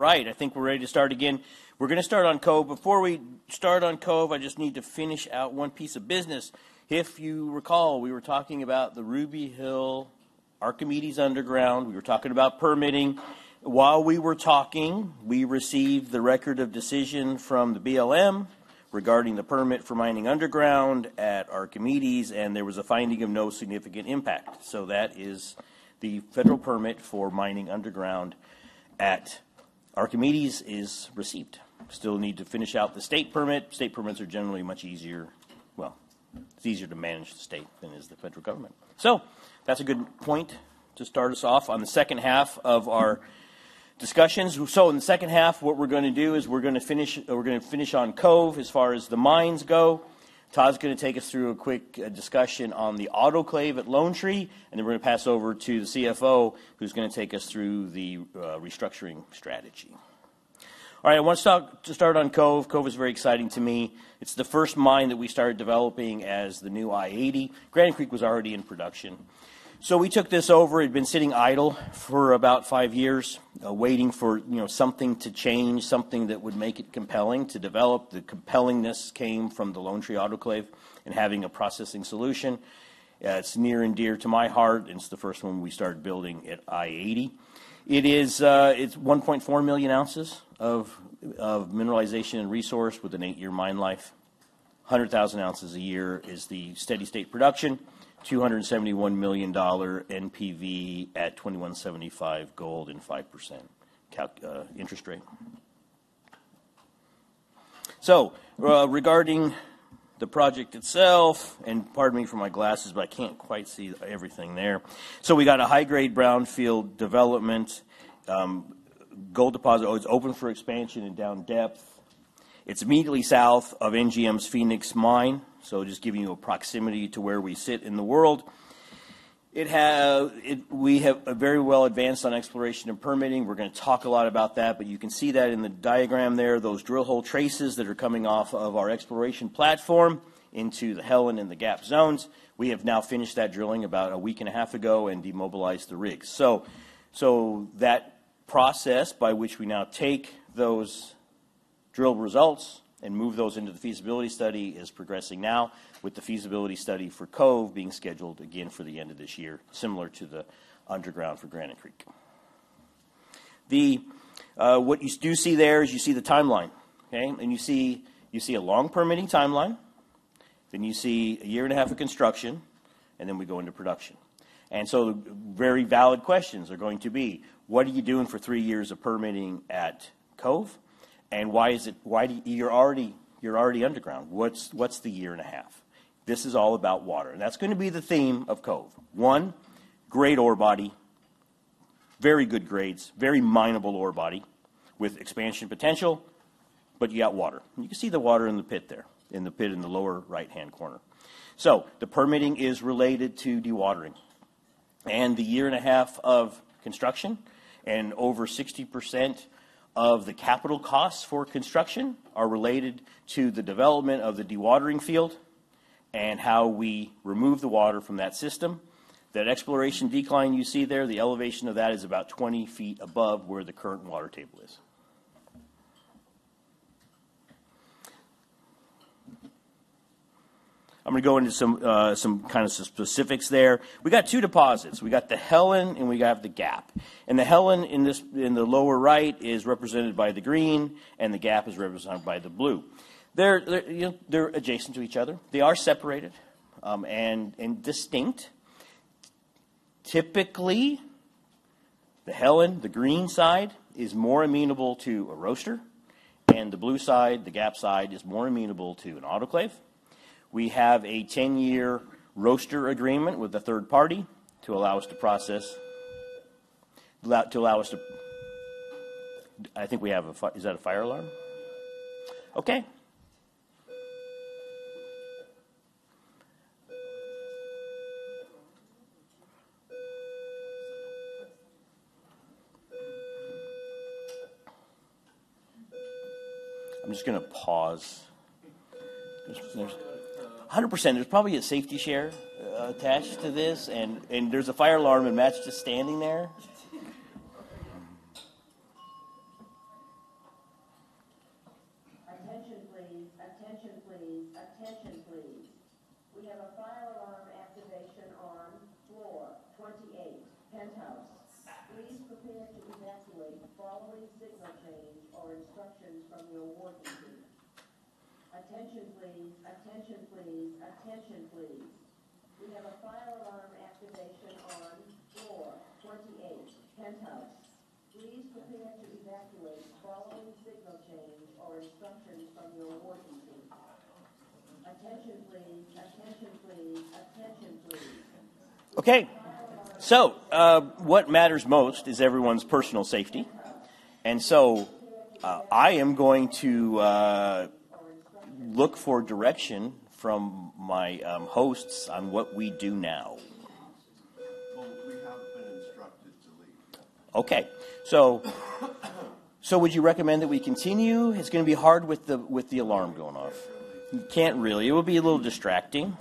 [SPEAKER 2] No idea. I'm sorry. I have no idea. I've seen the queue and must be in this new. Right, I think we're ready to start again. We're going to start on Cove. Before we start on Cove, I just need to finish out one piece of business. If you recall, we were talking about the Ruby Hill Archimedes Underground. We were talking about permitting. While we were talking, we received the record of decision from the BLM regarding the permit for mining underground at Archimedes, and there was a finding of no significant impact. That is the federal permit for mining underground at Archimedes is received. Still need to finish out the state permit. State permits are generally much easier. It's easier to manage the state than it is the federal government. That's a good point to start us off on the second half of our discussions. In the second half, what we're going to do is we're going to finish, we're going to finish on Cove as far as the mines go. Todd's going to take us through a quick discussion on the autoclave at Lone Tree, and then we're going to pass over to the CFO, who's going to take us through the restructuring strategy. All right, I want to start on Cove. Cove is very exciting to me. It's the first mine that we started developing as the new i-80. Granite Creek was already in production. We took this over. It had been sitting idle for about five years, waiting for, you know, something to change, something that would make it compelling to develop. The compellingness came from the Lone Tree Autoclave and having a processing solution. It's near and dear to my heart, and it's the first one we started building at i-80. It is, it's 1.4 million ounces of mineralization and resource with an eight-year mine life. 100,000 ounces a year is the steady state production, $271 million NPV at $2,175 gold and 5% interest rate. Regarding the project itself, and pardon me for my glasses, but I can't quite see everything there. We got a high-grade brownfield development, gold deposit always open for expansion and down depth. It's immediately south of NGM's Phoenix mine. Just giving you a proximity to where we sit in the world. It has, we have a very well-advanced on exploration and permitting. We're going to talk a lot about that, but you can see that in the diagram there, those drill hole traces that are coming off of our exploration platform into the Helen and the Gap zones. We have now finished that drilling about a week and a half ago and demobilized the rig. That process by which we now take those drill results and move those into the feasibility study is progressing now, with the feasibility study for Cove being scheduled again for the end of this year, similar to the underground for Granite Creek. What you do see there is you see the timeline, okay? You see a long permitting timeline, then you see a year and a half of construction, and then we go into production. The very valid questions are going to be, what are you doing for three years of permitting at Cove? And why is it, why do you, you're already underground? What's the year and a half? This is all about water. That is going to be the theme of Cove. One, great ore body, very good grades, very mineable ore body with expansion potential, but you got water. You can see the water in the pit there, in the pit in the lower right-hand corner. The permitting is related to dewatering. The year and a half of construction and over 60% of the capital costs for construction are related to the development of the dewatering field and how we remove the water from that system. That exploration decline you see there, the elevation of that is about 20 feet above where the current water table is. I'm going to go into some, some kind of specifics there. We got two deposits. We got the Helen and we have the Gap. And the Helen in this, in the lower right is represented by the green and the Gap is represented by the blue. They're, you know, they're adjacent to each other. They are separated, and distinct. Typically, the Helen, the green side is more amenable to a roaster, and the blue side, the Gap side is more amenable to an autoclave. We have a 10-year roaster agreement with a third party to allow us to process, to allow us to, I think we have a, is that a fire alarm? Okay. I'm just going to pause. There's 100%. There's probably a safety share attached to this. There's a fire alarm and Matt's just standing there.
[SPEAKER 9] Attention please. Attention please. Attention please. We have a fire alarm activation on floor 28, penthouse. Please prepare to evacuate following signal change or instructions from your warden team. Attention please. Attention please. Attention please. We have a fire alarm activation on floor 28, penthouse. Please prepare to evacuate following signal change or instructions from your warden team. Attention please. Attention please. Attention please.
[SPEAKER 2] Okay. What matters most is everyone's personal safety. I am going to look for direction from my hosts on what we do now. We have been instructed to leave. Yeah. Would you recommend that we continue? It's going to be hard with the alarm going off. Can't really. It would be a little distracting.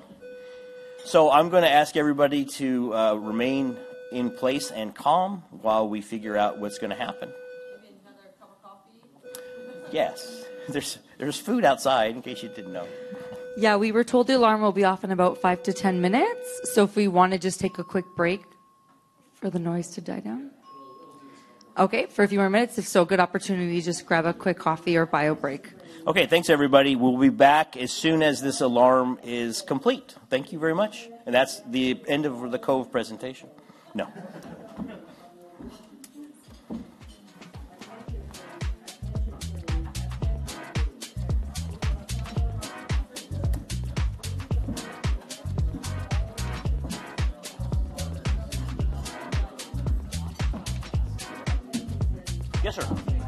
[SPEAKER 2] I'm going to ask everybody to remain in place and calm while we figure out what's going to happen. Maybe another cup of coffee. Yes. There's food outside in case you didn't know.
[SPEAKER 9] We were told the alarm will be off in about five to ten minutes. If we want to just take a quick break for the noise to die down. For a few more minutes. If so, good opportunity to just grab a quick coffee or bio break.
[SPEAKER 2] Thanks, everybody. We'll be back as soon as this alarm is complete. Thank you very much. That's the end of the Cove presentation. No. Yes, sir.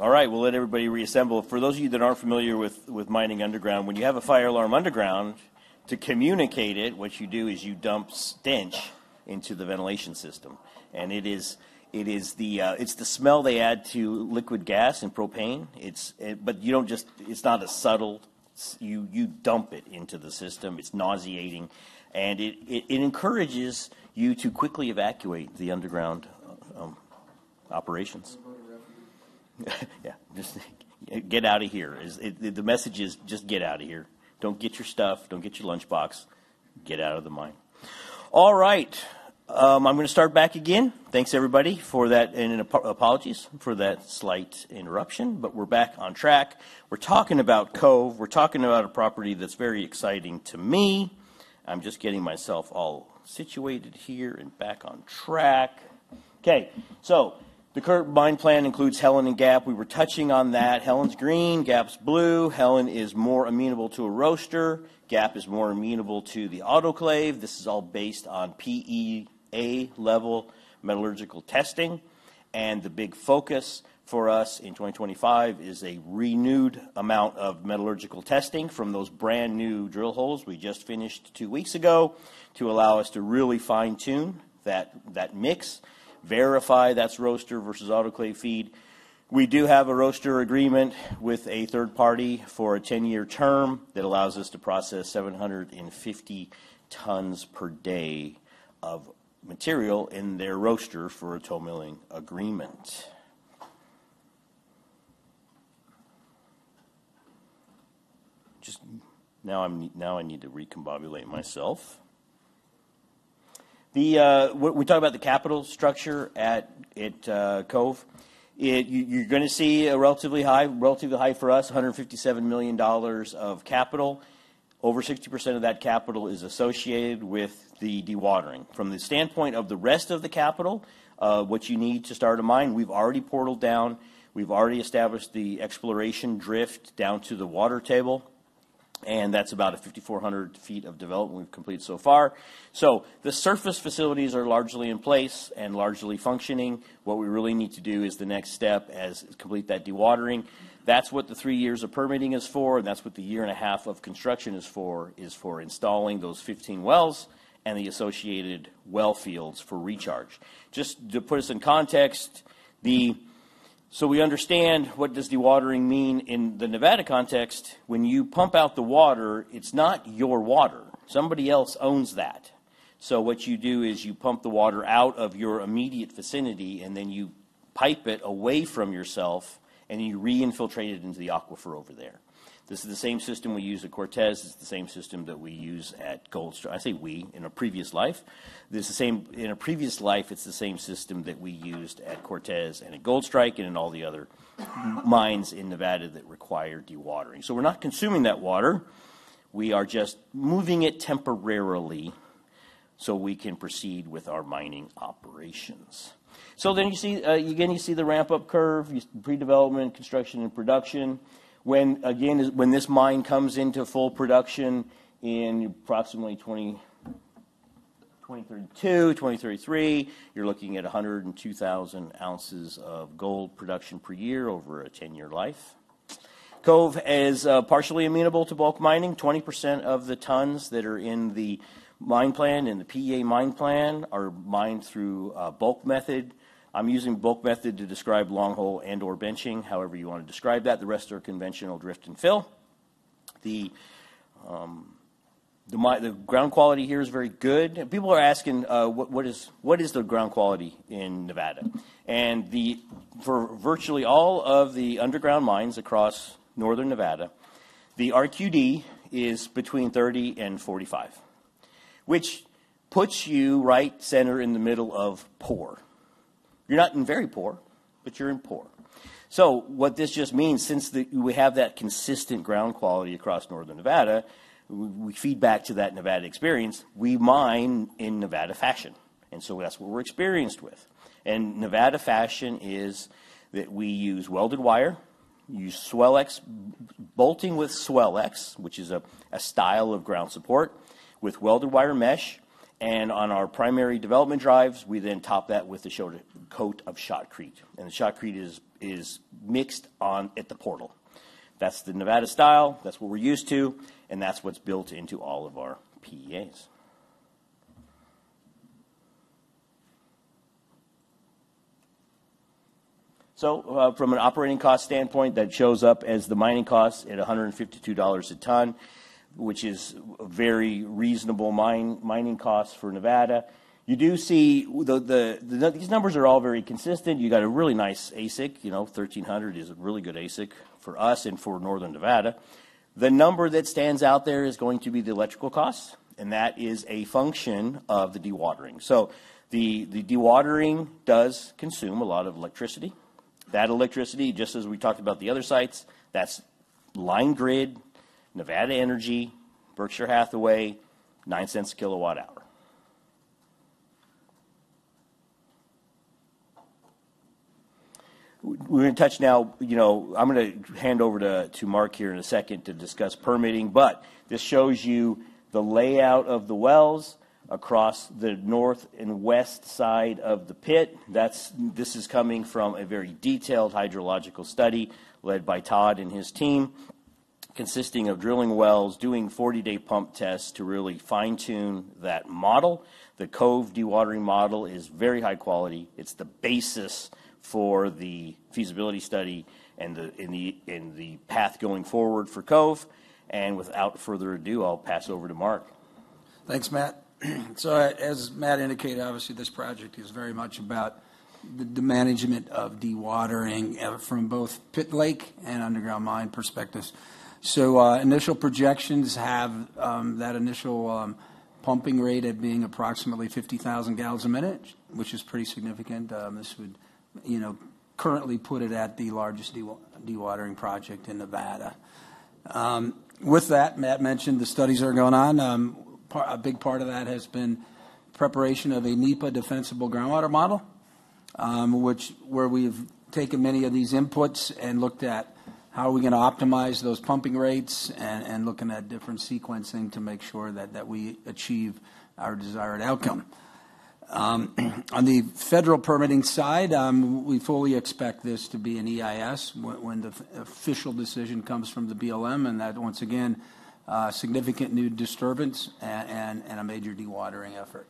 [SPEAKER 2] is we. All right, we will let everybody reassemble. For those of you that aren't familiar with mining underground, when you have a fire alarm underground, to communicate it, what you do is you dump stench into the ventilation system. It is the smell they add to liquid gas and propane. You do not just, it is not a subtle, you dump it into the system. It is nauseating. It encourages you to quickly evacuate the underground operations. Yeah, just get out of here. The message is just get out of here. Do not get your stuff, do not get your lunchbox, get out of the mine. All right. I am going to start back again. Thanks, everybody, for that, and apologies for that slight interruption, but we are back on track. We are talking about Cove. We are talking about a property that is very exciting to me. I'm just getting myself all situated here and back on track. Okay. The current mine plan includes Helen and Gap. We were touching on that. Helen's green, Gap's blue. Helen is more amenable to a rooster. Gap is more amenable to the autoclave. This is all based on PEA level metallurgical testing. The big focus for us in 2025 is a renewed amount of metallurgical testing from those brand new drill holes we just finished two weeks ago to allow us to really fine-tune that, that mix, verify that's rooster versus autoclave feed. We do have a rooster agreement with a third party for a 10-year term that allows us to process 750 tons per day of material in their rooster for a toe milling agreement. Just now I need to recombobulate myself. We talk about the capital structure at Cove. You're going to see a relatively high, relatively high for us, $157 million of capital. Over 60% of that capital is associated with the dewatering. From the standpoint of the rest of the capital, what you need to start a mine, we've already portaled down, we've already established the exploration drift down to the water table, and that's about 5,400 feet of development we've completed so far. The surface facilities are largely in place and largely functioning. What we really need to do is the next step as complete that dewatering. That's what the three years of permitting is for, and that's what the year and a half of construction is for, is for installing those 15 wells and the associated well fields for recharge. Just to put us in context, so we understand what does dewatering mean in the Nevada context. When you pump out the water, it's not your water. Somebody else owns that. What you do is you pump the water out of your immediate vicinity and then you pipe it away from yourself and you re-infiltrate it into the aquifer over there. This is the same system we use at Cortez. It's the same system that we use at Goldstrike. I say we in a previous life. This is the same, in a previous life, it's the same system that we used at Cortez and at Goldstrike and in all the other mines in Nevada that require dewatering. We're not consuming that water. We are just moving it temporarily so we can proceed with our mining operations. You see, again, you see the ramp-up curve, you pre-development, construction, and production. When, again, is when this mine comes into full production in approximately 2032, 2033, you're looking at 102,000 ounces of gold production per year over a 10-year life. Cove is, partially amenable to bulk mining. 20% of the tons that are in the mine plan, in the PEA mine plan, are mined through a bulk method. I'm using bulk method to describe long hole and/or benching, however you want to describe that. The rest are conventional drift and fill. The ground quality here is very good. People are asking, what, what is, what is the ground quality in Nevada? And for virtually all of the underground mines across Northern Nevada, the RQD is between 30 and 45, which puts you right center in the middle of poor. You're not in very poor, but you're in poor. What this just means, since we have that consistent ground quality across Northern Nevada, we feed back to that Nevada experience. We mine in Nevada fashion. That is what we're experienced with. Nevada fashion is that we use welded wire, use Swellex, bolting with Swellex, which is a style of ground support with welded wire mesh. On our primary development drives, we then top that with a shoulder coat of shotcrete. The shotcrete is mixed on at the portal. That is the Nevada style. That is what we're used to. That is what's built into all of our PEAs. From an operating cost standpoint, that shows up as the mining cost at $152 a ton, which is a very reasonable mining cost for Nevada. You do see these numbers are all very consistent. You got a really nice ASIC, you know, $1,300 is a really good ASIC for us and for Northern Nevada. The number that stands out there is going to be the electrical cost, and that is a function of the dewatering. The dewatering does consume a lot of electricity. That electricity, just as we talked about the other sites, that's line grid, Nevada Energy, Berkshire Hathaway, nine cents a kilowatt hour. We're going to touch now, you know, I'm going to hand over to Mark here in a second to discuss permitting. This shows you the layout of the wells across the north and west side of the pit. This is coming from a very detailed hydrological study led by Todd and his team, consisting of drilling wells, doing 40-day pump tests to really fine-tune that model. The Cove dewatering model is very high quality. It's the basis for the feasibility study and the path going forward for Cove. Without further ado, I'll pass over to Mark.
[SPEAKER 7] Thanks, Matt. As Matt indicated, obviously this project is very much about the management of dewatering from both Pit Lake and underground mine perspectives. Initial projections have that initial pumping rate at being approximately 50,000 gallons a minute, which is pretty significant. This would, you know, currently put it at the largest dewatering project in Nevada. With that, Matt mentioned the studies are going on. A big part of that has been preparation of a NEPA defensible groundwater model, where we've taken many of these inputs and looked at how are we going to optimize those pumping rates and looking at different sequencing to make sure that we achieve our desired outcome. On the federal permitting side, we fully expect this to be an EIS when the official decision comes from the BLM. That once again, significant new disturbance and a major dewatering effort.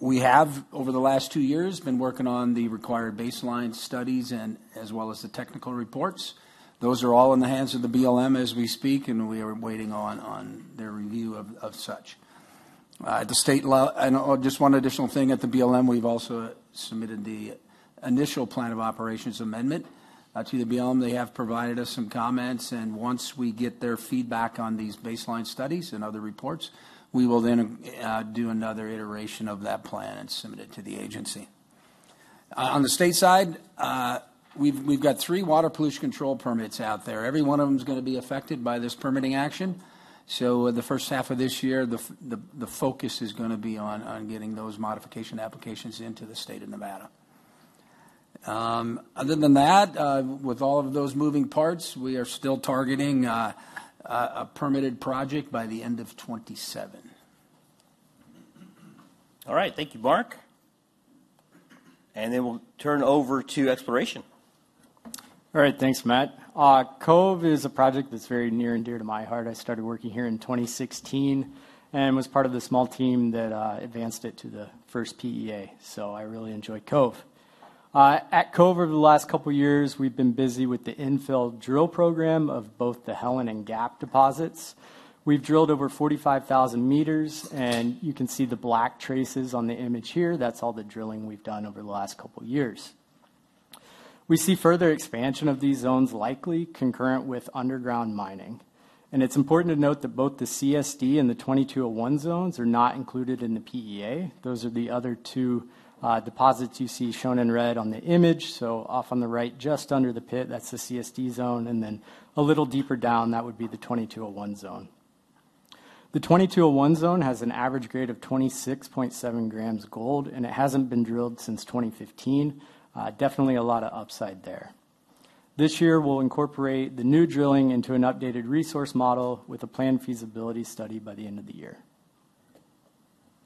[SPEAKER 7] We have over the last two years been working on the required baseline studies as well as the technical reports. Those are all in the hands of the BLM as we speak, and we are waiting on their review of such. At the state law, and just one additional thing at the BLM, we've also submitted the initial plan of operations amendment to the BLM. They have provided us some comments, and once we get their feedback on these baseline studies and other reports, we will then do another iteration of that plan and submit it to the agency. On the state side, we've got three water pollution control permits out there. Every one of them is going to be affected by this permitting action. The first half of this year, the focus is going to be on getting those modification applications into the state of Nevada. Other than that, with all of those moving parts, we are still targeting a permitted project by the end of 2027.
[SPEAKER 2] All right, thank you, Mark. We will turn over to exploration.
[SPEAKER 7] All right, thanks, Matt.
[SPEAKER 4] Cove is a project that's very near and dear to my heart. I started working here in 2016 and was part of the small team that advanced it to the first PEA. I really enjoy Cove. At Cove over the last couple of years, we've been busy with the infill drill program of both the Helen and Gap deposits. We've drilled over 45,000 meters, and you can see the black traces on the image here. That's all the drilling we've done over the last couple of years. We see further expansion of these zones likely concurrent with underground mining. It's important to note that both the CSD and the 2201 zones are not included in the PEA. Those are the other two deposits you see shown in red on the image. Off on the right, just under the pit, that's the CSD zone. A little deeper down, that would be the 2201 zone. The 2201 zone has an average grade of 26.7 grams gold, and it hasn't been drilled since 2015. Definitely a lot of upside there. This year, we'll incorporate the new drilling into an updated resource model with a planned feasibility study by the end of the year.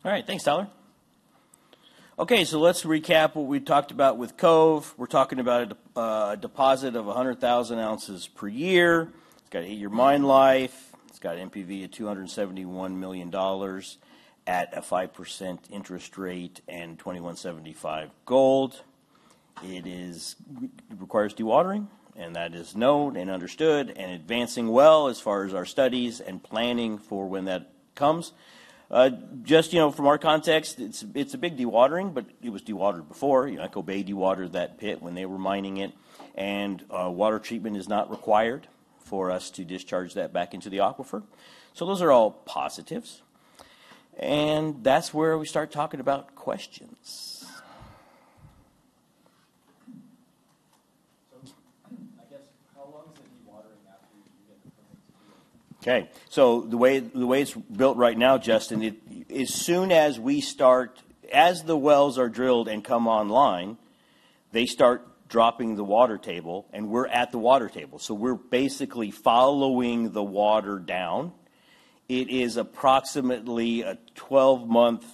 [SPEAKER 2] All right, thanks, Tyler. Okay, so let's recap what we talked about with Cove. We're talking about a deposit of 100,000 ounces per year. It's got eight-year mine life. It's got an MPV of $271 million at a 5% interest rate and $2,175 gold. It requires dewatering, and that is known and understood and advancing well as far as our studies and planning for when that comes. Just, you know, from our context, it's a big dewatering, but it was dewatered before. You know, Echo Bay dewatered that pit when they were mining it. Water treatment is not required for us to discharge that back into the aquifer. Those are all positives. That's where we start talking about questions. I guess how long is it dewatering after you get the permit to do it? Okay.
[SPEAKER 5] The way it's built right now, Justin, as soon as we start, as the wells are drilled and come online, they start dropping the water table and we're at the water table. We're basically following the water down. It is approximately a 12-month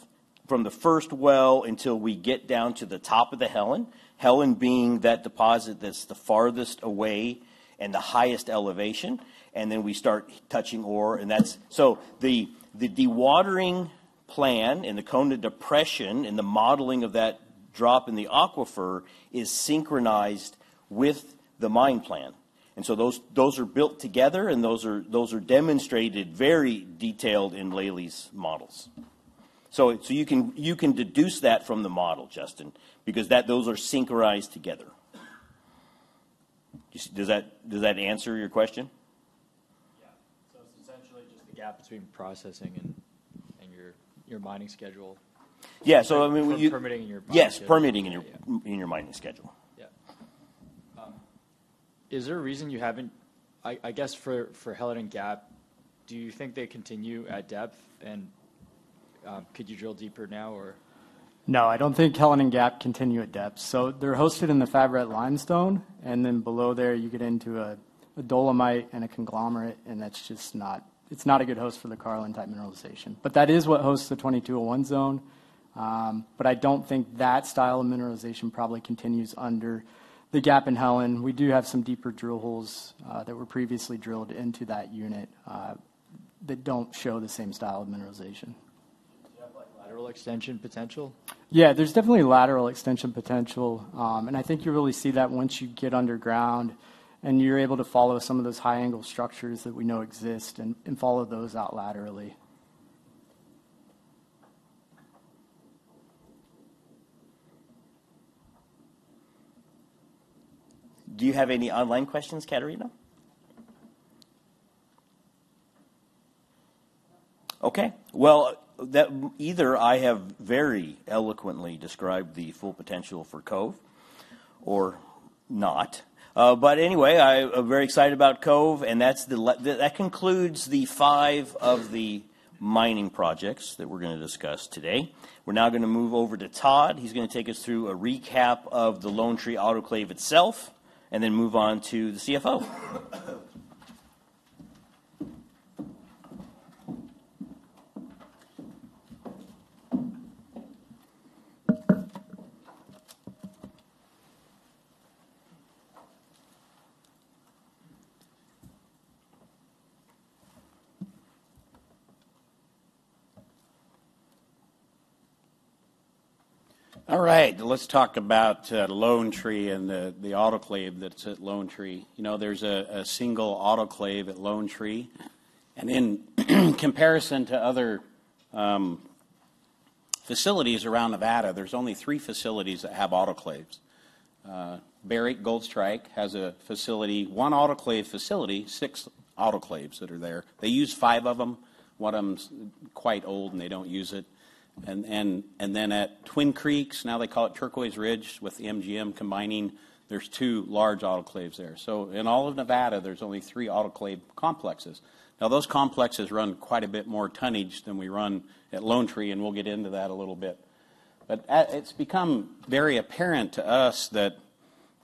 [SPEAKER 5] from the first well until we get down to the top of the Helen, Helen being that deposit that's the farthest away and the highest elevation. Then we start touching ore. The dewatering plan and the cone of depression and the modeling of that drop in the aquifer is synchronized with the mine plan. Those are built together and those are demonstrated very detailed in Lailey's models. You can deduce that from the model, Justin, because those are synchronized together. Does that answer your question?
[SPEAKER 2] Yeah. So it's essentially just the gap between processing and your mining schedule. Yeah. I mean, you permitting in your process. Yes. Permitting in your mining schedule. Yeah. Is there a reason you haven't, I guess for Helen and Gap, do you think they continue at depth and could you drill deeper now or? No, I don't think Helen and Gap continue at depth. So they're hosted in the FabRed limestone and then below there you get into a dolomite and a conglomerate. And that's just not, it's not a good host for the Carlin type mineralization. That is what hosts the 2201 zone, but I don't think that style of mineralization probably continues under the Gap and Helen. We do have some deeper drill holes that were previously drilled into that unit that don't show the same style of mineralization. Do you have like lateral extension potential? Yeah, there's definitely lateral extension potential. I think you really see that once you get underground and you're able to follow some of those high angle structures that we know exist and follow those out laterally. Do you have any online questions, Katarina? Okay. That either I have very eloquently described the full potential for Cove or not. I am very excited about Cove. That concludes the five of the mining projects that we're going to discuss today. We're now going to move over to Todd. He's going to take us through a recap of the Lone Tree autoclave itself and then move on to the CFO.
[SPEAKER 8] All right. Let's talk about Lone Tree and the autoclave that's at Lone Tree. You know, there's a single autoclave at Lone Tree. In comparison to other facilities around Nevada, there's only three facilities that have autoclaves. Barrick Goldstrike has a facility, one autoclave facility, six autoclaves that are there. They use five of them. One of them is quite old and they don't use it. Then at Twin Creeks, now they call it Turquoise Ridge with the NGM combining, there's two large autoclaves there. In all of Nevada, there's only three autoclave complexes. Now those complexes run quite a bit more tonnage than we run at Lone Tree. We'll get into that a little bit. It's become very apparent to us that,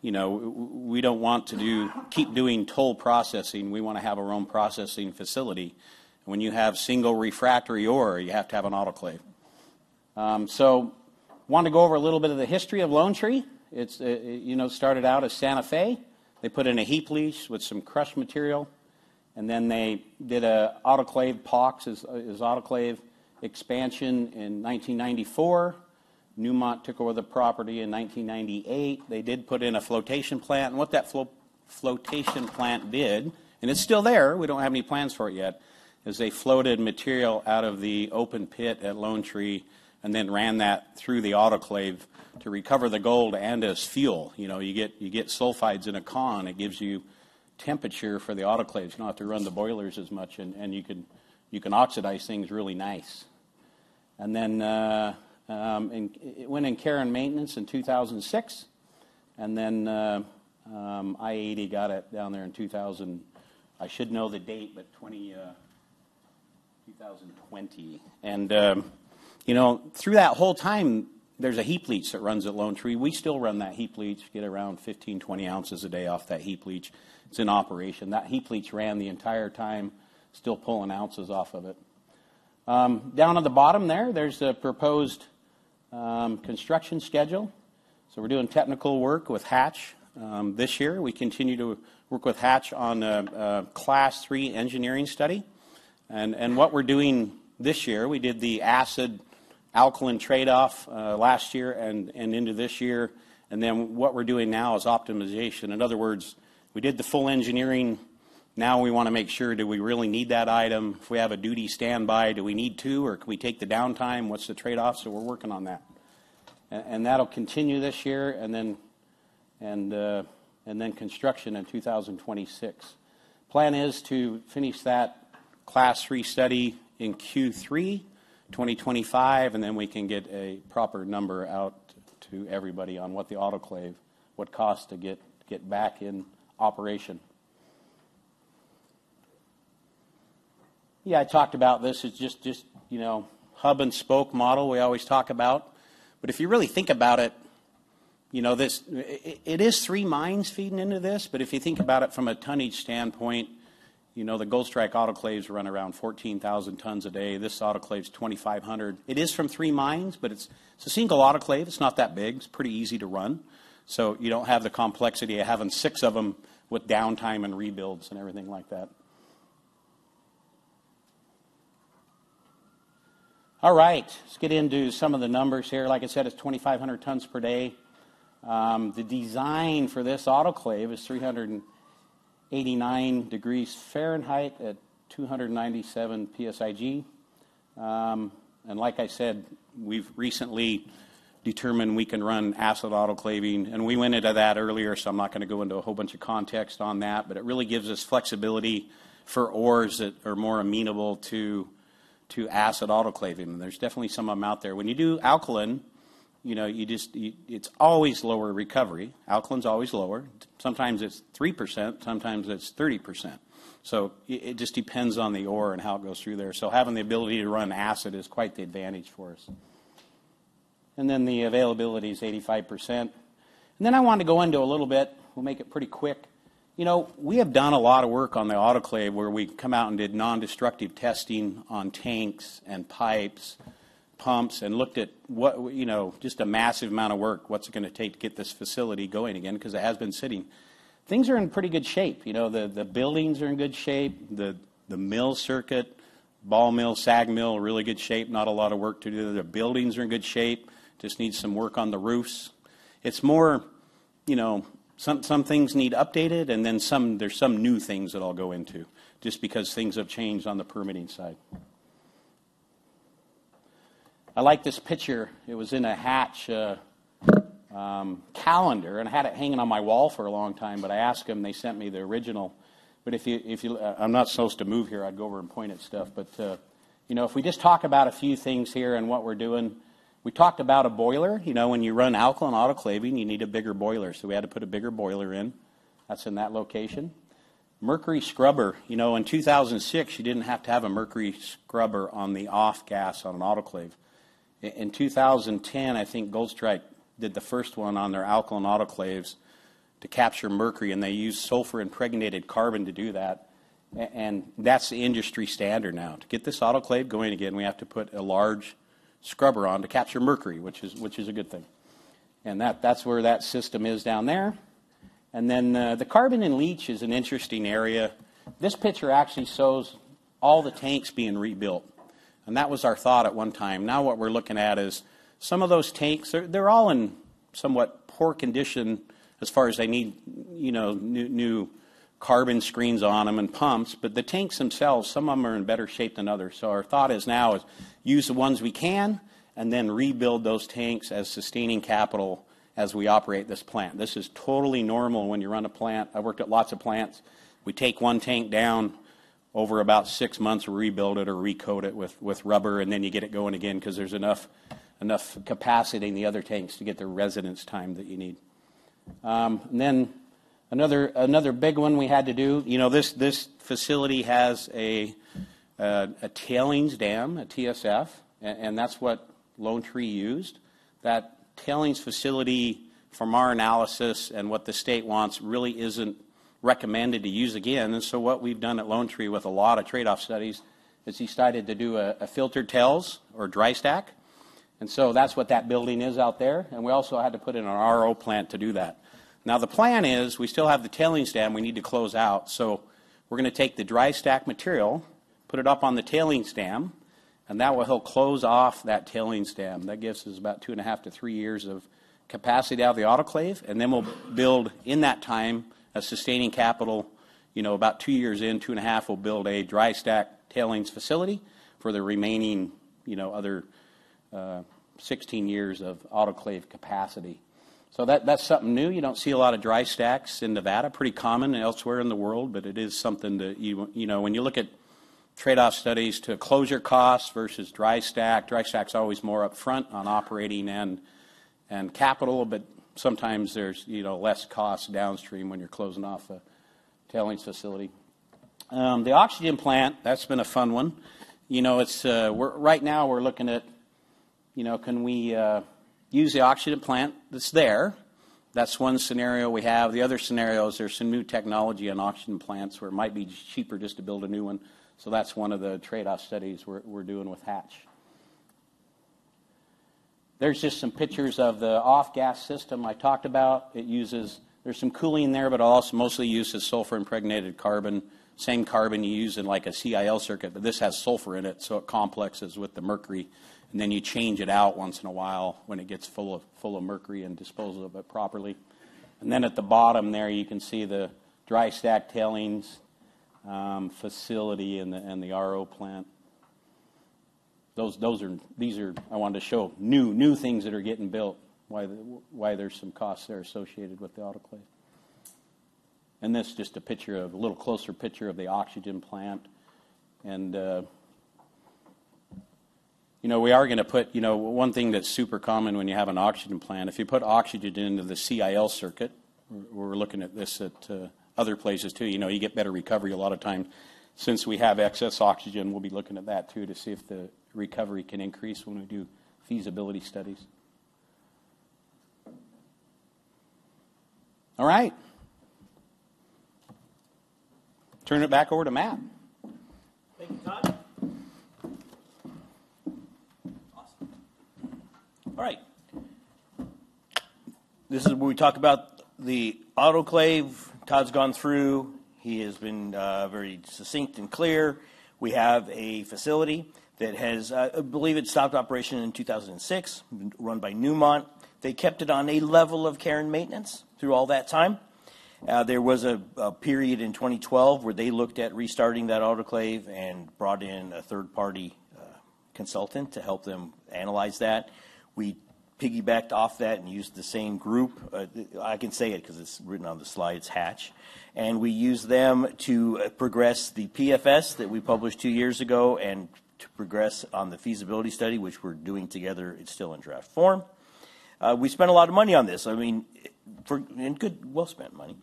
[SPEAKER 8] you know, we don't want to keep doing toll processing. We want to have our own processing facility. When you have single refractory ore, you have to have an autoclave. I want to go over a little bit of the history of Lone Tree. It's, you know, started out as Santa Fe. They put in a heap leach with some crushed material. They did an autoclave POX as autoclave expansion in 1994. Newmont took over the property in 1998. They did put in a flotation plant. What that flotation plant did, and it's still there, we don't have any plans for it yet, is they floated material out of the open pit at Lone Tree and then ran that through the autoclave to recover the gold and as fuel. You know, you get sulfides in a cone. It gives you temperature for the autoclaves. You don't have to run the boilers as much, and you can oxidize things really nice. It went in care and maintenance in 2006. I-80 got it down there in 2000. I should know the date, but 2020. You know, through that whole time, there's a heap leach that runs at Lone Tree. We still run that heap leach, get around 15-20 ounces a day off that heap leach. It's in operation. That heap leach ran the entire time, still pulling ounces off of it. Down at the bottom there, there's a proposed construction schedule. We are doing technical work with Hatch. This year we continue to work with Hatch on a class three engineering study. What we are doing this year, we did the acid-alkaline trade-off last year and into this year. What we are doing now is optimization. In other words, we did the full engineering. Now we want to make sure, do we really need that item? If we have a duty standby, do we need to, or can we take the downtime? What's the trade-off? We're working on that, and that'll continue this year. Then construction in 2026. Plan is to finish that class three study in Q3 2025. Then we can get a proper number out to everybody on what the autoclave, what costs to get back in operation. I talked about this. It's just, you know, hub and spoke model we always talk about. If you really think about it, you know, it is three mines feeding into this. If you think about it from a tonnage standpoint, the Goldstrike autoclaves run around 14,000 tons a day. This autoclave is 2,500. It is from three mines, but it's a single autoclave. It's not that big. It's pretty easy to run. You don't have the complexity of having six of them with downtime and rebuilds and everything like that.
[SPEAKER 6] All right. Let's get into some of the numbers here. Like I said, it's 2,500 tons per day. The design for this autoclave is 389 degrees Fahrenheit at 297 PSIG. Like I said, we've recently determined we can run acid autoclaving. We went into that earlier. I'm not going to go into a whole bunch of context on that, but it really gives us flexibility for ores that are more amenable to acid autoclaving. There's definitely some of them out there. When you do alkaline, you know, it's always lower recovery. Alkaline is always lower. Sometimes it's 3%, sometimes it's 30%. It just depends on the ore and how it goes through there. Having the ability to run acid is quite the advantage for us. The availability is 85%. I want to go into a little bit, we'll make it pretty quick. You know, we have done a lot of work on the autoclave where we come out and did non-destructive testing on tanks and pipes, pumps, and looked at what, you know, just a massive amount of work, what's it going to take to get this facility going again? Because it has been sitting. Things are in pretty good shape. You know, the buildings are in good shape. The mill circuit, ball mill, sag mill, really good shape. Not a lot of work to do. The buildings are in good shape. Just need some work on the roofs. It's more, you know, some things need updated and then some, there's some new things that I'll go into just because things have changed on the permitting side. I like this picture. It was in a Hatch calendar and had it hanging on my wall for a long time, but I asked them, they sent me the original. If you, if you, I'm not supposed to move here, I'd go over and point at stuff. You know, if we just talk about a few things here and what we're doing, we talked about a boiler. You know, when you run alkaline autoclaving, you need a bigger boiler. So we had to put a bigger boiler in. That's in that location. Mercury scrubber, you know, in 2006, you didn't have to have a mercury scrubber on the off gas on an autoclave. In 2010, I think Goldstrike did the first one on their alkaline autoclaves to capture mercury. They used sulfur impregnated carbon to do that. That is the industry standard now. To get this autoclave going again, we have to put a large scrubber on to capture mercury, which is a good thing. That is where that system is down there. The carbon and leach is an interesting area. This picture actually shows all the tanks being rebuilt. That was our thought at one time. Now what we are looking at is some of those tanks, they are all in somewhat poor condition as far as they need, you know, new carbon screens on them and pumps. The tanks themselves, some of them are in better shape than others. Our thought now is use the ones we can and then rebuild those tanks as sustaining capital as we operate this plant. This is totally normal when you run a plant. I worked at lots of plants. We take one tank down over about six months, rebuild it or recoat it with rubber. Then you get it going again because there's enough capacity in the other tanks to get the residence time that you need. Another big one we had to do, you know, this facility has a tailings dam, a TSF, and that's what Lone Tree used. That tailings facility from our analysis and what the state wants really isn't recommended to use again. What we've done at Lone Tree with a lot of trade-off studies is he started to do a filtered tails or dry stack. That is what that building is out there. We also had to put in an RO plant to do that. Now the plan is we still have the tailings dam we need to close out. We are going to take the dry stack material, put it up on the tailings dam, and that will help close off that tailings dam. That gives us about two and a half to three years of capacity out of the autoclave. We will build in that time a sustaining capital, you know, about two years in, two and a half, we will build a dry stack tailings facility for the remaining, you know, other, 16 years of autoclave capacity. That is something new. You do not see a lot of dry stacks in Nevada, pretty common elsewhere in the world, but it is something that you, you know, when you look at trade-off studies to close your costs versus dry stack, dry stack is always more upfront on operating and capital, but sometimes there is, you know, less cost downstream when you are closing off a tailings facility. The oxygen plant, that has been a fun one. You know, we are right now looking at, you know, can we use the oxygen plant that is there. That is one scenario we have. The other scenario is there is some new technology on oxygen plants where it might be cheaper just to build a new one. That is one of the trade-off studies we are doing with Hatch. There are just some pictures of the off gas system I talked about. It uses, there's some cooling there, but it also mostly uses sulfur impregnated carbon, same carbon you use in like a CIL circuit, but this has sulfur in it. It complexes with the mercury. You change it out once in a while when it gets full of mercury and dispose of it properly. At the bottom there, you can see the dry stack tailings facility and the RO plant. These are, I wanted to show new things that are getting built, why there's some costs that are associated with the autoclave. This is just a picture of a little closer picture of the oxygen plant. You know, we are going to put, you know, one thing that's super common when you have an oxygen plant, if you put oxygen into the CIL circuit, we're looking at this at other places too, you know, you get better recovery a lot of times. Since we have excess oxygen, we'll be looking at that too to see if the recovery can increase when we do feasibility studies. All right. Turn it back over to Matt.
[SPEAKER 2] Thank you, Todd. Awesome. All right. This is where we talk about the autoclave. Todd's gone through. He has been very succinct and clear. We have a facility that has, I believe it stopped operation in 2006, run by Newmont. They kept it on a level of care and maintenance through all that time. There was a period in 2012 where they looked at restarting that autoclave and brought in a third party consultant to help them analyze that. We piggybacked off that and used the same group. I can say it because it's written on the slides, Hatch. And we used them to progress the PFS that we published two years ago and to progress on the feasibility study, which we're doing together. It's still in draft form. We spent a lot of money on this. I mean, for, and good, well spent money.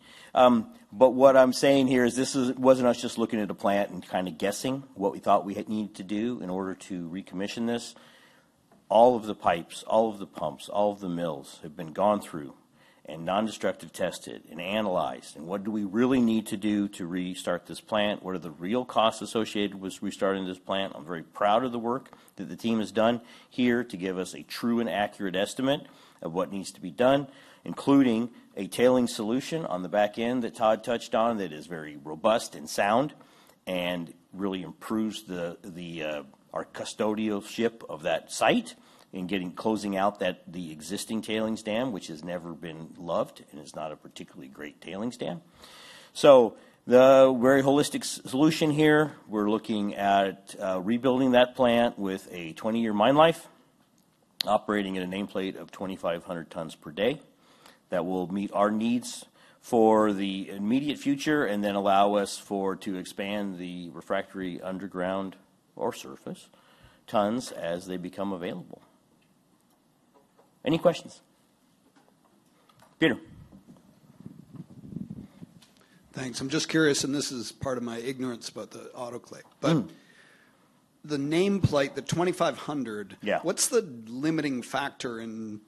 [SPEAKER 2] What I'm saying here is this wasn't us just looking at a plant and kind of guessing what we thought we had needed to do in order to recommission this. All of the pipes, all of the pumps, all of the mills have been gone through and non-destructive tested and analyzed. What do we really need to do to restart this plant? What are the real costs associated with restarting this plant? I'm very proud of the work that the team has done here to give us a true and accurate estimate of what needs to be done, including a tailings solution on the back end that Todd touched on that is very robust and sound and really improves our custodial ship of that site in getting closing out the existing tailings dam, which has never been loved and is not a particularly great tailings dam. The very holistic solution here, we're looking at rebuilding that plant with a 20-year mine life, operating at a nameplate of 2,500 tons per day that will meet our needs for the immediate future and then allow us to expand the refractory underground or surface tons as they become available. Any questions? Peter.
[SPEAKER 5] Thanks. I'm just curious, and this is part of my ignorance about the autoclave, but the nameplate, the 2,500, what's the limiting factor in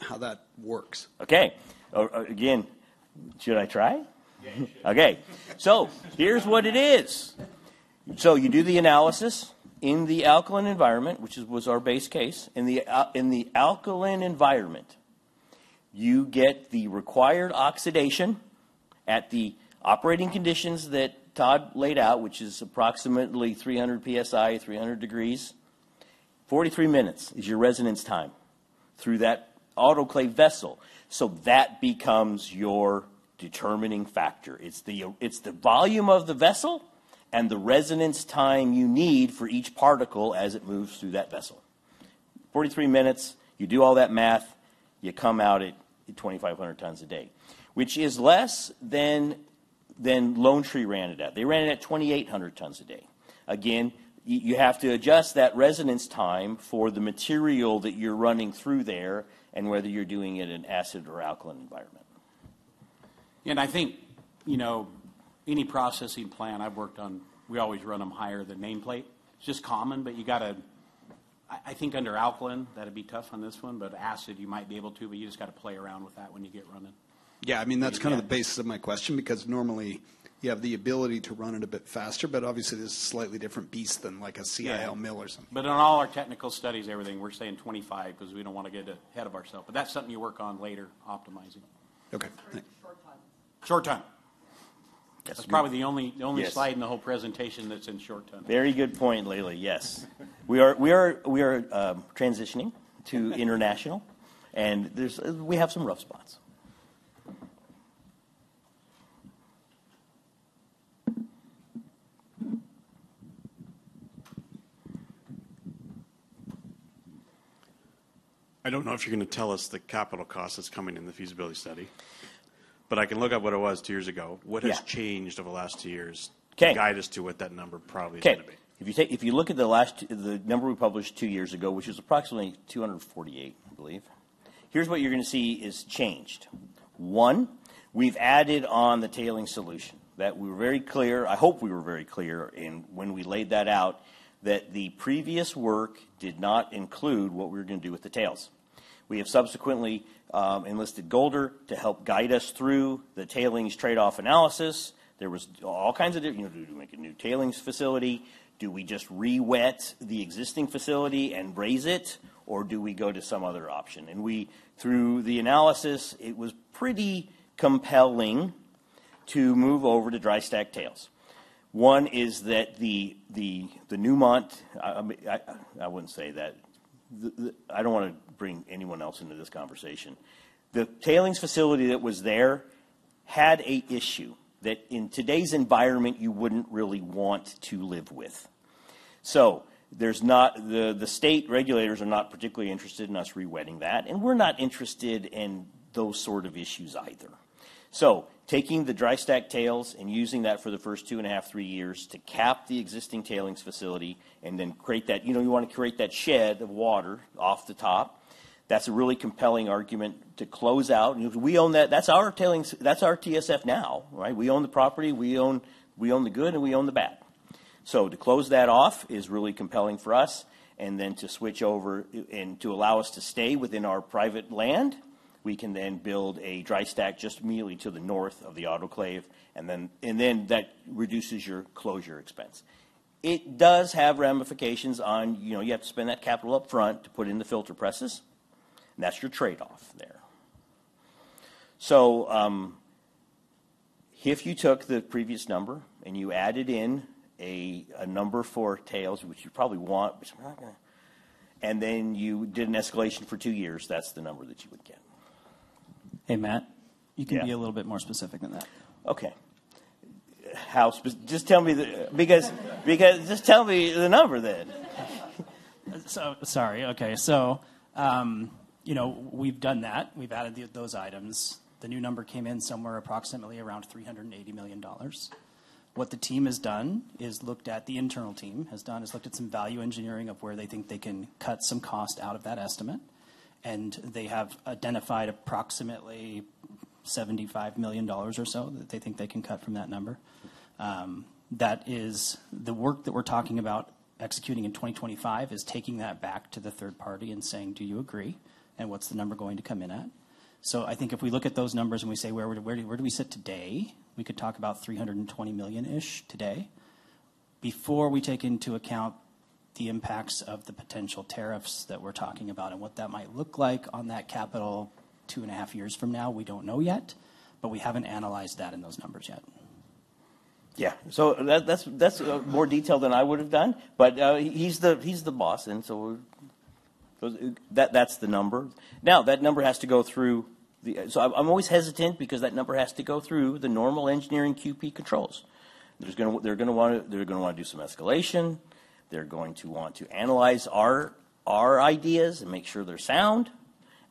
[SPEAKER 5] how that works?
[SPEAKER 6] Okay. Again, should I try? Yeah, you should. Okay. So here's what it is. You do the analysis in the alkaline environment, which was our base case. In the alkaline environment, you get the required oxidation at the operating conditions that Todd laid out, which is approximately 300 PSI, 300 degrees, 43 minutes is your residence time through that autoclave vessel. That becomes your determining factor. It's the volume of the vessel and the residence time you need for each particle as it moves through that vessel. 43 minutes, you do all that math, you come out at 2,500 tons a day, which is less than Lone Tree ran it at. They ran it at 2,800 tons a day. Again, you have to adjust that residence time for the material that you're running through there and whether you're doing it in an acid or alkaline environment.
[SPEAKER 5] I think, you know, any processing plant I've worked on, we always run them higher than nameplate. It's just common, but you got to, I think under alkaline, that'd be tough on this one, but acid you might be able to, but you just got to play around with that when you get running.
[SPEAKER 2] Yeah. I mean, that's kind of the basis of my question because normally you have the ability to run it a bit faster, but obviously this is a slightly different beast than like a CIL mill or something. On all our technical studies, everything, we're saying 25 because we don't want to get ahead of ourselves. That's something you work on later optimizing. Okay. Short time. Short time. That's probably the only, the only slide in the whole presentation that's in short time. Very good point, Lily. Yes. We are transitioning to international and there's, we have some rough spots. I don't know if you're going to tell us the capital cost that's coming in the feasibility study, but I can look at what it was two years ago. What has changed over the last two years to guide us to what that number probably is going to be? If you look at the last, the number we published two years ago, which is approximately $248, I believe, here's what you're going to see is changed. One, we've added on the tailings solution that we were very clear, I hope we were very clear in when we laid that out that the previous work did not include what we were going to do with the tails. We have subsequently enlisted Golder to help guide us through the tailings trade-off analysis. There was all kinds of, you know, do we make a new tailings facility? Do we just re-wet the existing facility and raise it? Or do we go to some other option? We, through the analysis, it was pretty compelling to move over to dry stack tails. One is that the, the, the Newmont, I mean, I wouldn't say that, I don't want to bring anyone else into this conversation. The tailings facility that was there had an issue that in today's environment you wouldn't really want to live with. There is not, the state regulators are not particularly interested in us re-wetting that. We are not interested in those sort of issues either. Taking the dry stack tails and using that for the first two and a half, three years to cap the existing tailings facility and then create that, you know, you want to create that shed of water off the top. That is a really compelling argument to close out. We own that, that is our tailings, that is our TSF now, right? We own the property, we own, we own the good and we own the bad. To close that off is really compelling for us. Then to switch over and to allow us to stay within our private land, we can then build a dry stack just immediately to the north of the autoclave. That reduces your closure expense. It does have ramifications on, you know, you have to spend that capital upfront to put in the filter presses. That is your trade-off there. If you took the previous number and you added in a number for tails, which you probably want, but we are not going to, and then you did an escalation for two years, that is the number that you would get. Hey, Matt, you can be a little bit more specific than that. Okay. How specific? Just tell me the, because, because just tell me the number then. Sorry. Okay. You know, we have done that. We have added those items. The new number came in somewhere approximately around $380 million. What the team has done is looked at, the internal team has done, has looked at some value engineering of where they think they can cut some cost out of that estimate. They have identified approximately $75 million or so that they think they can cut from that number. That is the work that we're talking about executing in 2025, is taking that back to the third party and saying, do you agree? And what's the number going to come in at? I think if we look at those numbers and we say, where do we sit today, we could talk about $320 million-ish today before we take into account the impacts of the potential tariffs that we're talking about and what that might look like on that capital two and a half years from now. We don't know yet, but we haven't analyzed that in those numbers yet. Yeah. That's more detailed than I would have done, but he's the boss. That, that's the number. Now that number has to go through the, so I'm always hesitant because that number has to go through the normal engineering QP controls. They're going to want to do some escalation. They're going to want to analyze our ideas and make sure they're sound.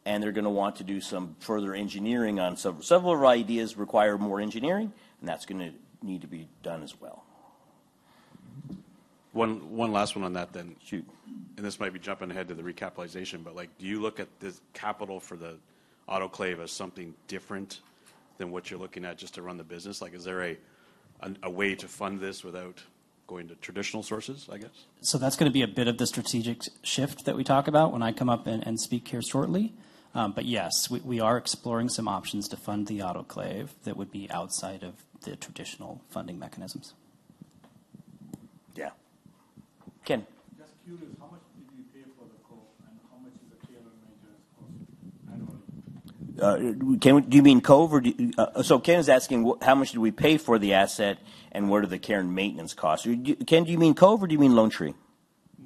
[SPEAKER 2] They're going to want to do some further engineering on several ideas require more engineering. That's going to need to be done as well. One last one on that then. Shoot. This might be jumping ahead to the recapitalization, but like, do you look at the capital for the autoclave as something different than what you're looking at just to run the business? Like, is there a way to fund this without going to traditional sources, I guess?
[SPEAKER 5] That's going to be a bit of the strategic shift that we talk about when I come up and speak here shortly. Yes, we are exploring some options to fund the autoclave that would be outside of the traditional funding mechanisms. Yeah. Ken. Just curious, how much did you pay for the COVE and how much is the care and maintenance cost annually? Ken, do you mean COVE or do you, so Ken is asking how much do we pay for the asset and where do the care and maintenance costs? Ken, do you mean COVE or do you mean Lone Tree?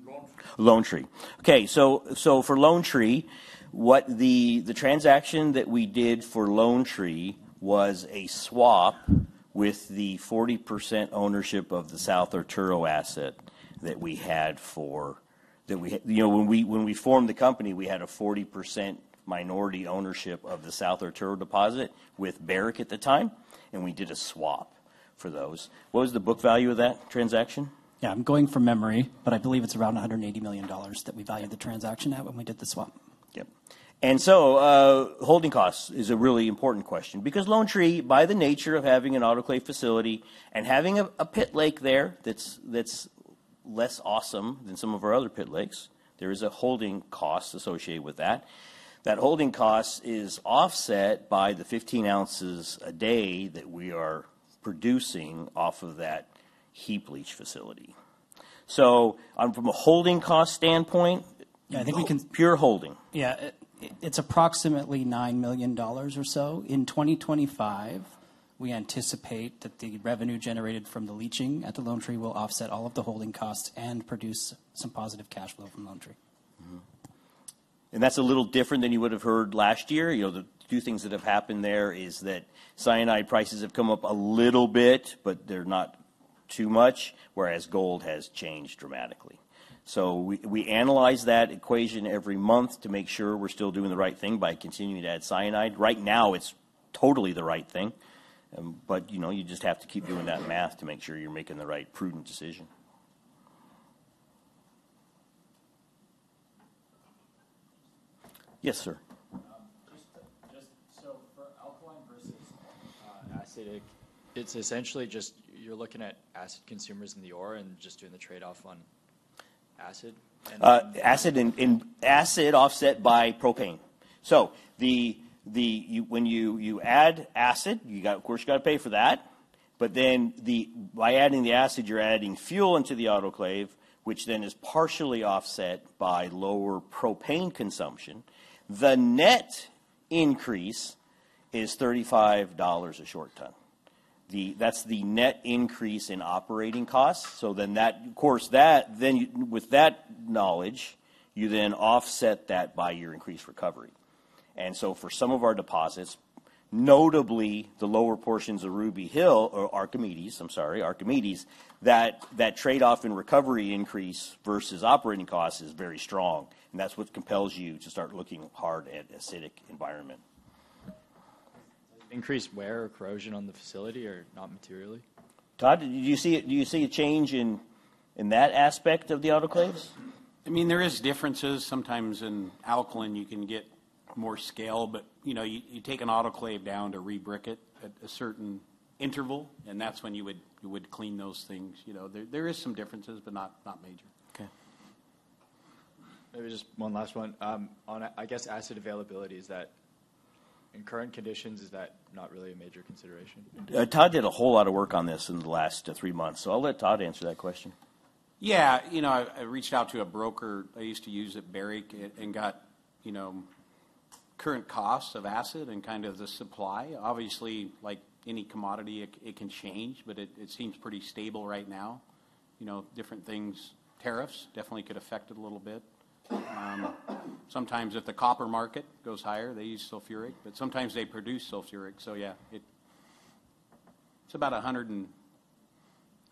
[SPEAKER 5] Lone Tree. Lone Tree. Okay.
[SPEAKER 2] For Lone Tree, what the transaction that we did for Lone Tree was a swap with the 40% ownership of the South Arturo asset that we had for, that we, you know, when we formed the company, we had a 40% minority ownership of the South Arturo deposit with Barrick at the time. We did a swap for those. What was the book value of that transaction? I'm going from memory, but I believe it's around $180 million that we valued the transaction at when we did the swap. Yep. Holding costs is a really important question because Lone Tree, by the nature of having an autoclave facility and having a pit lake there that's less awesome than some of our other pit lakes, there is a holding cost associated with that. That holding cost is offset by the 15 ounces a day that we are producing off of that heap leach facility. From a holding cost standpoint, I think we can pure holding. Yeah, it's approximately $9 million or so. In 2025, we anticipate that the revenue generated from the leaching at the Lone Tree will offset all of the holding costs and produce some positive Cash flow from Lone Tree. That's a little different than you would have heard last year. You know, the two things that have happened there is that cyanide prices have come up a little bit, but they're not too much, whereas gold has changed dramatically. We analyze that equation every month to make sure we're still doing the right thing by continuing to add cyanide. Right now, it's totally the right thing. But, you know, you just have to keep doing that math to make sure you're making the right prudent decision. Yes, sir. Just so for alkaline versus acidic, it's essentially just you're looking at acid consumers in the ore and just doing the trade-off on acid and acid and acid offset by propane. When you add acid, you got, of course, you got to pay for that. But then, by adding the acid, you're adding fuel into the autoclave, which then is partially offset by lower propane consumption. The net increase is $35 a short ton. That's the net increase in operating costs. With that knowledge, you then offset that by your increased recovery.
[SPEAKER 5] For some of our deposits, notably the lower portions of Ruby Hill or Archimedes, I'm sorry, Archimedes, that trade-off in recovery increase versus operating costs is very strong. That is what compels you to start looking hard at acidic environment. Increased wear or corrosion on the facility or not materially? Todd, do you see it? Do you see a change in that aspect of the autoclaves? I mean, there are differences sometimes in alkaline. You can get more scale, but you know, you take an autoclave down to re-brick it at a certain interval, and that is when you would clean those things. You know, there are some differences, but not major. Okay. Maybe just one last one. On, I guess, acid availability, is that in current conditions, is that not really a major consideration?
[SPEAKER 2] Todd did a whole lot of work on this in the last three months. I'll let Todd answer that question. Yeah. You know, I reached out to a broker I used to use at Barrick and got, you know, current costs of acid and kind of the supply. Obviously, like any commodity, it can change, but it seems pretty stable right now. You know, different things, tariffs definitely could affect it a little bit. Sometimes if the copper market goes higher, they use sulfuric, but sometimes they produce sulfuric. Yeah, it's about $175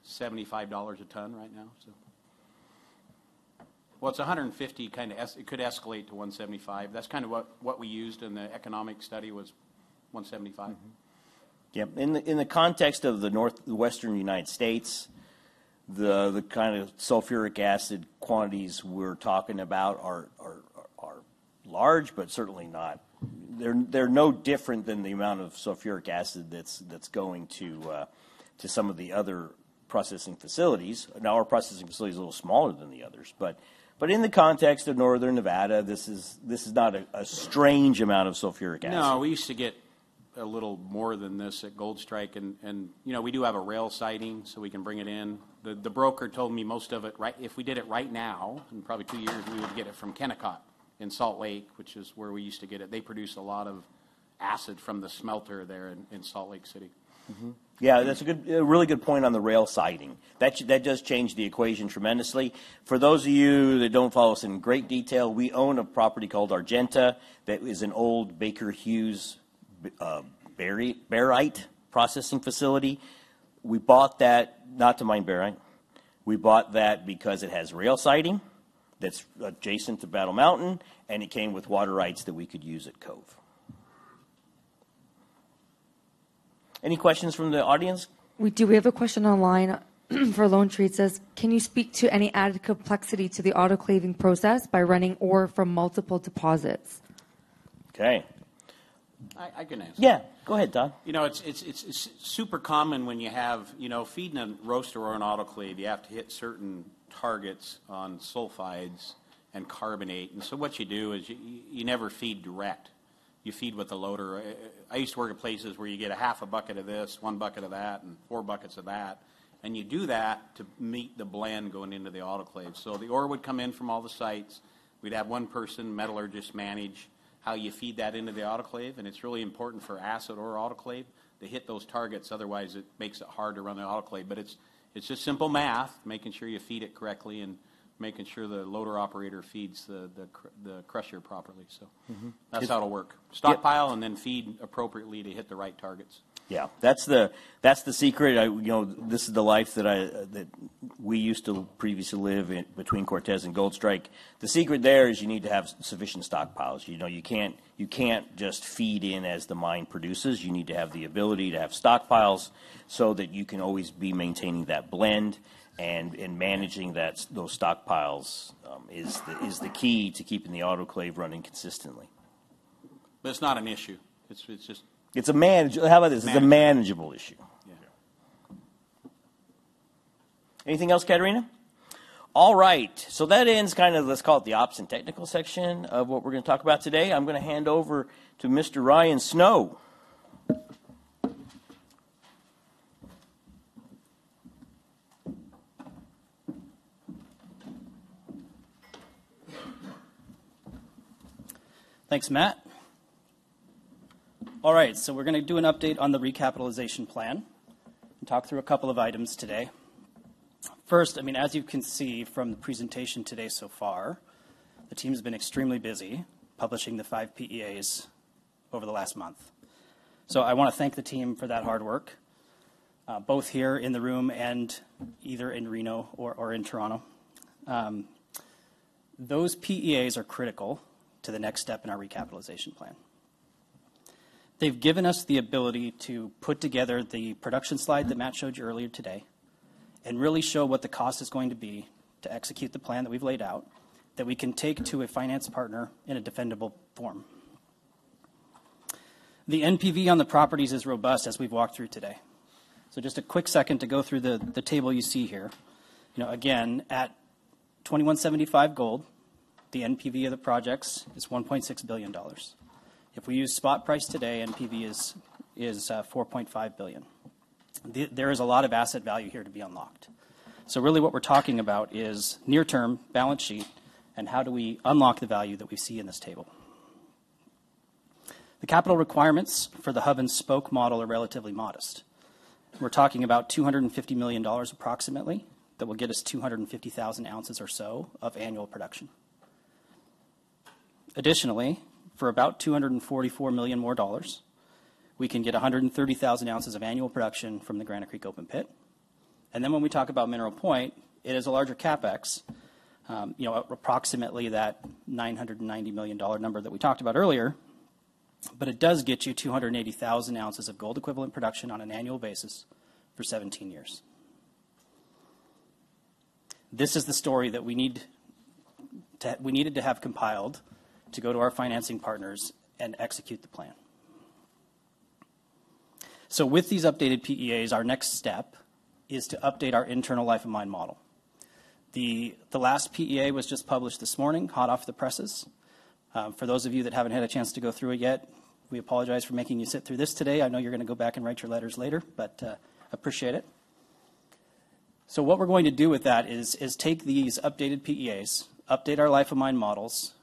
[SPEAKER 2] a ton right now. It's $150, kind of, it could escalate to $175. That's kind of what we used in the economic study was $175. Yep. In the context of the Northwestern United States, the kind of sulfuric acid quantities we're talking about are large, but certainly not. They're no different than the amount of sulfuric acid that's going to some of the other processing facilities. Now, our processing facility is a little smaller than the others, but in the context of Northern Nevada, this is not a strange amount of sulfuric acid. No, we used to get a little more than this at Gold Strike. You know, we do have a rail siding, so we can bring it in. The broker told me most of it, right? If we did it right now, in probably two years, we would get it from Kennecott in Salt Lake, which is where we used to get it. They produce a lot of acid from the smelter there in Salt Lake City. Yeah, that's a really good point on the rail siding. That just changed the equation tremendously. For those of you that don't follow us in great detail, we own a property called Argenta. That is an old Baker Hughes, Barrick, barite processing facility. We bought that, not to mine barite. We bought that because it has rail siding that's adjacent to Battle Mountain, and it came with water rights that we could use at Cove. Any questions from the audience? We do, we have a question online for Lone Tree that says, can you speak to any added complexity to the autoclaving process by running ore from multiple deposits? Okay. I can answer. Yeah, go ahead, Todd.
[SPEAKER 6] You know, it's super common when you have, you know, feeding a roaster or an autoclave, you have to hit certain targets on sulfides and carbonate. And so what you do is you never feed direct. You feed with a loader. I used to work at places where you get half a bucket of this, one bucket of that, and four buckets of that. You do that to meet the blend going into the autoclave. The ore would come in from all the sites. We'd have one person, metallurgist, manage how you feed that into the autoclave. It's really important for acid ore autoclave to hit those targets. Otherwise, it makes it hard to run the autoclave. It's just simple math, making sure you feed it correctly and making sure the loader operator feeds the crusher properly. That's how it'll work. Stockpile and then feed appropriately to hit the right targets. Yeah, that's the secret. I, you know, this is the life that I, that we used to previously live in between Cortez and Goldstrike. The secret there is you need to have sufficient stockpiles. You know, you can't, you can't just feed in as the mine produces. You need to have the ability to have stockpiles so that you can always be maintaining that blend and, and managing that, those stockpiles, is the, is the key to keeping the autoclave running consistently. It's not an issue. It's, it's just, it's a managed, how about this? It's a manageable issue. Yeah. Anything else, Katarina? All right. That ends kind of, let's call it the ops and technical section of what we're going to talk about today. I'm going to hand over to Mr. Ryan Snow.
[SPEAKER 8] Thanks, Matt. All right. We're going to do an update on the recapitalization plan and talk through a couple of items today. First, I mean, as you can see from the presentation today so far, the team has been extremely busy publishing the five PEAs over the last month. I want to thank the team for that hard work, both here in the room and either in Reno or in Toronto. Those PEAs are critical to the next step in our recapitalization plan. They have given us the ability to put together the production slide that Matt showed you earlier today and really show what the cost is going to be to execute the plan that we have laid out that we can take to a finance partner in a defendable form. The NPV on the properties is robust as we have walked through today. Just a quick second to go through the table you see here. You know, again, at $2,175 gold, the NPV of the projects is $1.6 billion. If we use spot price today, NPV is $4.5 billion. There is a lot of asset value here to be unlocked. Really what we're talking about is near-term balance sheet and how do we unlock the value that we see in this table. The capital requirements for the hub-and-spoke model are relatively modest. We're talking about $250 million approximately that will get us 250,000 ounces or so of annual production. Additionally, for about $244 million more dollars, we can get 130,000 ounces of annual production from the Granite Creek Open Pit. When we talk about Mineral Point, it is a larger CapEx, you know, approximately that $990 million number that we talked about earlier, but it does get you 280,000 ounces of gold equivalent production on an annual basis for 17 years. This is the story that we need to, we needed to have compiled to go to our financing partners and execute the plan. With these updated PEAs, our next step is to update our internal life of mine model. The last PEA was just published this morning, hot off the presses. For those of you that have not had a chance to go through it yet, we apologize for making you sit through this today. I know you are going to go back and write your letters later, but I appreciate it. What we are going to do with that is take these updated PEAs, update our life of mine models,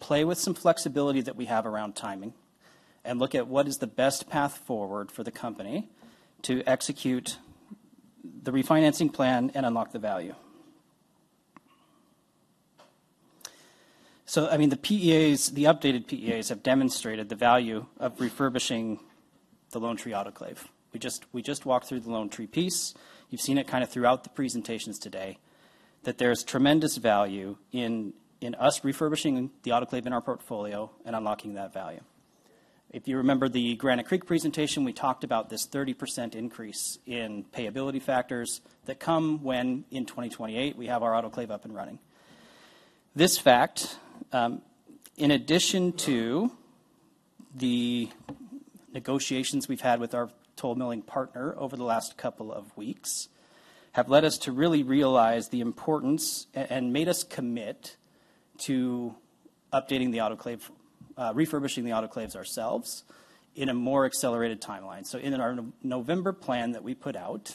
[SPEAKER 8] play with some flexibility that we have around timing, and look at what is the best path forward for the company to execute the refinancing plan and unlock the value. I mean, the PEAs, the updated PEAs have demonstrated the value of refurbishing the Lone Tree Autoclave. We just walked through the Lone Tree piece. You've seen it kind of throughout the presentations today that there's tremendous value in us refurbishing the autoclave in our portfolio and unlocking that value. If you remember the Granite Creek presentation, we talked about this 30% increase in payability factors that come when in 2028 we have our autoclave up and running. This fact, in addition to the negotiations we've had with our toll milling partner over the last couple of weeks, have led us to really realize the importance and made us commit to updating the autoclave, refurbishing the autoclave ourselves in a more accelerated timeline. In our November plan that we put out,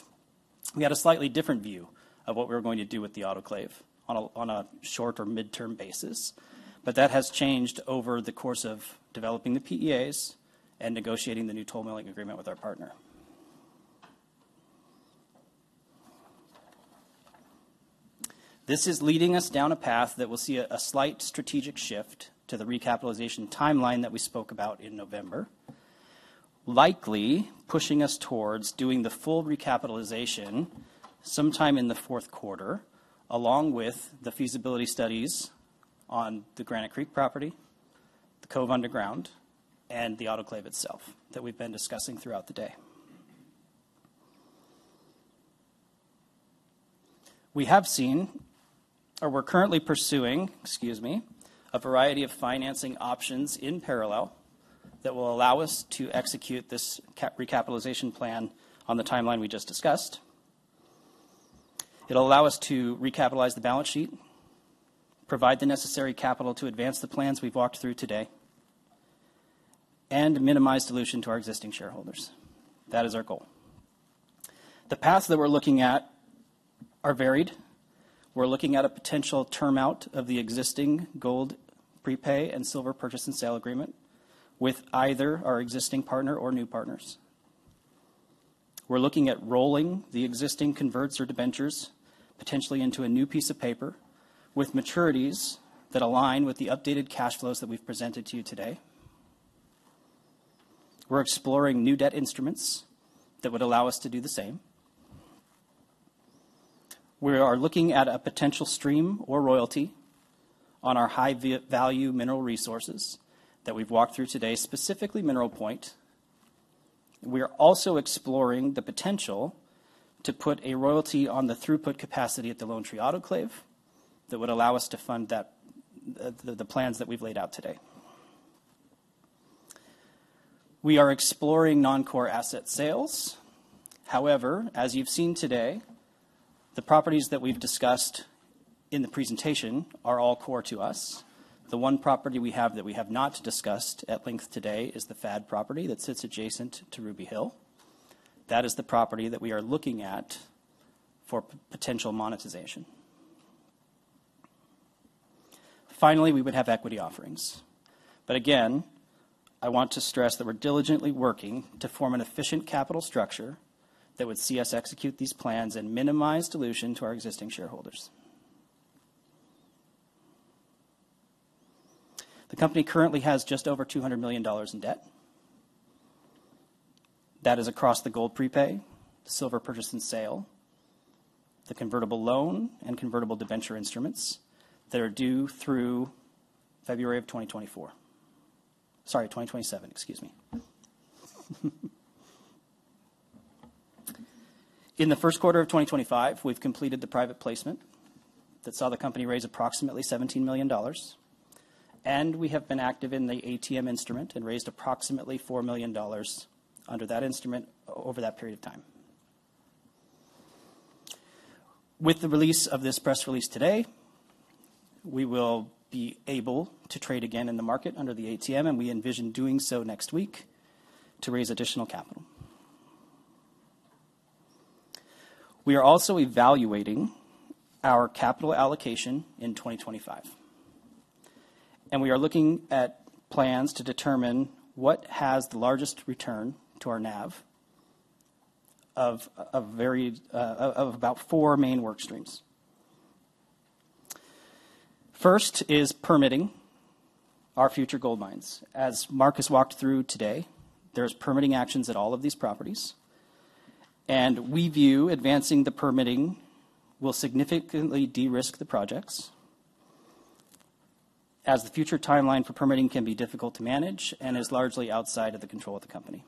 [SPEAKER 8] we had a slightly different view of what we were going to do with the autoclave on a short or mid-term basis, but that has changed over the course of developing the PEAs and negotiating the new toll milling agreement with our partner. This is leading us down a path that will see a slight strategic shift to the recapitalization timeline that we spoke about in November, likely pushing us towards doing the full recapitalization sometime in the fourth quarter, along with the feasibility studies on the Granite Creek property, the Cove Underground, and the autoclave itself that we've been discussing throughout the day. We have seen, or we're currently pursuing, excuse me, a variety of financing options in parallel that will allow us to execute this recapitalization plan on the timeline we just discussed. It'll allow us to recapitalize the balance sheet, provide the necessary capital to advance the plans we've walked through today, and minimize dilution to our existing shareholders. That is our goal. The paths that we're looking at are varied. We're looking at a potential term out of the existing gold prepay and silver purchase and sale agreement with either our existing partner or new partners. We're looking at rolling the existing converts or debentures potentially into a new piece of paper with maturities that align with the updated Cash flows that we've presented to you today. We're exploring new debt instruments that would allow us to do the same. We are looking at a potential stream or royalty on our high-value mineral resources that we've walked through today, specifically Mineral Point. We are also exploring the potential to put a royalty on the throughput capacity at the Lone Tree Autoclave that would allow us to fund the plans that we've laid out today. We are exploring non-core asset sales. However, as you've seen today, the properties that we've discussed in the presentation are all core to us. The one property we have that we have not discussed at length today is the FAD property that sits adjacent to Ruby Hill. That is the property that we are looking at for potential monetization. Finally, we would have equity offerings. Again, I want to stress that we're diligently working to form an efficient capital structure that would see us execute these plans and minimize dilution to our existing shareholders. The company currently has just over $200 million in debt. That is across the gold prepay, the silver purchase and sale, the convertible loan, and convertible debenture instruments that are due through February of 2027. In the first quarter of 2025, we've completed the private placement that saw the company raise approximately $17 million. And we have been active in the ATM instrument and raised approximately $4 million under that instrument over that period of time. With the release of this press release today, we will be able to trade again in the market under the ATM, and we envision doing so next week to raise additional capital. We are also evaluating our capital allocation in 2025, and we are looking at plans to determine what has the largest return to our NAV of a varied of about four main work streams. First is permitting our future gold mines. As Marcus walked through today, there are permitting actions at all of these properties, and we view advancing the permitting will significantly de-risk the projects as the future timeline for permitting can be difficult to manage and is largely outside of the control of the company.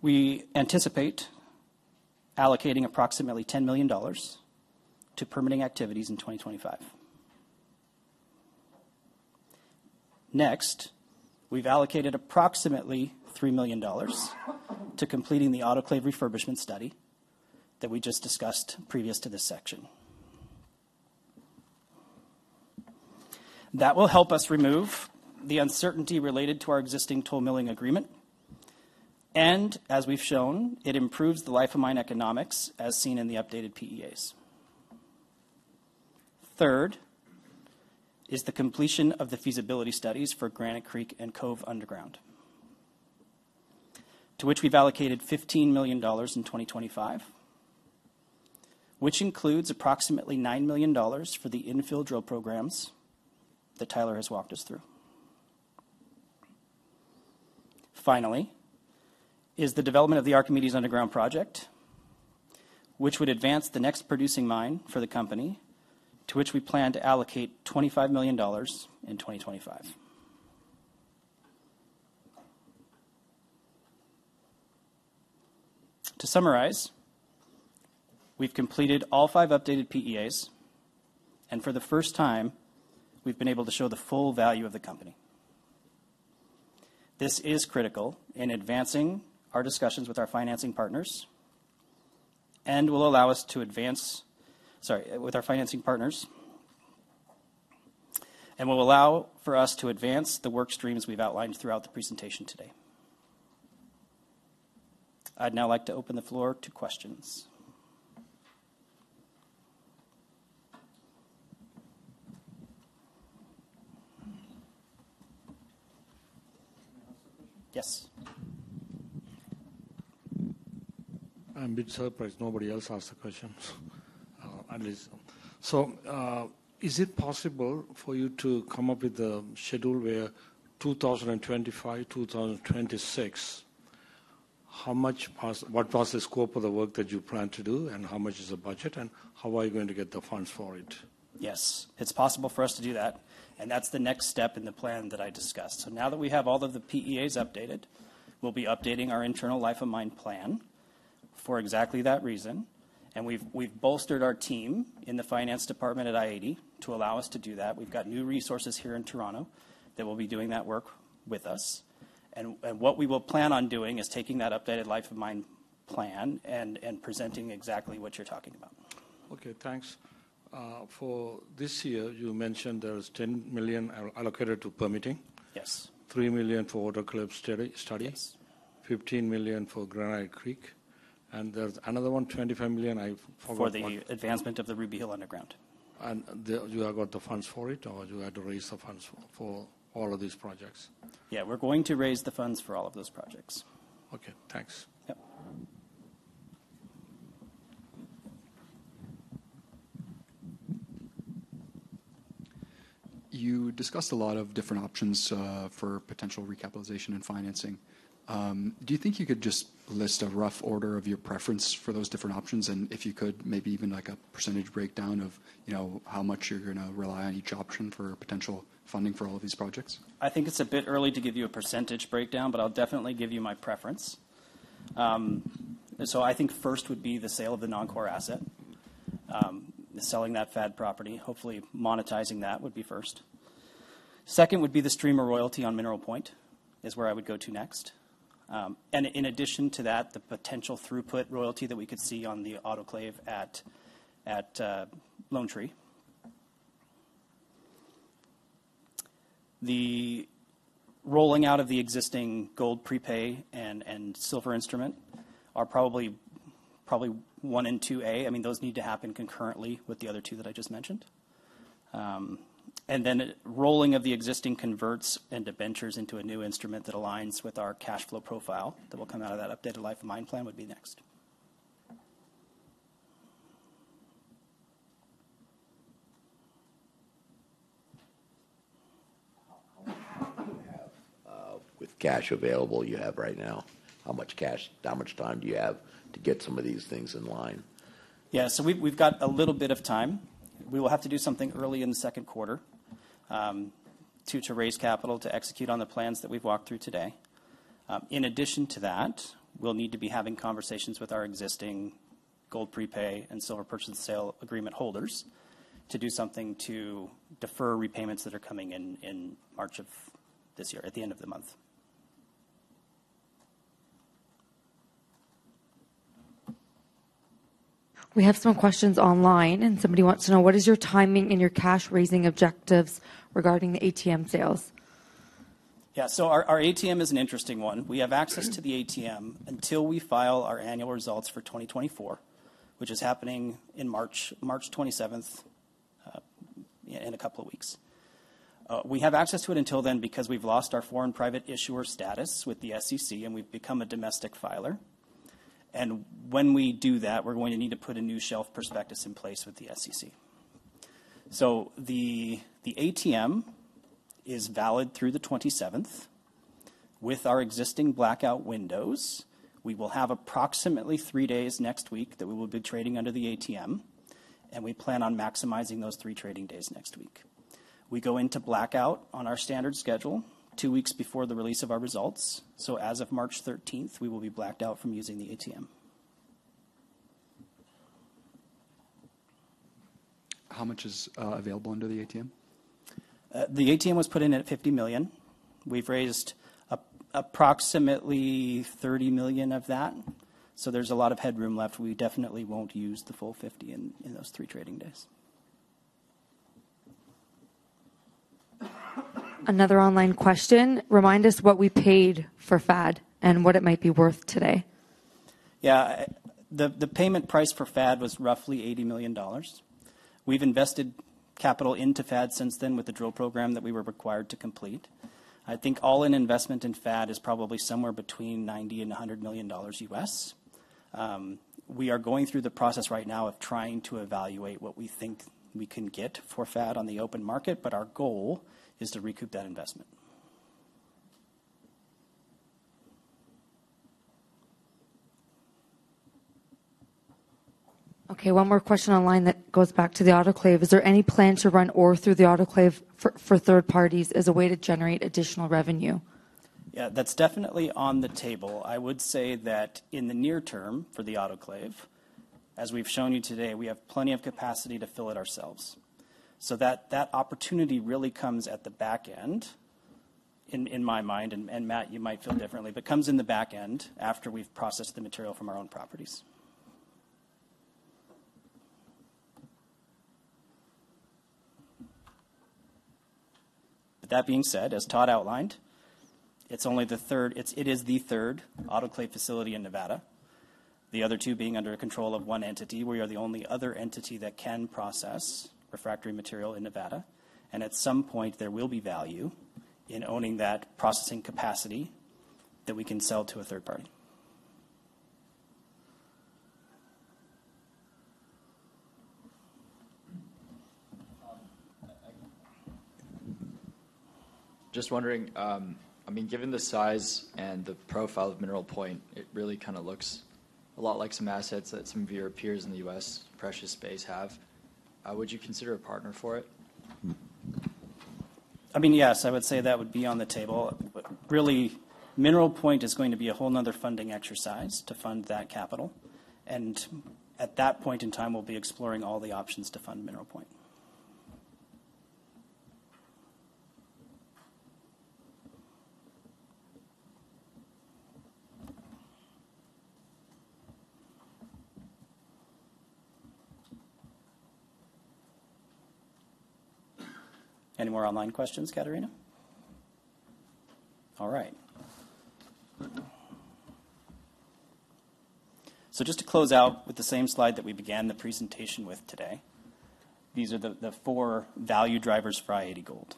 [SPEAKER 8] We anticipate allocating approximately $10 million to permitting activities in 2025. Next, we've allocated approximately $3 million to completing the autoclave refurbishment study that we just discussed previous to this section. That will help us remove the uncertainty related to our existing toll milling agreement, and as we've shown, it improves the life of mine economics as seen in the updated PEAs. Third is the completion of the feasibility studies for Granite Creek and Cove Underground, to which we've allocated $15 million in 2025, which includes approximately $9 million for the infill drill programs that Tyler has walked us through. Finally is the development of the Archimedes Underground project, which would advance the next producing mine for the company, to which we plan to allocate $25 million in 2025. To summarize, we've completed all five updated PEAs, and for the first time, we've been able to show the full value of the company. This is critical in advancing our discussions with our financing partners and will allow us to advance, sorry, with our financing partners and will allow for us to advance the work streams we've outlined throughout the presentation today. I'd now like to open the floor to questions. Can I ask a question? Yes. I'm a bit surprised nobody else asked the question.
[SPEAKER 2] Is it possible for you to come up with a schedule where 2025, 2026, how much was, what was the scope of the work that you plan to do and how much is the budget and how are you going to get the funds for it? Yes, it's possible for us to do that, and that's the next step in the plan that I discussed. Now that we have all of the PEAs updated, we'll be updating our internal life of mine plan for exactly that reason. We've bolstered our team in the finance department at i-80 to allow us to do that. We've got new resources here in Toronto that will be doing that work with us. What we will plan on doing is taking that updated life of mine plan and presenting exactly what you're talking about. Okay, thanks. For this year, you mentioned there is $10 million allocated to permitting. Yes. $3 million for autoclave studies. Yes. $15 million for Granite Creek. There is another one, $25 million for the advancement of the Ruby Hill underground. You have got the funds for it or you had to raise the funds for all of these projects? Yeah, we're going to raise the funds for all of those projects. Okay, thanks. Yep. You discussed a lot of different options for potential recapitalization and financing. Do you think you could just list a rough order of your preference for those different options and if you could maybe even like a percentage breakdown of, you know, how much you're going to rely on each option for potential funding for all of these projects? I think it's a bit early to give you a percentage breakdown, but I'll definitely give you my preference. I think first would be the sale of the non-core asset, selling that FAD property. Hopefully, monetizing that would be first. Second would be the stream of royalty on Mineral Point is where I would go to next. In addition to that, the potential throughput royalty that we could see on the autoclave at Lone Tree. The rolling out of the existing gold prepay and silver instrument are probably, probably one and two A. I mean, those need to happen concurrently with the other two that I just mentioned. Rolling of the existing converts and debentures into a new instrument that aligns with our Cash flow profile that will come out of that updated life of mine plan would be next.
[SPEAKER 5] How long do you have with cash available you have right now? How much cash, how much time do you have to get some of these things in line?
[SPEAKER 2] Yeah, so we've got a little bit of time. We will have to do something early in the second quarter to raise capital to execute on the plans that we've walked through today. In addition to that, we'll need to be having conversations with our existing gold prepay and silver purchase and sale agreement holders to do something to defer repayments that are coming in March of this year at the end of the month. We have some questions online and somebody wants to know what is your timing and your cash raising objectives regarding the ATM sales? Yeah, so our ATM is an interesting one. We have access to the ATM until we file our annual results for 2024, which is happening in March, March 27th in a couple of weeks. We have access to it until then because we've lost our foreign private issuer status with the SEC and we've become a domestic filer. When we do that, we're going to need to put a new shelf prospectus in place with the SEC. The ATM is valid through the 27th. With our existing blackout windows, we will have approximately three days next week that we will be trading under the ATM, and we plan on maximizing those three trading days next week. We go into blackout on our standard schedule two weeks before the release of our results. As of March 13th, we will be blacked out from using the ATM. How much is available under the ATM? The ATM was put in at $50 million. We've raised approximately $30 million of that. There is a lot of headroom left. We definitely won't use the full $50 million in those three trading days.
[SPEAKER 5] Another online question. Remind us what we paid for FAD and what it might be worth today.
[SPEAKER 2] Yeah, the payment price for FAD was roughly $80 million. We've invested capital into FAD since then with the drill program that we were required to complete. I think all in investment in FAD is probably somewhere between $90-$100 million U.S. We are going through the process right now of trying to evaluate what we think we can get for FAD on the open market, but our goal is to recoup that investment.
[SPEAKER 5] Okay, one more question online that goes back to the autoclave. Is there any plan to run ore through the autoclave for third parties as a way to generate additional revenue?
[SPEAKER 8] Yeah, that's definitely on the table. I would say that in the near term for the autoclave, as we've shown you today, we have plenty of capacity to fill it ourselves. That opportunity really comes at the back end in my mind, and Matt, you might feel differently, but comes in the back end after we've processed the material from our own properties. That being said, as Todd outlined, it's only the third, it is the third autoclave facility in Nevada, the other two being under control of one entity. We are the only other entity that can process refractory material in Nevada, and at some point there will be value in owning that processing capacity that we can sell to a third party. Just wondering, I mean, given the size and the profile of Mineral Point, it really kind of looks a lot like some assets that some of your peers in the U.S. precious space have. Would you consider a partner for it? I mean, yes, I would say that would be on the table. Really, Mineral Point is going to be a whole nother funding exercise to fund that capital. At that point in time, we'll be exploring all the options to fund Mineral Point. Any more online questions, Katerina? All right. Just to close out with the same slide that we began the presentation with today, these are the four value drivers for i-80 Gold.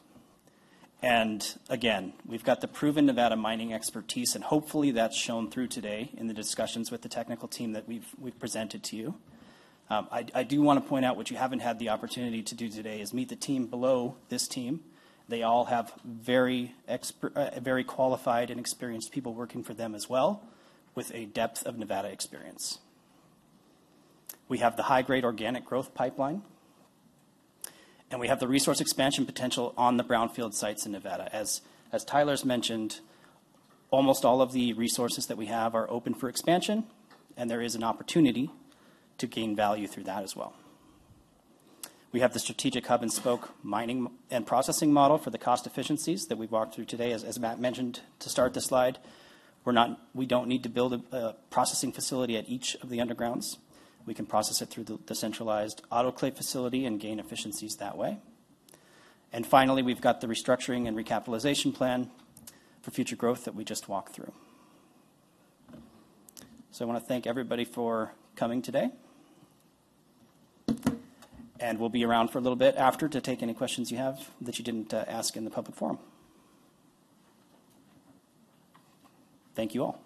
[SPEAKER 8] Again, we've got the proven Nevada mining expertise, and hopefully that's shown through today in the discussions with the technical team that we've presented to you. I do want to point out what you haven't had the opportunity to do today is meet the team below this team. They all have very qualified and experienced people working for them as well with a depth of Nevada experience. We have the high-grade organic growth pipeline, and we have the resource expansion potential on the brownfield sites in Nevada. As Tyler's mentioned, almost all of the resources that we have are open for expansion, and there is an opportunity to gain value through that as well. We have the strategic hub and spoke mining and processing model for the cost efficiencies that we walked through today. As Matt mentioned to start the slide, we don't need to build a processing facility at each of the undergrounds. We can process it through the centralized autoclave facility and gain efficiencies that way. Finally, we have the restructuring and recapitalization plan for future growth that we just walked through. I want to thank everybody for coming today, and we will be around for a little bit after to take any questions you have that you did not ask in the public forum. Thank you all.